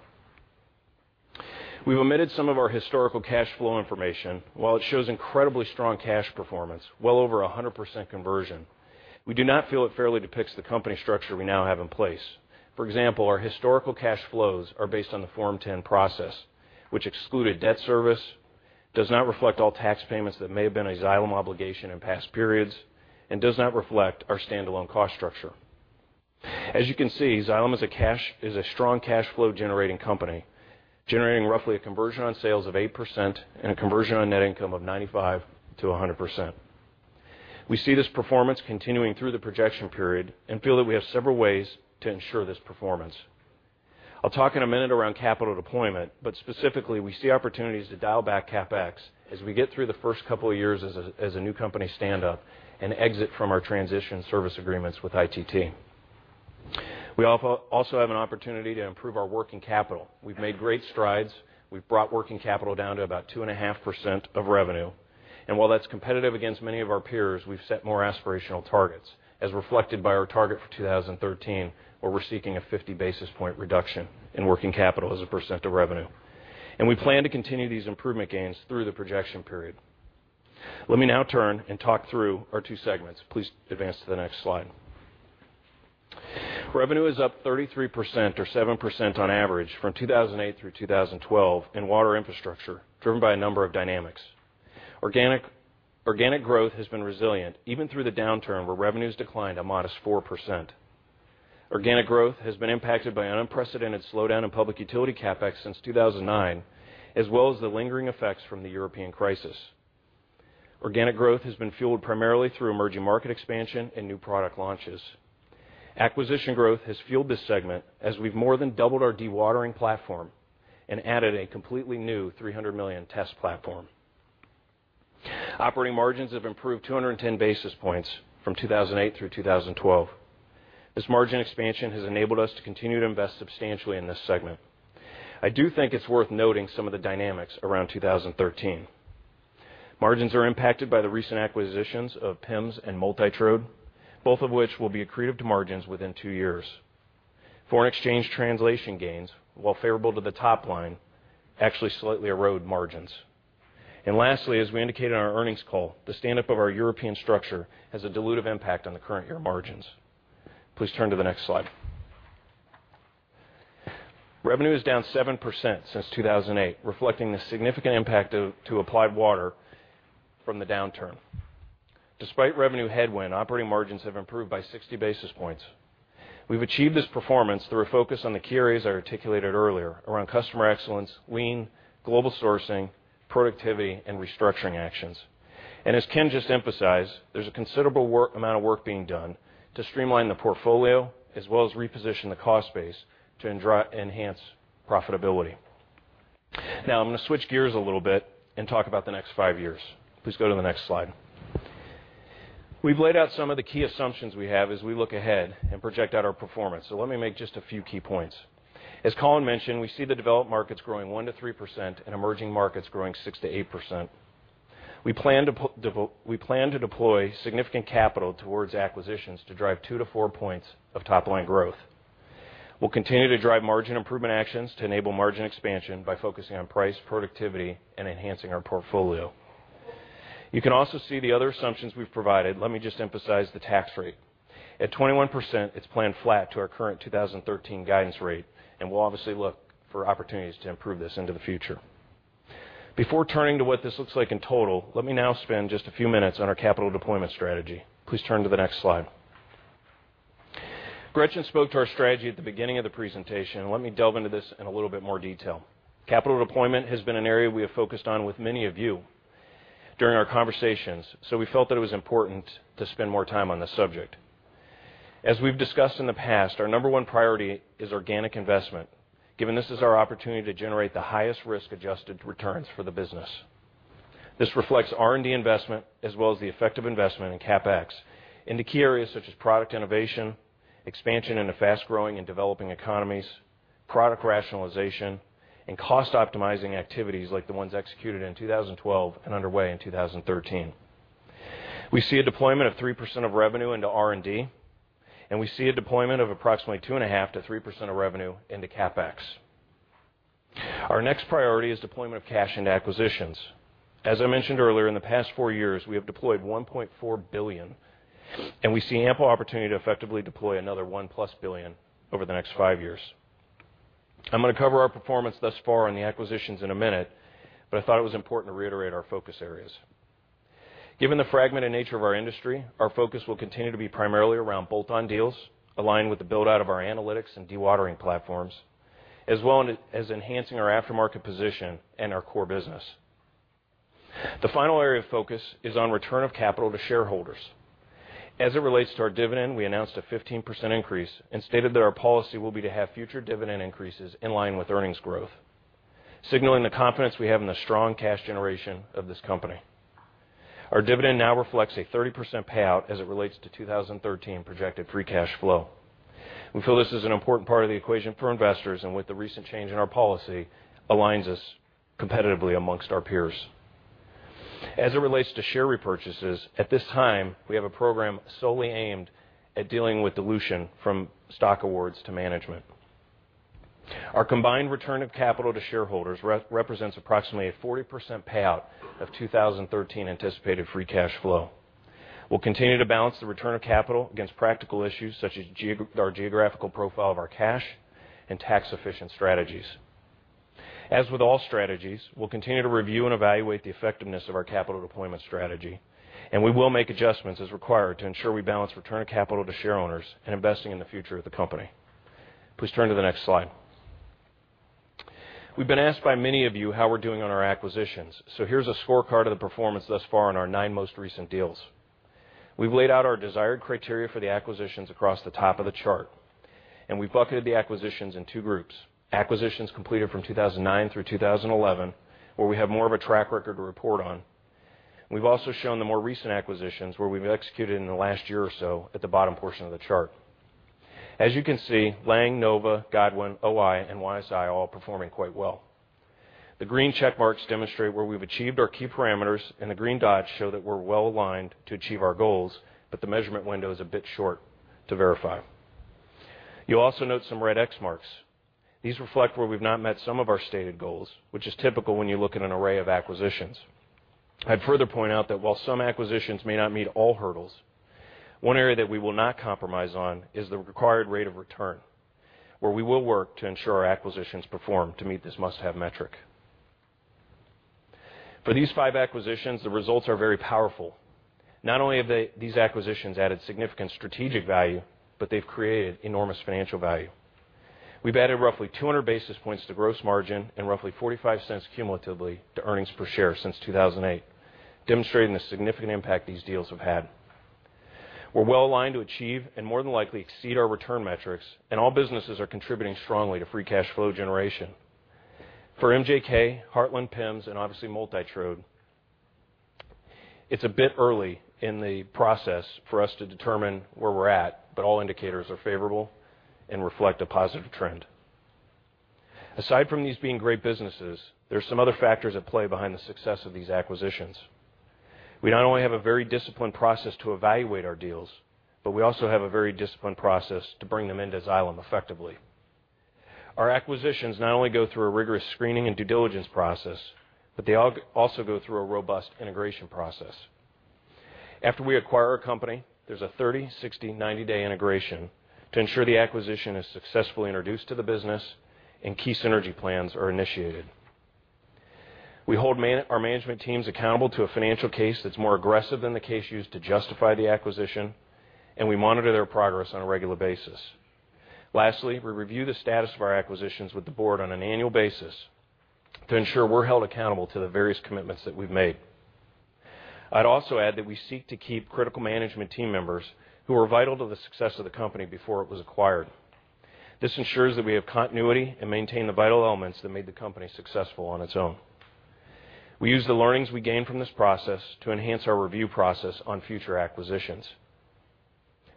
We've omitted some of our historical cash flow information. While it shows incredibly strong cash performance, well over 100% conversion, we do not feel it fairly depicts the company structure we now have in place. For example, our historical cash flows are based on the Form 10 process, which excluded debt service, does not reflect all tax payments that may have been a Xylem obligation in past periods, and does not reflect our standalone cost structure. As you can see, Xylem is a strong cash flow-generating company, generating roughly a conversion on sales of 8% and a conversion on net income of 95%-100%. We see this performance continuing through the projection period and feel that we have several ways to ensure this performance. I'll talk in a minute around capital deployment, but specifically, we see opportunities to dial back CapEx as we get through the first couple of years as a new company stand up and exit from our transition service agreements with ITT. We also have an opportunity to improve our working capital. We've made great strides. We've brought working capital down to about 2.5% of revenue. While that's competitive against many of our peers, we've set more aspirational targets, as reflected by our target for 2013, where we're seeking a 50-basis-point reduction in working capital as a percent of revenue. We plan to continue these improvement gains through the projection period. Let me now turn and talk through our two segments. Please advance to the next slide. Revenue is up 33% or 7% on average from 2008 through 2012 in water infrastructure, driven by a number of dynamics. Organic growth has been resilient even through the downturn, where revenues declined a modest 4%. Organic growth has been impacted by an unprecedented slowdown in public utility CapEx since 2009, as well as the lingering effects from the European crisis. Organic growth has been fueled primarily through emerging market expansion and new product launches. Acquisition growth has fueled this segment as we've more than doubled our dewatering platform and added a completely new $300 million test platform. Operating margins have improved 210 basis points from 2008 through 2012. This margin expansion has enabled us to continue to invest substantially in this segment. I do think it's worth noting some of the dynamics around 2013. Margins are impacted by the recent acquisitions of PIMS and MultiTrode, both of which will be accretive to margins within two years. Foreign exchange translation gains, while favorable to the top line, actually slightly erode margins. Lastly, as we indicated on our earnings call, the stand-up of our European structure has a dilutive impact on the current year margins. Please turn to the next slide. Revenue is down 7% since 2008, reflecting the significant impact to Applied Water from the downturn. Despite revenue headwind, operating margins have improved by 60 basis points. We've achieved this performance through a focus on the key areas I articulated earlier around customer excellence, lean and global sourcing. Productivity and restructuring actions. As Ken just emphasized, there's a considerable amount of work being done to streamline the portfolio, as well as reposition the cost base to enhance profitability. I'm going to switch gears a little bit and talk about the next five years. Please go to the next slide. We've laid out some of the key assumptions we have as we look ahead and project out our performance. Let me make just a few key points. As Colin mentioned, we see the developed markets growing 1%-3% and emerging markets growing 6%-8%. We plan to deploy significant capital towards acquisitions to drive two to four points of top-line growth. We'll continue to drive margin improvement actions to enable margin expansion by focusing on price, productivity, and enhancing our portfolio. You can also see the other assumptions we've provided. Let me just emphasize the tax rate. At 21%, it's planned flat to our current 2013 guidance rate, and we'll obviously look for opportunities to improve this into the future. Before turning to what this looks like in total, let me now spend just a few minutes on our capital deployment strategy. Please turn to the next slide. Gretchen spoke to our strategy at the beginning of the presentation. Let me delve into this in a little bit more detail. Capital deployment has been an area we have focused on with many of you during our conversations, so we felt that it was important to spend more time on this subject. As we've discussed in the past, our number one priority is organic investment, given this is our opportunity to generate the highest risk-adjusted returns for the business. This reflects R&D investment as well as the effective investment in CapEx into key areas such as product innovation, expansion into fast-growing and developing economies, product rationalization, and cost-optimizing activities like the ones executed in 2012 and underway in 2013. We see a deployment of 3% of revenue into R&D, and we see a deployment of approximately 2.5%-3% of revenue into CapEx. Our next priority is deployment of cash into acquisitions. As I mentioned earlier, in the past four years, we have deployed $1.4 billion, and we see ample opportunity to effectively deploy another $1-plus billion over the next five years. I'm going to cover our performance thus far on the acquisitions in a minute, but I thought it was important to reiterate our focus areas. Given the fragmented nature of our industry, our focus will continue to be primarily around bolt-on deals, aligned with the build-out of our analytics and dewatering platforms, as well as enhancing our aftermarket position and our core business. The final area of focus is on return of capital to shareholders. As it relates to our dividend, we announced a 15% increase and stated that our policy will be to have future dividend increases in line with earnings growth, signaling the confidence we have in the strong cash generation of this company. Our dividend now reflects a 30% payout as it relates to 2013 projected free cash flow. We feel this is an important part of the equation for investors and with the recent change in our policy, aligns us competitively amongst our peers. As it relates to share repurchases, at this time, we have a program solely aimed at dealing with dilution from stock awards to management. Our combined return of capital to shareholders represents approximately a 40% payout of 2013 anticipated free cash flow. We'll continue to balance the return of capital against practical issues such as our geographical profile of our cash and tax-efficient strategies. As with all strategies, we'll continue to review and evaluate the effectiveness of our capital deployment strategy, and we will make adjustments as required to ensure we balance return of capital to shareowners and investing in the future of the company. Please turn to the next slide. We've been asked by many of you how we're doing on our acquisitions. Here's a scorecard of the performance thus far on our nine most recent deals. We've laid out our desired criteria for the acquisitions across the top of the chart, and we've bucketed the acquisitions in two groups. Acquisitions completed from 2009 through 2011, where we have more of a track record to report on. We've also shown the more recent acquisitions where we've executed in the last year or so at the bottom portion of the chart. As you can see, Laing, Nova, Godwin, OI, and YSI are all performing quite well. The green check marks demonstrate where we've achieved our key parameters, and the green dots show that we're well-aligned to achieve our goals, but the measurement window is a bit short to verify. You'll also note some red X marks. These reflect where we've not met some of our stated goals, which is typical when you look at an array of acquisitions. I'd further point out that while some acquisitions may not meet all hurdles, one area that we will not compromise on is the required rate of return, where we will work to ensure our acquisitions perform to meet this must-have metric. For these five acquisitions, the results are very powerful. Not only have these acquisitions added significant strategic value, but they've created enormous financial value. We've added roughly 200 basis points to gross margin and roughly $0.45 cumulatively to earnings per share since 2008, demonstrating the significant impact these deals have had. We're well-aligned to achieve and more than likely exceed our return metrics, and all businesses are contributing strongly to free cash flow generation. For MJK, Heartland PIMS, and obviously, MultiTrode, it's a bit early in the process for us to determine where we're at, but all indicators are favorable and reflect a positive trend. Aside from these being great businesses, there's some other factors at play behind the success of these acquisitions. We not only have a very disciplined process to evaluate our deals, but we also have a very disciplined process to bring them into Xylem effectively. Our acquisitions not only go through a rigorous screening and due diligence process, but they also go through a robust integration process. After we acquire a company, there's a 30, 60, 90-day integration to ensure the acquisition is successfully introduced to the business and key synergy plans are initiated. We hold our management teams accountable to a financial case that's more aggressive than the case used to justify the acquisition, and we monitor their progress on a regular basis. We review the status of our acquisitions with the board on an annual basis to ensure we're held accountable to the various commitments that we've made. I'd also add that we seek to keep critical management team members who were vital to the success of the company before it was acquired. This ensures that we have continuity and maintain the vital elements that made the company successful on its own. We use the learnings we gain from this process to enhance our review process on future acquisitions.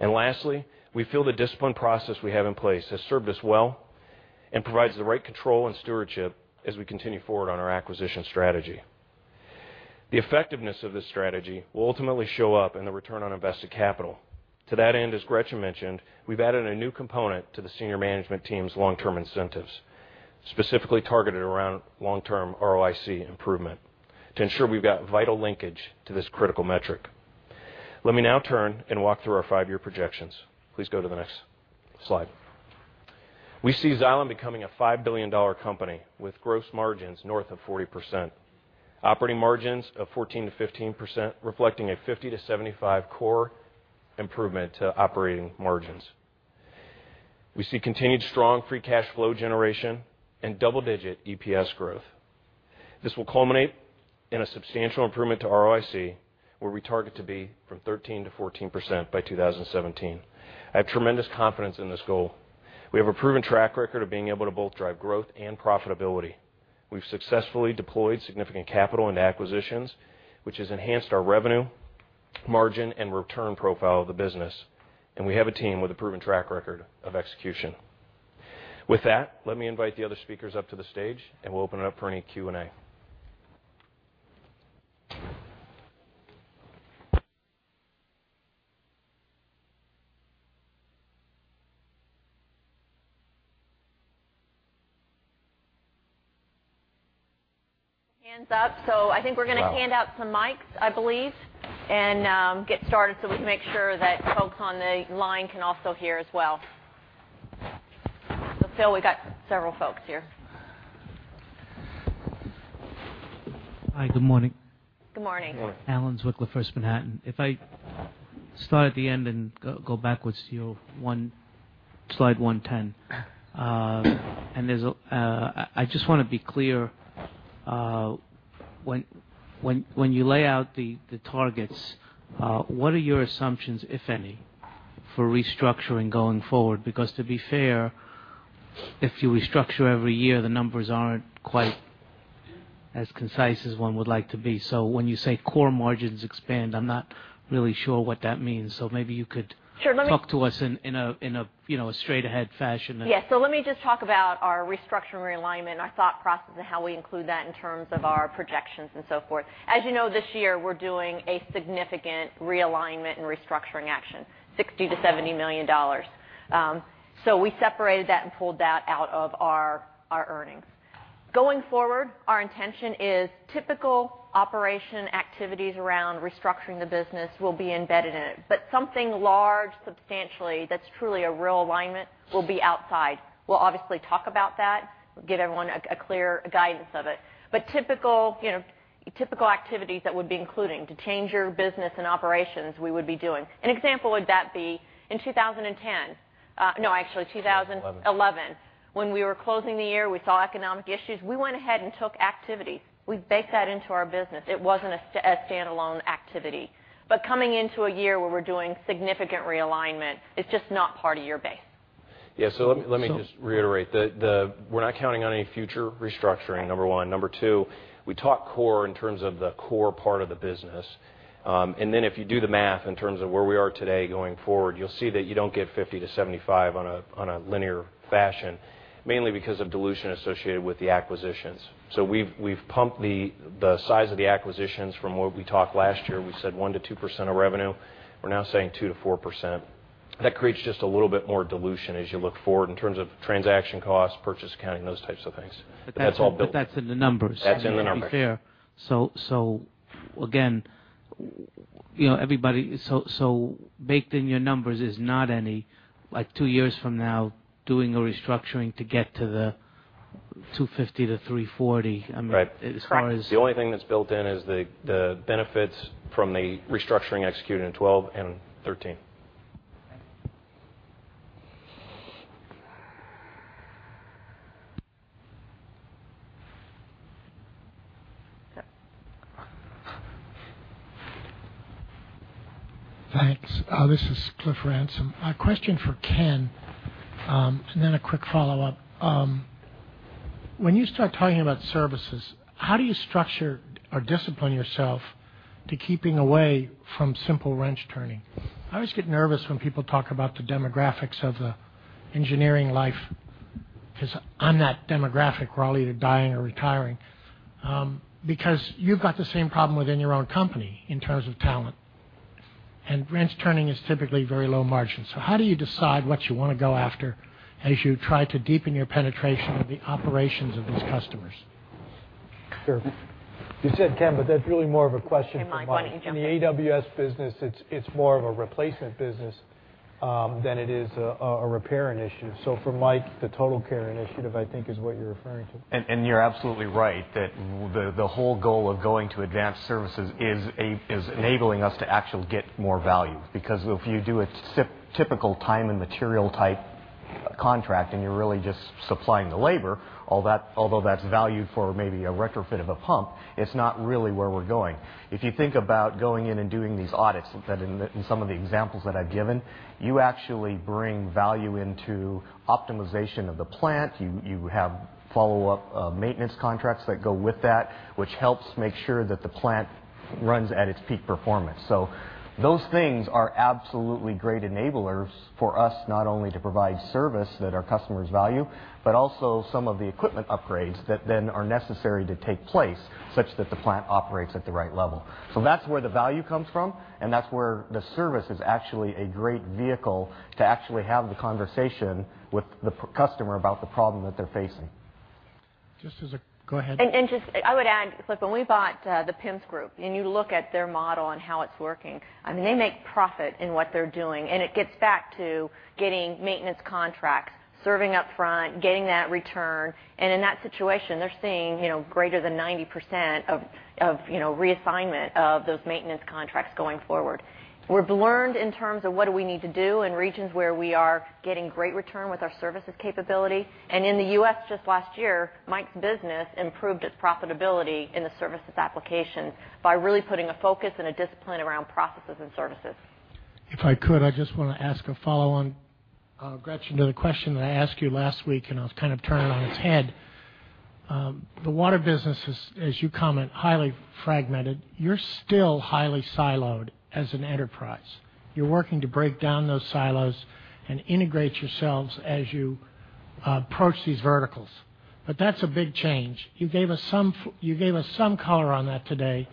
Lastly, we feel the discipline process we have in place has served us well and provides the right control and stewardship as we continue forward on our acquisition strategy. The effectiveness of this strategy will ultimately show up in the return on invested capital. To that end, as Gretchen mentioned, we've added a new component to the senior management team's long-term incentives, specifically targeted around long-term ROIC improvement to ensure we've got vital linkage to this critical metric. Let me now turn and walk through our five-year projections. Please go to the next slide. We see Xylem becoming a $5 billion company with gross margins north of 40%, operating margins of 14%-15%, reflecting a 50-75 core improvement to operating margins. We see continued strong free cash flow generation and double-digit EPS growth. This will culminate in a substantial improvement to ROIC, where we target to be from 13%-14% by 2017. I have tremendous confidence in this goal. We have a proven track record of being able to both drive growth and profitability. We've successfully deployed significant capital into acquisitions, which has enhanced our revenue, margin, and return profile of the business, and we have a team with a proven track record of execution. With that, let me invite the other speakers up to the stage, and we'll open it up for any Q&A. Hands up. I think we're going to hand out some mics, I believe, and get started so we can make sure that folks on the line can also hear as well. Phil, we got several folks here. Hi. Good morning. Good morning. Good morning. [Alan Zwick] with First Manhattan. If I start at the end and go backwards to your slide 110. I just want to be clear, when you lay out the targets, what are your assumptions, if any, for restructuring going forward? To be fair, if you restructure every year, the numbers aren't quite as concise as one would like to be. When you say core margins expand, I'm not really sure what that means. Maybe you could- Sure. Let me- Talk to us in a straight ahead fashion and- Yes. Let me just talk about our restructuring realignment, our thought process, and how we include that in terms of our projections and so forth. As you know, this year, we're doing a significant realignment and restructuring action, $60 million-$70 million. We separated that and pulled that out of our earnings. Going forward, our intention is typical operation activities around restructuring the business will be embedded in it. Something large, substantially, that's truly a realignment will be outside. We'll obviously talk about that, give everyone a clear guidance of it. Typical activities that would be including to change your business and operations, we would be doing. An example would that be in 2010, no, actually 2011. When we were closing the year, we saw economic issues. We went ahead and took activity. We baked that into our business. It wasn't a standalone activity. Coming into a year where we're doing significant realignment, it's just not part of your base. Let me just reiterate. We're not counting on any future restructuring, number one. Number two, we talk core in terms of the core part of the business. If you do the math in terms of where we are today going forward, you'll see that you don't get 50 to 75 on a linear fashion, mainly because of dilution associated with the acquisitions. We've pumped the size of the acquisitions from what we talked last year. We said 1%-2% of revenue. We're now saying 2%-4%. That creates just a little bit more dilution as you look forward in terms of transaction costs, purchase accounting, those types of things. That's all built- That's in the numbers. That's in the numbers. I mean, to be fair. Again, baked in your numbers is not any, like two years from now, doing a restructuring to get to the 250 to 340. Right. I mean. The only thing that's built in is the benefits from the restructuring executed in 2012 and 2013. Okay. Thanks. This is Cliff Ransom. A question for Ken, and then a quick follow-up. When you start talking about services, how do you structure or discipline yourself to keeping away from simple wrench-turning? I always get nervous when people talk about the demographics of the engineering life, because I'm that demographic. We're all either dying or retiring. You've got the same problem within your own company in terms of talent, and wrench-turning is typically very low margin. How do you decide what you want to go after as you try to deepen your penetration of the operations of these customers? Sure. You said Ken, but that's really more of a question for Mike. Okay, Mike, why don't you jump in? In the AWS business, it's more of a replacement business than it is a repair initiative. For Mike, the TotalCare initiative, I think, is what you're referring to. You're absolutely right that the whole goal of going to advanced services is enabling us to actually get more value. Because if you do a typical time and material type a contract and you're really just supplying the labor, although that's valued for maybe a retrofit of a pump, it's not really where we're going. If you think about going in and doing these audits, in some of the examples that I've given, you actually bring value into optimization of the plant. You have follow-up maintenance contracts that go with that, which helps make sure that the plant runs at its peak performance. Those things are absolutely great enablers for us, not only to provide service that our customers value, but also some of the equipment upgrades that then are necessary to take place, such that the plant operates at the right level. That's where the value comes from, and that's where the service is actually a great vehicle to actually have the conversation with the customer about the problem that they're facing. Just. Go ahead. Just, I would add, Cliff, when we bought the PIMS Group, and you look at their model and how it's working, I mean, they make profit in what they're doing, and it gets back to getting maintenance contracts, serving up front, getting that return. In that situation, they're seeing greater than 90% of reassignment of those maintenance contracts going forward. We've learned in terms of what do we need to do in regions where we are getting great return with our services capability. In the U.S., just last year, Mike's business improved its profitability in the services application by really putting a focus and a discipline around processes and services. If I could, I just want to ask a follow-on, Gretchen, to the question that I asked you last week, and I'll kind of turn it on its head. The water business is, as you comment, highly fragmented. You're still highly siloed as an enterprise. You're working to break down those silos and integrate yourselves as you approach these verticals. That's a big change. You gave us some color on that today.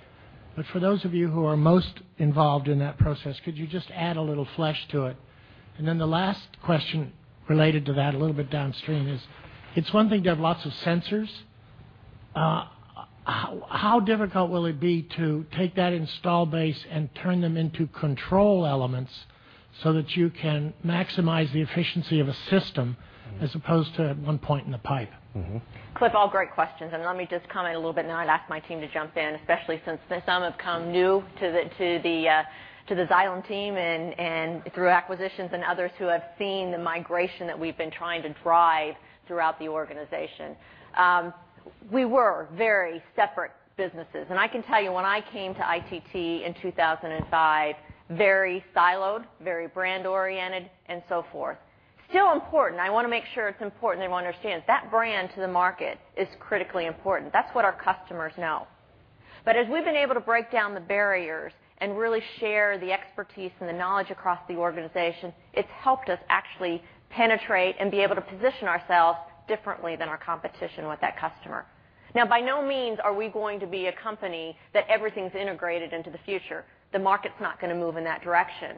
For those of you who are most involved in that process, could you just add a little flesh to it? Then the last question related to that, a little bit downstream is, it's one thing to have lots of sensors. How difficult will it be to take that install base and turn them into control elements so that you can maximize the efficiency of a system as opposed to at one point in the pipe? Cliff, all great questions. Let me just comment a little bit. Then I'd ask my team to jump in, especially since some have come new to the Xylem team and through acquisitions and others who have seen the migration that we've been trying to drive throughout the organization. We were very separate businesses. I can tell you, when I came to ITT in 2005, very siloed, very brand-oriented, and so forth. Still important. I want to make sure it's important everyone understands. That brand to the market is critically important. That's what our customers know. As we've been able to break down the barriers and really share the expertise and the knowledge across the organization, it's helped us actually penetrate and be able to position ourselves differently than our competition with that customer. By no means are we going to be a company that everything's integrated into the future. The market's not going to move in that direction.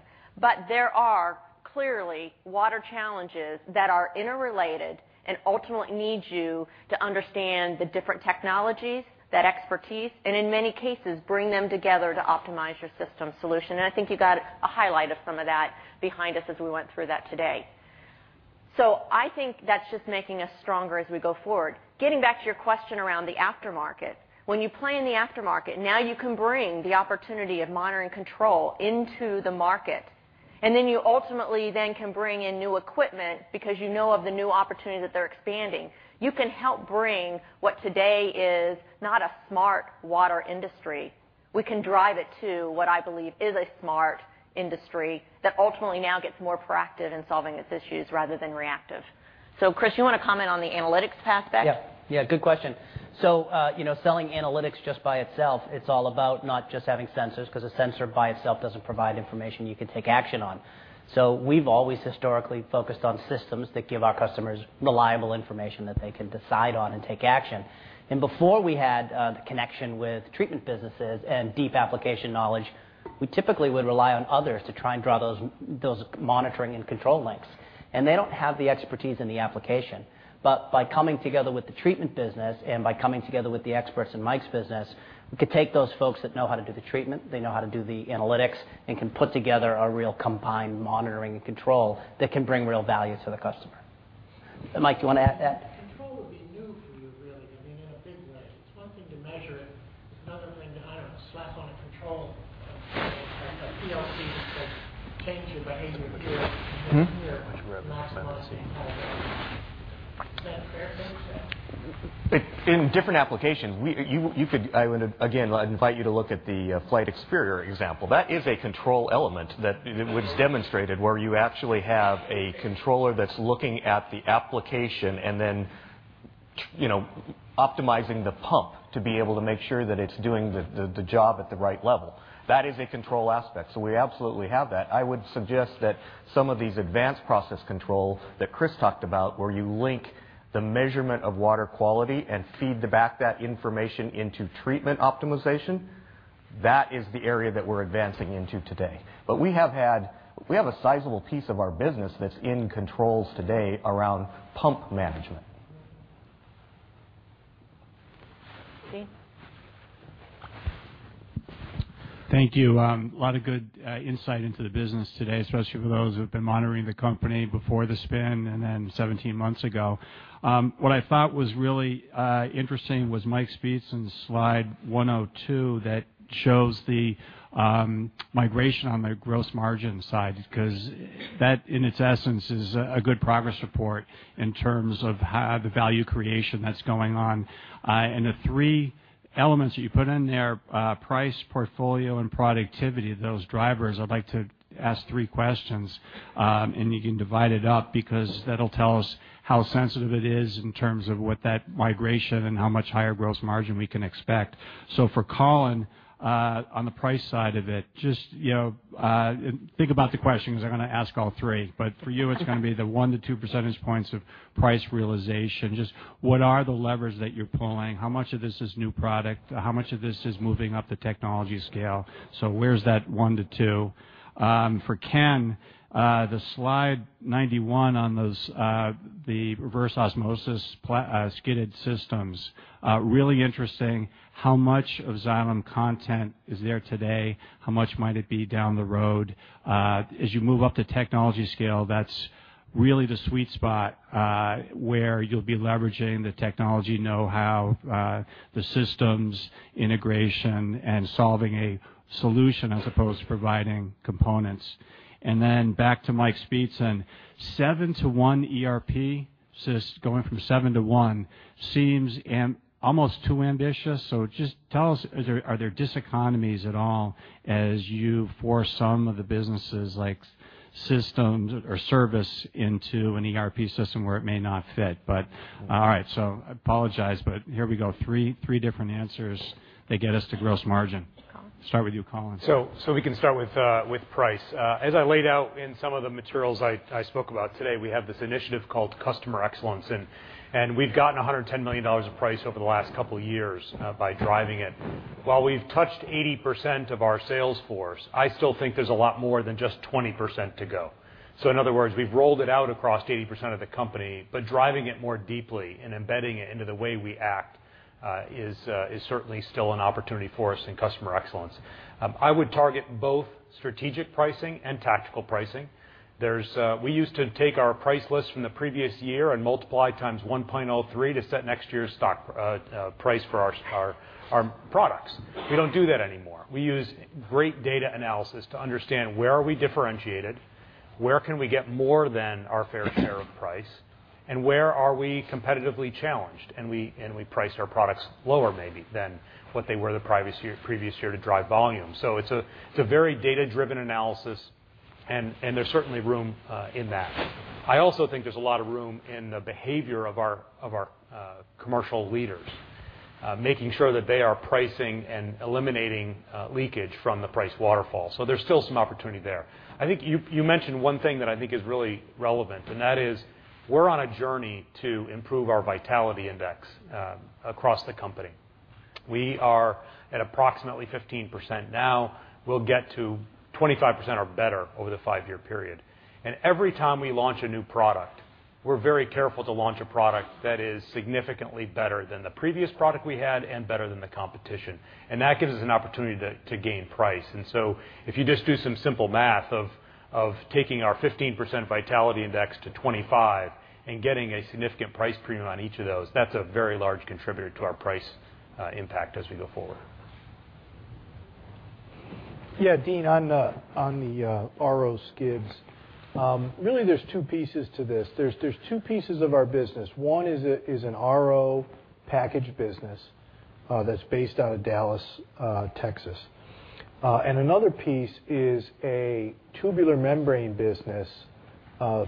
There are clearly water challenges that are interrelated and ultimately need you to understand the different technologies, that expertise, and in many cases, bring them together to optimize your system solution. I think you got a highlight of some of that behind us as we went through that today. I think that's just making us stronger as we go forward. Getting back to your question around the aftermarket. When you play in the aftermarket, now you can bring the opportunity of monitoring control into the market. Then you ultimately then can bring in new equipment because you know of the new opportunity that they're expanding. You can help bring what today is not a smart water industry. We can drive it to what I believe is a smart industry that ultimately now gets more proactive in solving its issues rather than reactive. Chris, you want to comment on the analytics aspect? Yeah. Good question. Selling analytics just by itself, it's all about not just having sensors, because a sensor by itself doesn't provide information you can take action on. We've always historically focused on systems that give our customers reliable information that they can decide on and take action. Before we had the connection with treatment businesses and deep application knowledge, we typically would rely on others to try and draw those monitoring and control links. They don't have the expertise in the application. By coming together with the treatment business and by coming together with the experts in Mike's business, we could take those folks that know how to do the treatment, they know how to do the analytics, and can put together a real combined monitoring and control that can bring real value to the customer. Mike, do you want to add to that? Control would be new for you, really, I mean, in a big way. It's one thing to measure it. It's another thing to, I don't know, slap on a control, a PLC that change your behavior here and here. Much rather. Maximize the whole thing. Is that a fair thing to say? In different applications, I would, again, invite you to look at the Flygt Experior example. That is a control element that was demonstrated where you actually have a controller that's looking at the application and then optimizing the pump to be able to make sure that it's doing the job at the right level. That is a control aspect. We absolutely have that. I would suggest that some of these advanced process control that Chris talked about, where you link the measurement of water quality and feed back that information into treatment optimization, that is the area that we're advancing into today. We have a sizable piece of our business that's in controls today around pump management. Steve? Thank you. A lot of good insight into the business today, especially for those who have been monitoring the company before the spin and then 17 months ago. What I thought was really interesting was Mike Speetzen's slide 102 that shows the migration on the gross margin side, because that, in its essence, is a good progress report in terms of the value creation that's going on. The three elements that you put in there, price, portfolio, and productivity, those drivers, I'd like to ask three questions. You can divide it up because that'll tell us how sensitive it is in terms of what that migration and how much higher gross margin we can expect. For Colin, on the price side of it, just think about the questions, because I'm going to ask all three. For you, it's going to be the 1-2 percentage points of price realization. Just what are the levers that you're pulling? How much of this is new product? How much of this is moving up the technology scale? Where's that 1-2? For Ken, the slide 91 on the reverse osmosis skidded systems. Really interesting. How much of Xylem content is there today? How much might it be down the road? As you move up the technology scale, that's really the sweet spot, where you'll be leveraging the technology know-how, the systems integration and solving a solution as opposed to providing components. Then back to Mike Speetzen. Seven to one ERP, going from seven to one seems almost too ambitious. Just tell us, are there diseconomies at all as you force some of the businesses, like systems or service, into an ERP system where it may not fit? All right. I apologize, here we go, three different answers that get us to gross margin. Colin. Start with you, Colin. We can start with price. As I laid out in some of the materials I spoke about today, we have this initiative called customer excellence. We've gotten $110 million of price over the last couple of years by driving it. While we've touched 80% of our sales force, I still think there's a lot more than just 20% to go. In other words, we've rolled it out across 80% of the company, but driving it more deeply and embedding it into the way we act is certainly still an opportunity for us in customer excellence. I would target both strategic pricing and tactical pricing. We used to take our price list from the previous year and multiply times 1.03 to set next year's stock price for our products. We don't do that anymore. We use great data analysis to understand where are we differentiated, where can we get more than our fair share of price, and where are we competitively challenged. We price our products lower maybe than what they were the previous year to drive volume. It's a very data-driven analysis, and there's certainly room in that. I also think there's a lot of room in the behavior of our commercial leaders. Making sure that they are pricing and eliminating leakage from the price waterfall. There's still some opportunity there. I think you mentioned one thing that I think is really relevant, and that is we're on a journey to improve our Vitality Index across the company. We are at approximately 15% now. We'll get to 25% or better over the five-year period. Every time we launch a new product, we're very careful to launch a product that is significantly better than the previous product we had and better than the competition. That gives us an opportunity to gain price. If you just do some simple math of taking our 15% Vitality Index to 25% and getting a significant price premium on each of those, that's a very large contributor to our price impact as we go forward. Dean, on the RO skids. There's two pieces to this. There's two pieces of our business. One is an RO packaged business that's based out of Dallas, Texas. Another piece is a tubular membrane business, PCI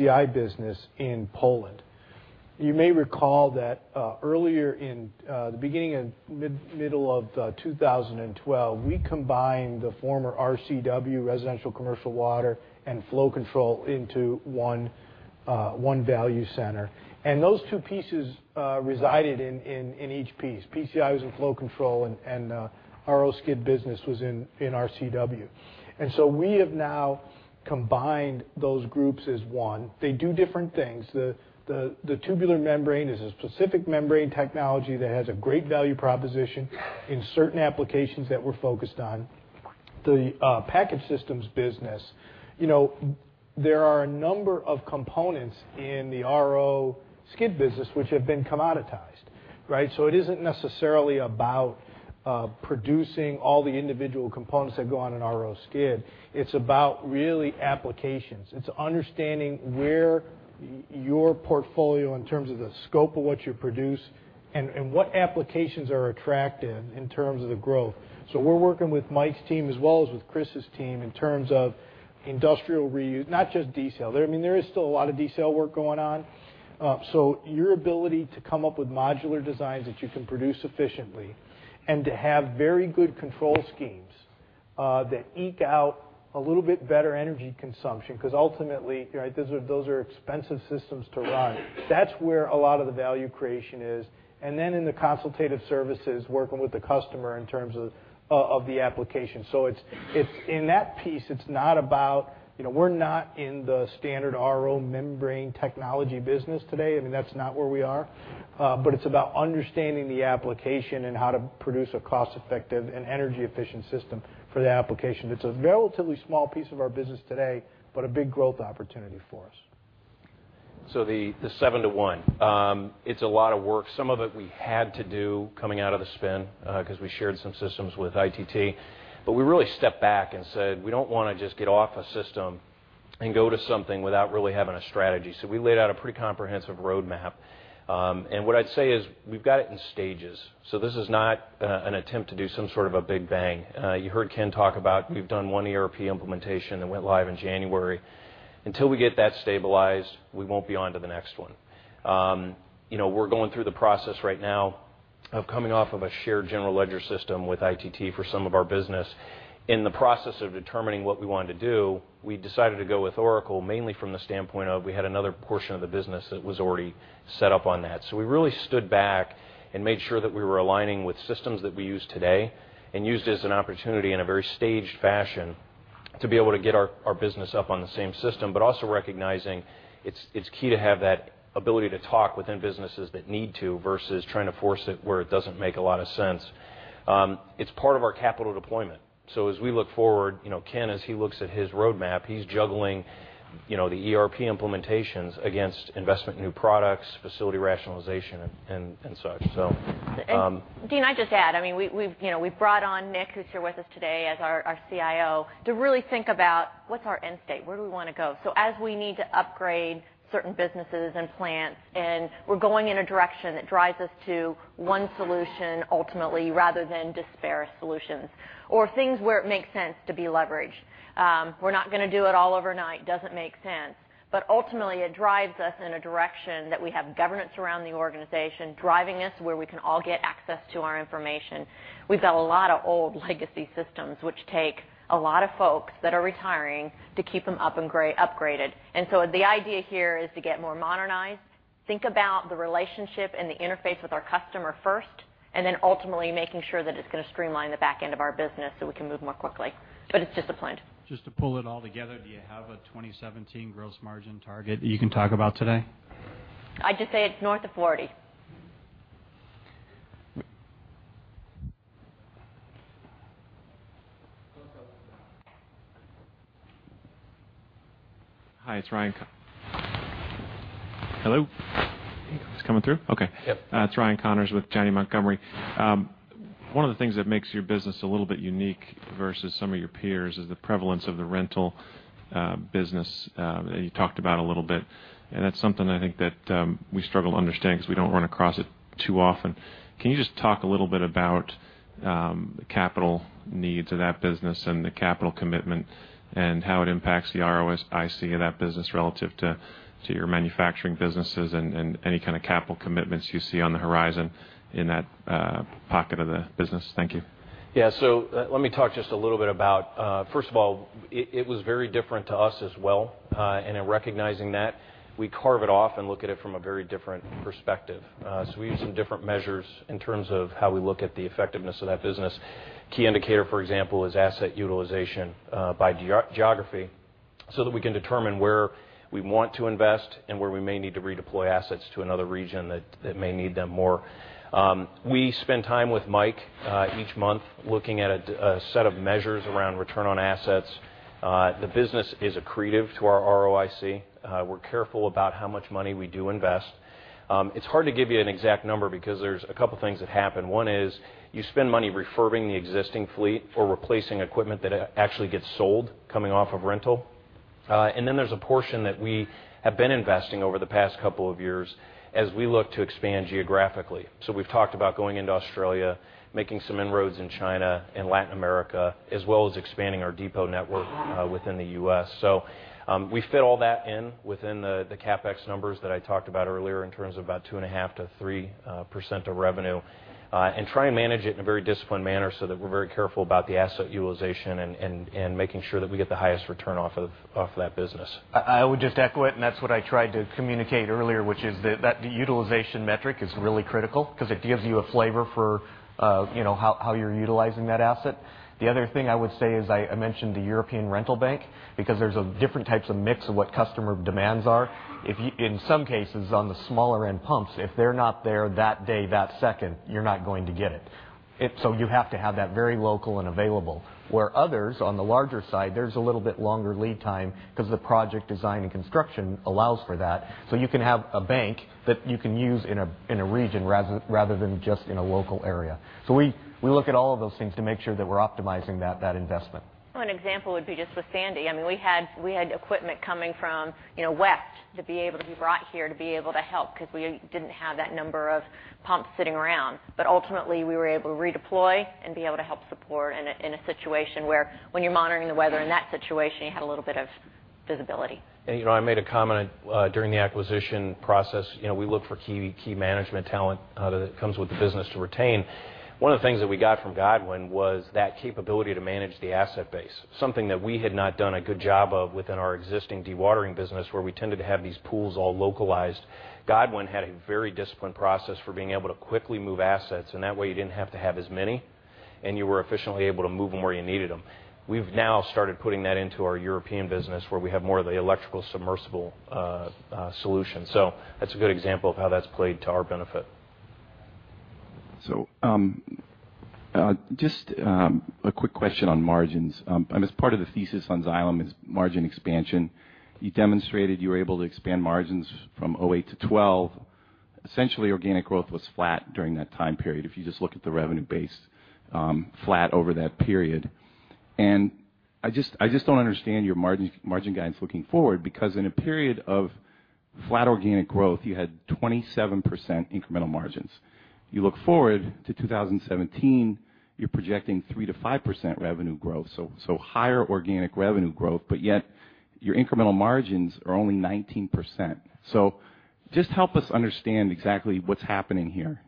Membranes business in Poland. You may recall that earlier in the beginning and middle of 2012, we combined the former RCW, Residential Commercial Water, and flow control into one value center. Those two pieces resided in each piece. PCI Membranes was in flow control, and RO skid business was in RCW. We have now combined those groups as one. They do different things. The tubular membrane is a specific membrane technology that has a great value proposition in certain applications that we're focused on. The packaged systems business. There are a number of components in the RO skid business which have been commoditized, right? It isn't necessarily about producing all the individual components that go on an RO skid. It's about really applications. It's understanding where your portfolio, in terms of the scope of what you produce, and what applications are attractive in terms of the growth. We're working with Mike's team as well as with Chris's team in terms of industrial reuse, not just desal. There is still a lot of desal work going on. Your ability to come up with modular designs that you can produce efficiently and to have very good control schemes that eke out a little bit better energy consumption, because ultimately, those are expensive systems to run. That's where a lot of the value creation is. In the consultative services, working with the customer in terms of the application. In that piece, it's not about we're not in the standard RO membrane technology business today. That's not where we are. It's about understanding the application and how to produce a cost-effective and energy-efficient system for that application. It's a relatively small piece of our business today, but a big growth opportunity for us. The 7 to 1. It's a lot of work. Some of it we had to do coming out of the spin, because we shared some systems with ITT. We really stepped back and said, "We don't want to just get off a system and go to something without really having a strategy." We laid out a pretty comprehensive roadmap. What I'd say is we've got it in stages, this is not an attempt to do some sort of a big bang. You heard Ken talk about we've done one ERP implementation that went live in January. Until we get that stabilized, we won't be on to the next one. We're going through the process right now of coming off of a shared general ledger system with ITT for some of our business. In the process of determining what we wanted to do, we decided to go with Oracle, mainly from the standpoint of we had another portion of the business that was already set up on that. We really stood back and made sure that we were aligning with systems that we use today, and used it as an opportunity in a very staged fashion to be able to get our business up on the same system. Also recognizing it's key to have that ability to talk within businesses that need to, versus trying to force it where it doesn't make a lot of sense. It's part of our capital deployment. As we look forward, Ken, as he looks at his roadmap, he's juggling the ERP implementations against investment in new products, facility rationalization, and such. Dean, I'd just add, we've brought on Nick, who's here with us today as our CIO, to really think about what's our end state, where do we want to go. As we need to upgrade certain businesses and plants, and we're going in a direction that drives us to one solution ultimately, rather than disparate solutions. Things where it makes sense to be leveraged. We're not going to do it all overnight. Doesn't make sense. Ultimately, it drives us in a direction that we have governance around the organization, driving us where we can all get access to our information. We've got a lot of old legacy systems, which take a lot of folks that are retiring to keep them up and upgraded. The idea here is to get more modernized, think about the relationship and the interface with our customer first, and then ultimately making sure that it's going to streamline the back end of our business so we can move more quickly. It's disciplined. Just to pull it all together, do you have a 2017 gross margin target that you can talk about today? I'd just say it's north of 40. Hi, it's Ryan. Hello? This coming through? Okay. Yep. It's Ryan Connors with Janney Montgomery Scott. One of the things that makes your business a little bit unique versus some of your peers is the prevalence of the rental business. You talked about a little bit. That's something I think that we struggle to understand because we don't run across it too often. Can you just talk a little bit about the capital needs of that business and the capital commitment, and how it impacts the ROIC of that business relative to your manufacturing businesses and any kind of capital commitments you see on the horizon in that pocket of the business? Thank you. Yeah. Let me talk just a little bit about First of all, it was very different to us as well. In recognizing that, we carve it off and look at it from a very different perspective. We use some different measures in terms of how we look at the effectiveness of that business. Key indicator, for example, is asset utilization by geography, so that we can determine where we want to invest and where we may need to redeploy assets to another region that may need them more. We spend time with Mike each month looking at a set of measures around return on assets. The business is accretive to our ROIC. We're careful about how much money we do invest. It's hard to give you an exact number, because there's a couple of things that happen. One is you spend money refurbing the existing fleet or replacing equipment that actually gets sold coming off of rental. There's a portion that we have been investing over the past couple of years as we look to expand geographically. We've talked about going into Australia, making some inroads in China and Latin America, as well as expanding our depot network within the U.S. We fit all that in within the CapEx numbers that I talked about earlier in terms of about 2.5%-3% of revenue. Try and manage it in a very disciplined manner so that we're very careful about the asset utilization and making sure that we get the highest return off of that business. I would just echo it. That's what I tried to communicate earlier, which is that the utilization metric is really critical, because it gives you a flavor for how you're utilizing that asset. The other thing I would say is, I mentioned the European rental bank, because there's different types of mix of what customer demands are. In some cases, on the smaller end pumps, if they're not there that day, that second, you're not going to get it. You have to have that very local and available. Where others, on the larger side, there's a little bit longer lead time because the project design and construction allows for that. You can have a bank that you can use in a region rather than just in a local area. We look at all of those things to make sure that we're optimizing that investment. One example would be just with Sandy. We had equipment coming from west to be able to be brought here to be able to help, because we didn't have that number of pumps sitting around. Ultimately, we were able to redeploy and be able to help support in a situation where when you're monitoring the weather in that situation, you had a little bit of visibility. I made a comment during the acquisition process, we look for key management talent that comes with the business to retain. One of the things that we got from Godwin was that capability to manage the asset base. Something that we had not done a good job of within our existing dewatering business, where we tended to have these pools all localized. Godwin had a very disciplined process for being able to quickly move assets, and that way you didn't have to have as many, and you were efficiently able to move them where you needed them. We've now started putting that into our European business, where we have more of the electrical submersible solution. That's a good example of how that's played to our benefit. Just a quick question on margins. As part of the thesis on Xylem is margin expansion. You demonstrated you were able to expand margins from 2008 to 2012. Essentially, organic growth was flat during that time period, if you just look at the revenue base, flat over that period. I just don't understand your margin guidance looking forward, because in a period of flat organic growth, you had 27% incremental margins. You look forward to 2017, you're projecting 3%-5% revenue growth, higher organic revenue growth, but yet your incremental margins are only 19%. Just help us understand exactly what's happening here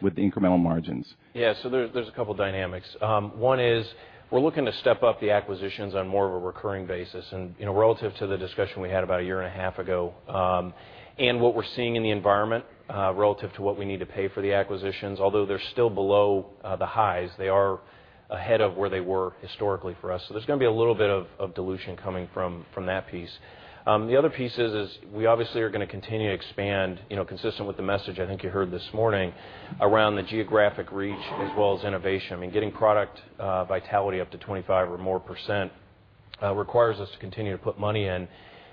with the incremental margins. Yeah. There's a couple of dynamics. One is we're looking to step up the acquisitions on more of a recurring basis. Relative to the discussion we had about a year and a half ago, and what we're seeing in the environment, relative to what we need to pay for the acquisitions, although they're still below the highs, they are ahead of where they were historically for us. There's going to be a little bit of dilution coming from that piece. The other piece is we obviously are going to continue to expand, consistent with the message I think you heard this morning, around the geographic reach as well as innovation. Getting product Vitality Index up to 25% or more requires us to continue to put money in,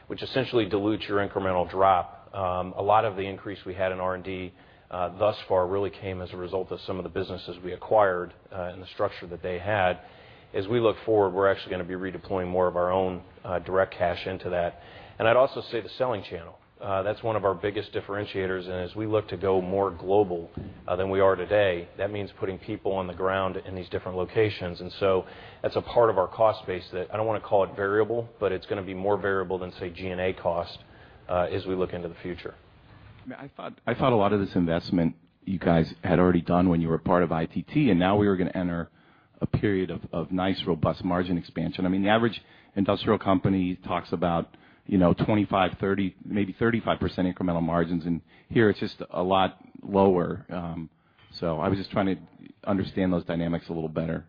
which essentially dilutes your incremental drop. A lot of the increase we had in R&D thus far really came as a result of some of the businesses we acquired and the structure that they had. As we look forward, we're actually going to be redeploying more of our own direct cash into that. I'd also say the selling channel. That's one of our biggest differentiators, and as we look to go more global than we are today, that means putting people on the ground in these different locations. That's a part of our cost base that, I don't want to call it variable, but it's going to be more variable than, say, G&A cost as we look into the future. I thought a lot of this investment you guys had already done when you were part of ITT, and now we were going to enter a period of nice, robust margin expansion. The average industrial company talks about 25%, 30%, maybe 35% incremental margins, and here it's just a lot lower. I was just trying to understand those dynamics a little better.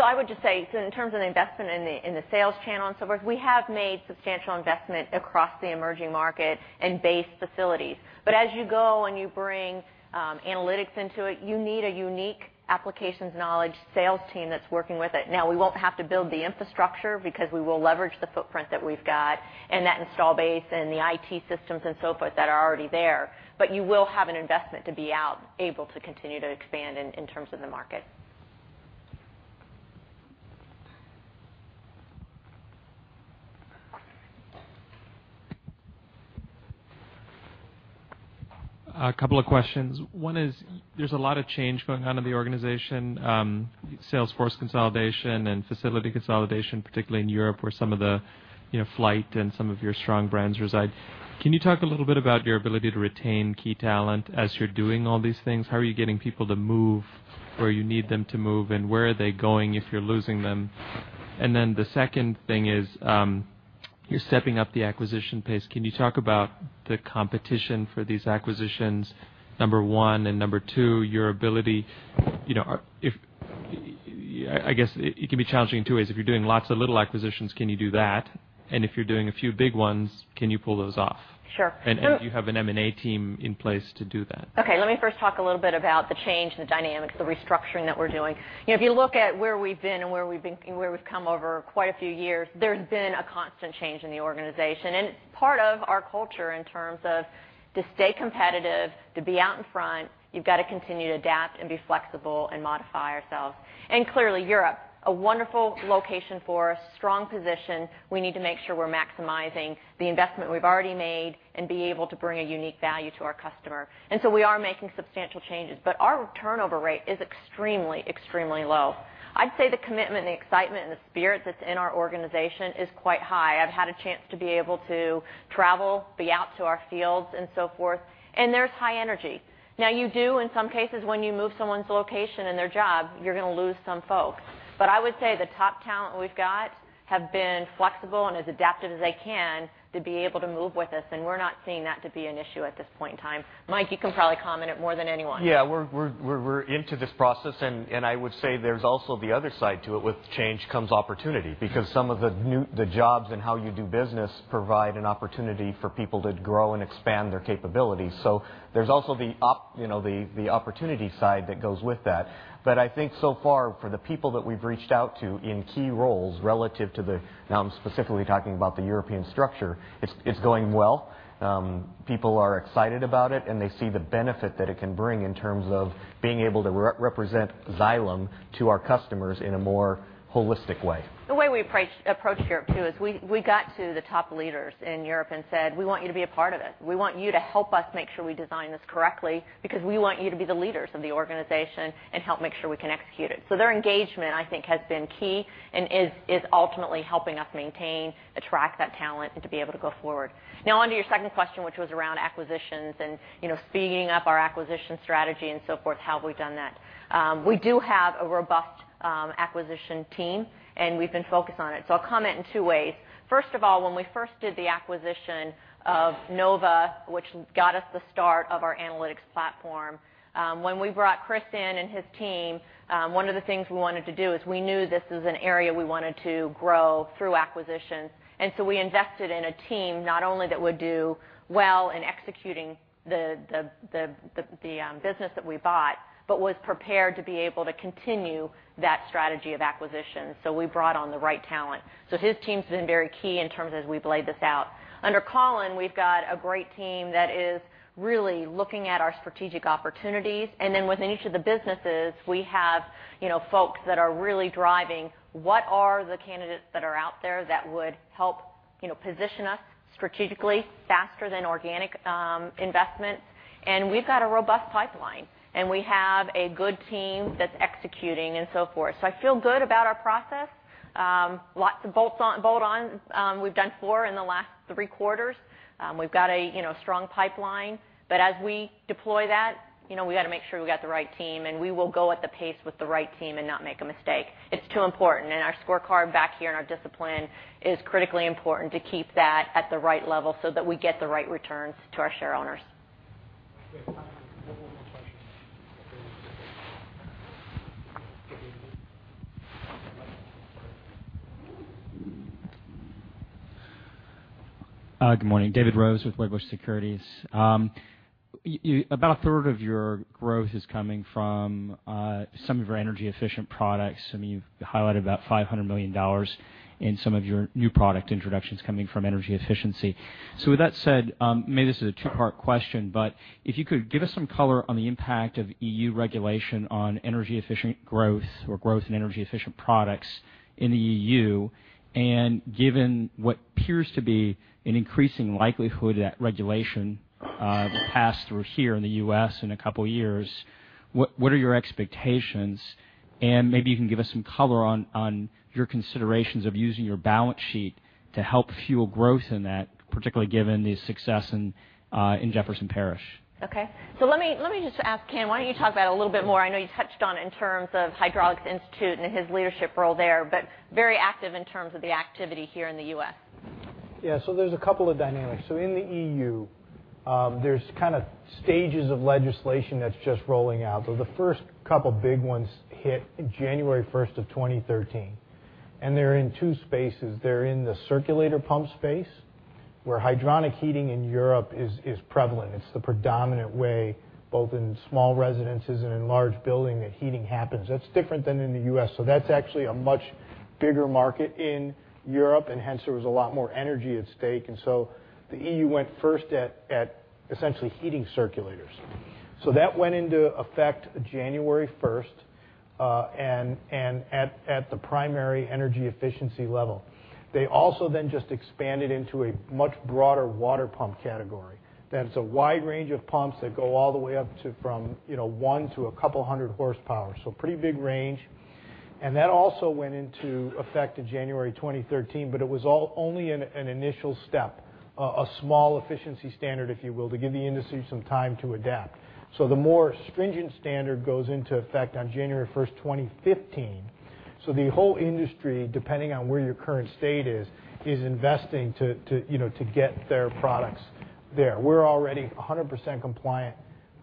I would just say, in terms of the investment in the sales channel and so forth, we have made substantial investment across the emerging market and base facilities. As you go and you bring analytics into it, you need a unique applications knowledge sales team that's working with it. Now, we won't have to build the infrastructure because we will leverage the footprint that we've got and that install base and the IT systems and so forth that are already there. You will have an investment to be out, able to continue to expand in terms of the market. A couple of questions. One is, there's a lot of change going on in the organization, sales force consolidation and facility consolidation, particularly in Europe, where some of the Flygt and some of your strong brands reside. Can you talk a little bit about your ability to retain key talent as you're doing all these things? How are you getting people to move where you need them to move, and where are they going if you're losing them? The second thing is, you're stepping up the acquisition pace. Can you talk about the competition for these acquisitions, number one and number two, your ability. I guess it can be challenging in two ways. If you're doing lots of little acquisitions, can you do that? If you're doing a few big ones, can you pull those off? Sure. Do you have an M&A team in place to do that? Let me first talk a little bit about the change, the dynamics, the restructuring that we're doing. If you look at where we've been and where we've come over quite a few years, there's been a constant change in the organization. It's part of our culture in terms of to stay competitive, to be out in front, you've got to continue to adapt and be flexible and modify ourselves. Clearly, Europe, a wonderful location for us, strong position. We need to make sure we're maximizing the investment we've already made and be able to bring a unique value to our customer. So we are making substantial changes. Our turnover rate is extremely low. I'd say the commitment, the excitement and the spirit that's in our organization is quite high. I've had a chance to be able to travel, be out to our fields and so forth, there's high energy. You do, in some cases, when you move someone's location and their job, you're going to lose some folks. I would say the top talent we've got have been flexible and as adaptive as they can to be able to move with us, and we're not seeing that to be an issue at this point in time. Mike, you can probably comment it more than anyone. Yeah. We're into this process, I would say there's also the other side to it. With change comes opportunity. Some of the jobs and how you do business provide an opportunity for people to grow and expand their capabilities. There's also the opportunity side that goes with that. I think so far, for the people that we've reached out to in key roles relative to the, now I'm specifically talking about the European structure, it's going well. People are excited about it, and they see the benefit that it can bring in terms of being able to represent Xylem to our customers in a more holistic way. The way we approached Europe, too, is we got to the top leaders in Europe and said, "We want you to be a part of this. We want you to help us make sure we design this correctly, because we want you to be the leaders of the organization and help make sure we can execute it." Their engagement, I think, has been key and is ultimately helping us maintain, attract that talent, and to be able to go forward. Onto your second question, which was around acquisitions and speeding up our acquisition strategy and so forth, how have we done that? We do have a robust acquisition team, and we've been focused on it. I'll comment in two ways. First of all, when we first did the acquisition of Nova, which got us the start of our analytics platform, when we brought Chris in and his team, one of the things we wanted to do is we knew this is an area we wanted to grow through acquisitions. We invested in a team, not only that would do well in executing the business that we bought, but was prepared to be able to continue that strategy of acquisition. We brought on the right talent. His team's been very key in terms of as we've laid this out. Under Colin, we've got a great team that is really looking at our strategic opportunities. Within each of the businesses, we have folks that are really driving what are the candidates that are out there that would help position us strategically faster than organic investment. We've got a robust pipeline, we have a good team that's executing and so forth. I feel good about our process. Lots of bolt-ons. We've done four in the last three quarters. We've got a strong pipeline, as we deploy that, we've got to make sure we got the right team, we will go at the pace with the right team and not make a mistake. It's too important, our scorecard back here and our discipline is critically important to keep that at the right level so that we get the right returns to our shareowners. We have time for one more question. Good morning. David Rose with Wedbush Securities. About a third of your growth is coming from some of your energy-efficient products. You've highlighted about $500 million in some of your new product introductions coming from energy efficiency. With that said, maybe this is a two-part question, but if you could give us some color on the impact of EU regulation on energy-efficient growth or growth in energy-efficient products in the EU, given what appears to be an increasing likelihood that regulation passed through here in the U.S. in a couple of years, what are your expectations? Maybe you can give us some color on your considerations of using your balance sheet to help fuel growth in that, particularly given the success in Jefferson Parish. Okay. Let me just ask Ken, why don't you talk about it a little bit more? I know you touched on it in terms of Hydraulics Institute and his leadership role there, very active in terms of the activity here in the U.S. Yeah, there's a couple of dynamics. In the EU, there's stages of legislation that's just rolling out. The first couple of big ones hit January 1st of 2013, and they're in two spaces. They're in the circulator pump space, where hydronic heating in Europe is prevalent. It's the predominant way, both in small residences and in large building, that heating happens. That's different than in the U.S. That's actually a much bigger market in Europe, and hence, there was a lot more energy at stake. The EU went first at essentially heating circulators. That went into effect January 1st, and at the primary energy efficiency level. They also just expanded into a much broader water pump category. That is a wide range of pumps that go all the way up to from one to a couple of hundred horsepower. Pretty big range. That also went into effect in January 2013, but it was only an initial step, a small efficiency standard, if you will, to give the industry some time to adapt. The more stringent standard goes into effect on January 1st, 2015. The whole industry, depending on where your current state is investing to get their products there. We are already 100% compliant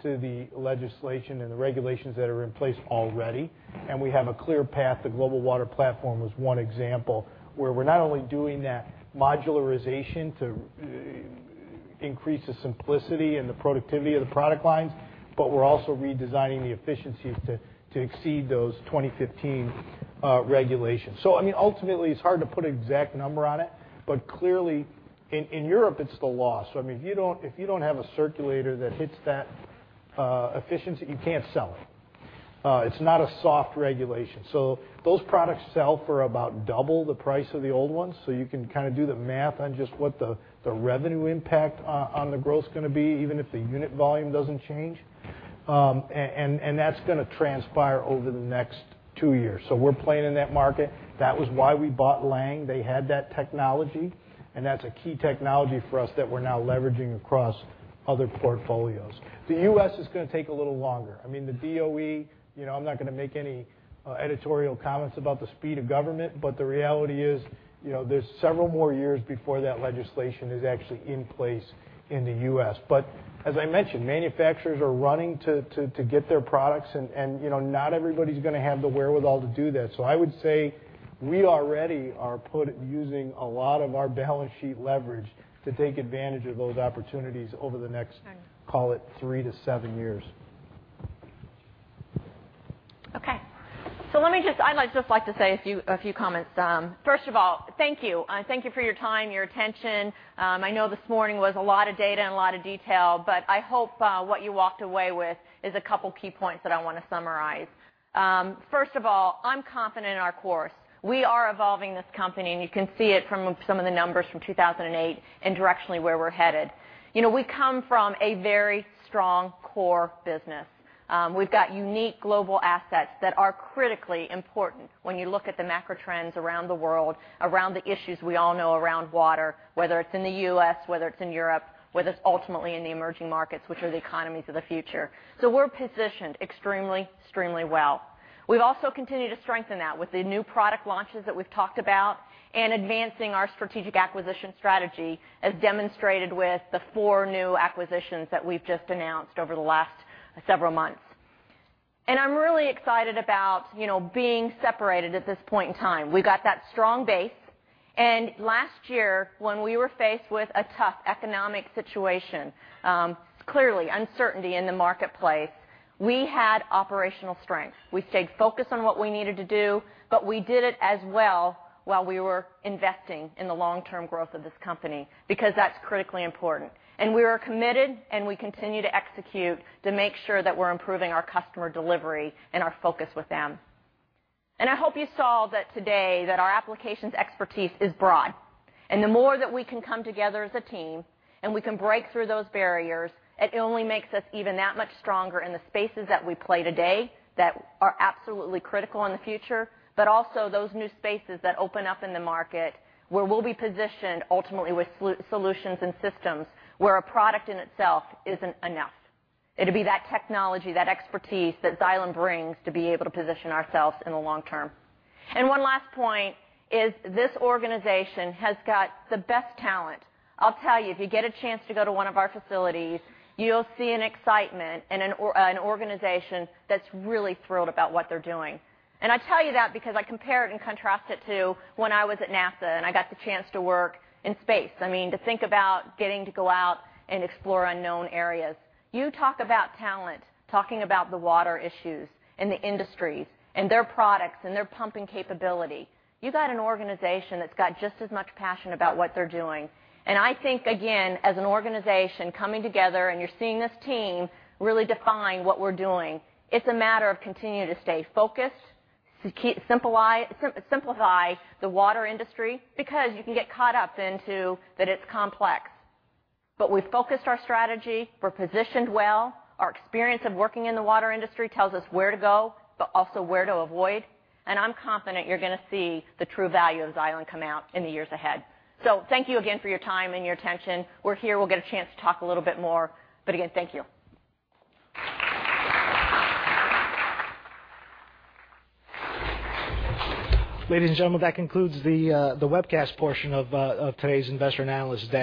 to the legislation and the regulations that are in place already, and we have a clear path. The Global Water Platform was one example, where we are not only doing that modularization to increase the simplicity and the productivity of the product lines, but we are also redesigning the efficiencies to exceed those 2015 regulations. Ultimately, it is hard to put an exact number on it, but clearly, in Europe, it is the law. If you do not have a circulator that hits that efficiency, you cannot sell it. It is not a soft regulation. Those products sell for about double the price of the old ones. You can do the math on just what the revenue impact on the growth is going to be, even if the unit volume does not change. That is going to transpire over the next two years. We are playing in that market. That was why we bought Laing. They had that technology, and that is a key technology for us that we are now leveraging across other portfolios. The U.S. is going to take a little longer. The DOE, I am not going to make any editorial comments about the speed of government, but the reality is there is several more years before that legislation is actually in place in the U.S. As I mentioned, manufacturers are running to get their products, and not everybody is going to have the wherewithal to do that. I would say we already are using a lot of our balance sheet leverage to take advantage of those opportunities over the next, call it, three to seven years. Okay. I would just like to say a few comments. First of all, thank you. Thank you for your time, your attention. I know this morning was a lot of data and a lot of detail, but I hope what you walked away with is a couple key points that I want to summarize. First of all, I am confident in our course. We are evolving this company, and you can see it from some of the numbers from 2008 and directionally where we are headed. We come from a very strong core business. We have got unique global assets that are critically important when you look at the macro trends around the world, around the issues we all know around water, whether it is in the U.S., whether it is in Europe, whether it is ultimately in the emerging markets, which are the economies of the future. We are positioned extremely well. We've also continued to strengthen that with the new product launches that we've talked about and advancing our strategic acquisition strategy, as demonstrated with the four new acquisitions that we've just announced over the last several months. I'm really excited about being separated at this point in time. We got that strong base, last year, when we were faced with a tough economic situation, clearly uncertainty in the marketplace, we had operational strength. We stayed focused on what we needed to do, but we did it as well while we were investing in the long-term growth of this company, because that's critically important. We are committed, we continue to execute to make sure that we're improving our customer delivery and our focus with them. I hope you saw that today that our applications expertise is broad, the more that we can come together as a team and we can break through those barriers, it only makes us even that much stronger in the spaces that we play today that are absolutely critical in the future, but also those new spaces that open up in the market where we'll be positioned ultimately with solutions and systems where a product in itself isn't enough. It'll be that technology, that expertise that Xylem brings to be able to position ourselves in the long term. One last point is this organization has got the best talent. I'll tell you, if you get a chance to go to one of our facilities, you'll see an excitement and an organization that's really thrilled about what they're doing. I tell you that because I compare it and contrast it to when I was at NASA and I got the chance to work in space. I mean, to think about getting to go out and explore unknown areas. You talk about talent, talking about the water issues and the industries and their products and their pumping capability. You got an organization that's got just as much passion about what they're doing. I think, again, as an organization coming together and you're seeing this team really define what we're doing, it's a matter of continuing to stay focused, simplify the water industry, because you can get caught up into that it's complex. We've focused our strategy, we're positioned well. Our experience of working in the water industry tells us where to go, but also where to avoid. I'm confident you're going to see the true value of Xylem come out in the years ahead. Thank you again for your time and your attention. We're here. We'll get a chance to talk a little bit more. Again, thank you. Ladies and gentlemen, that concludes the webcast portion of today's Investor and Analyst Day.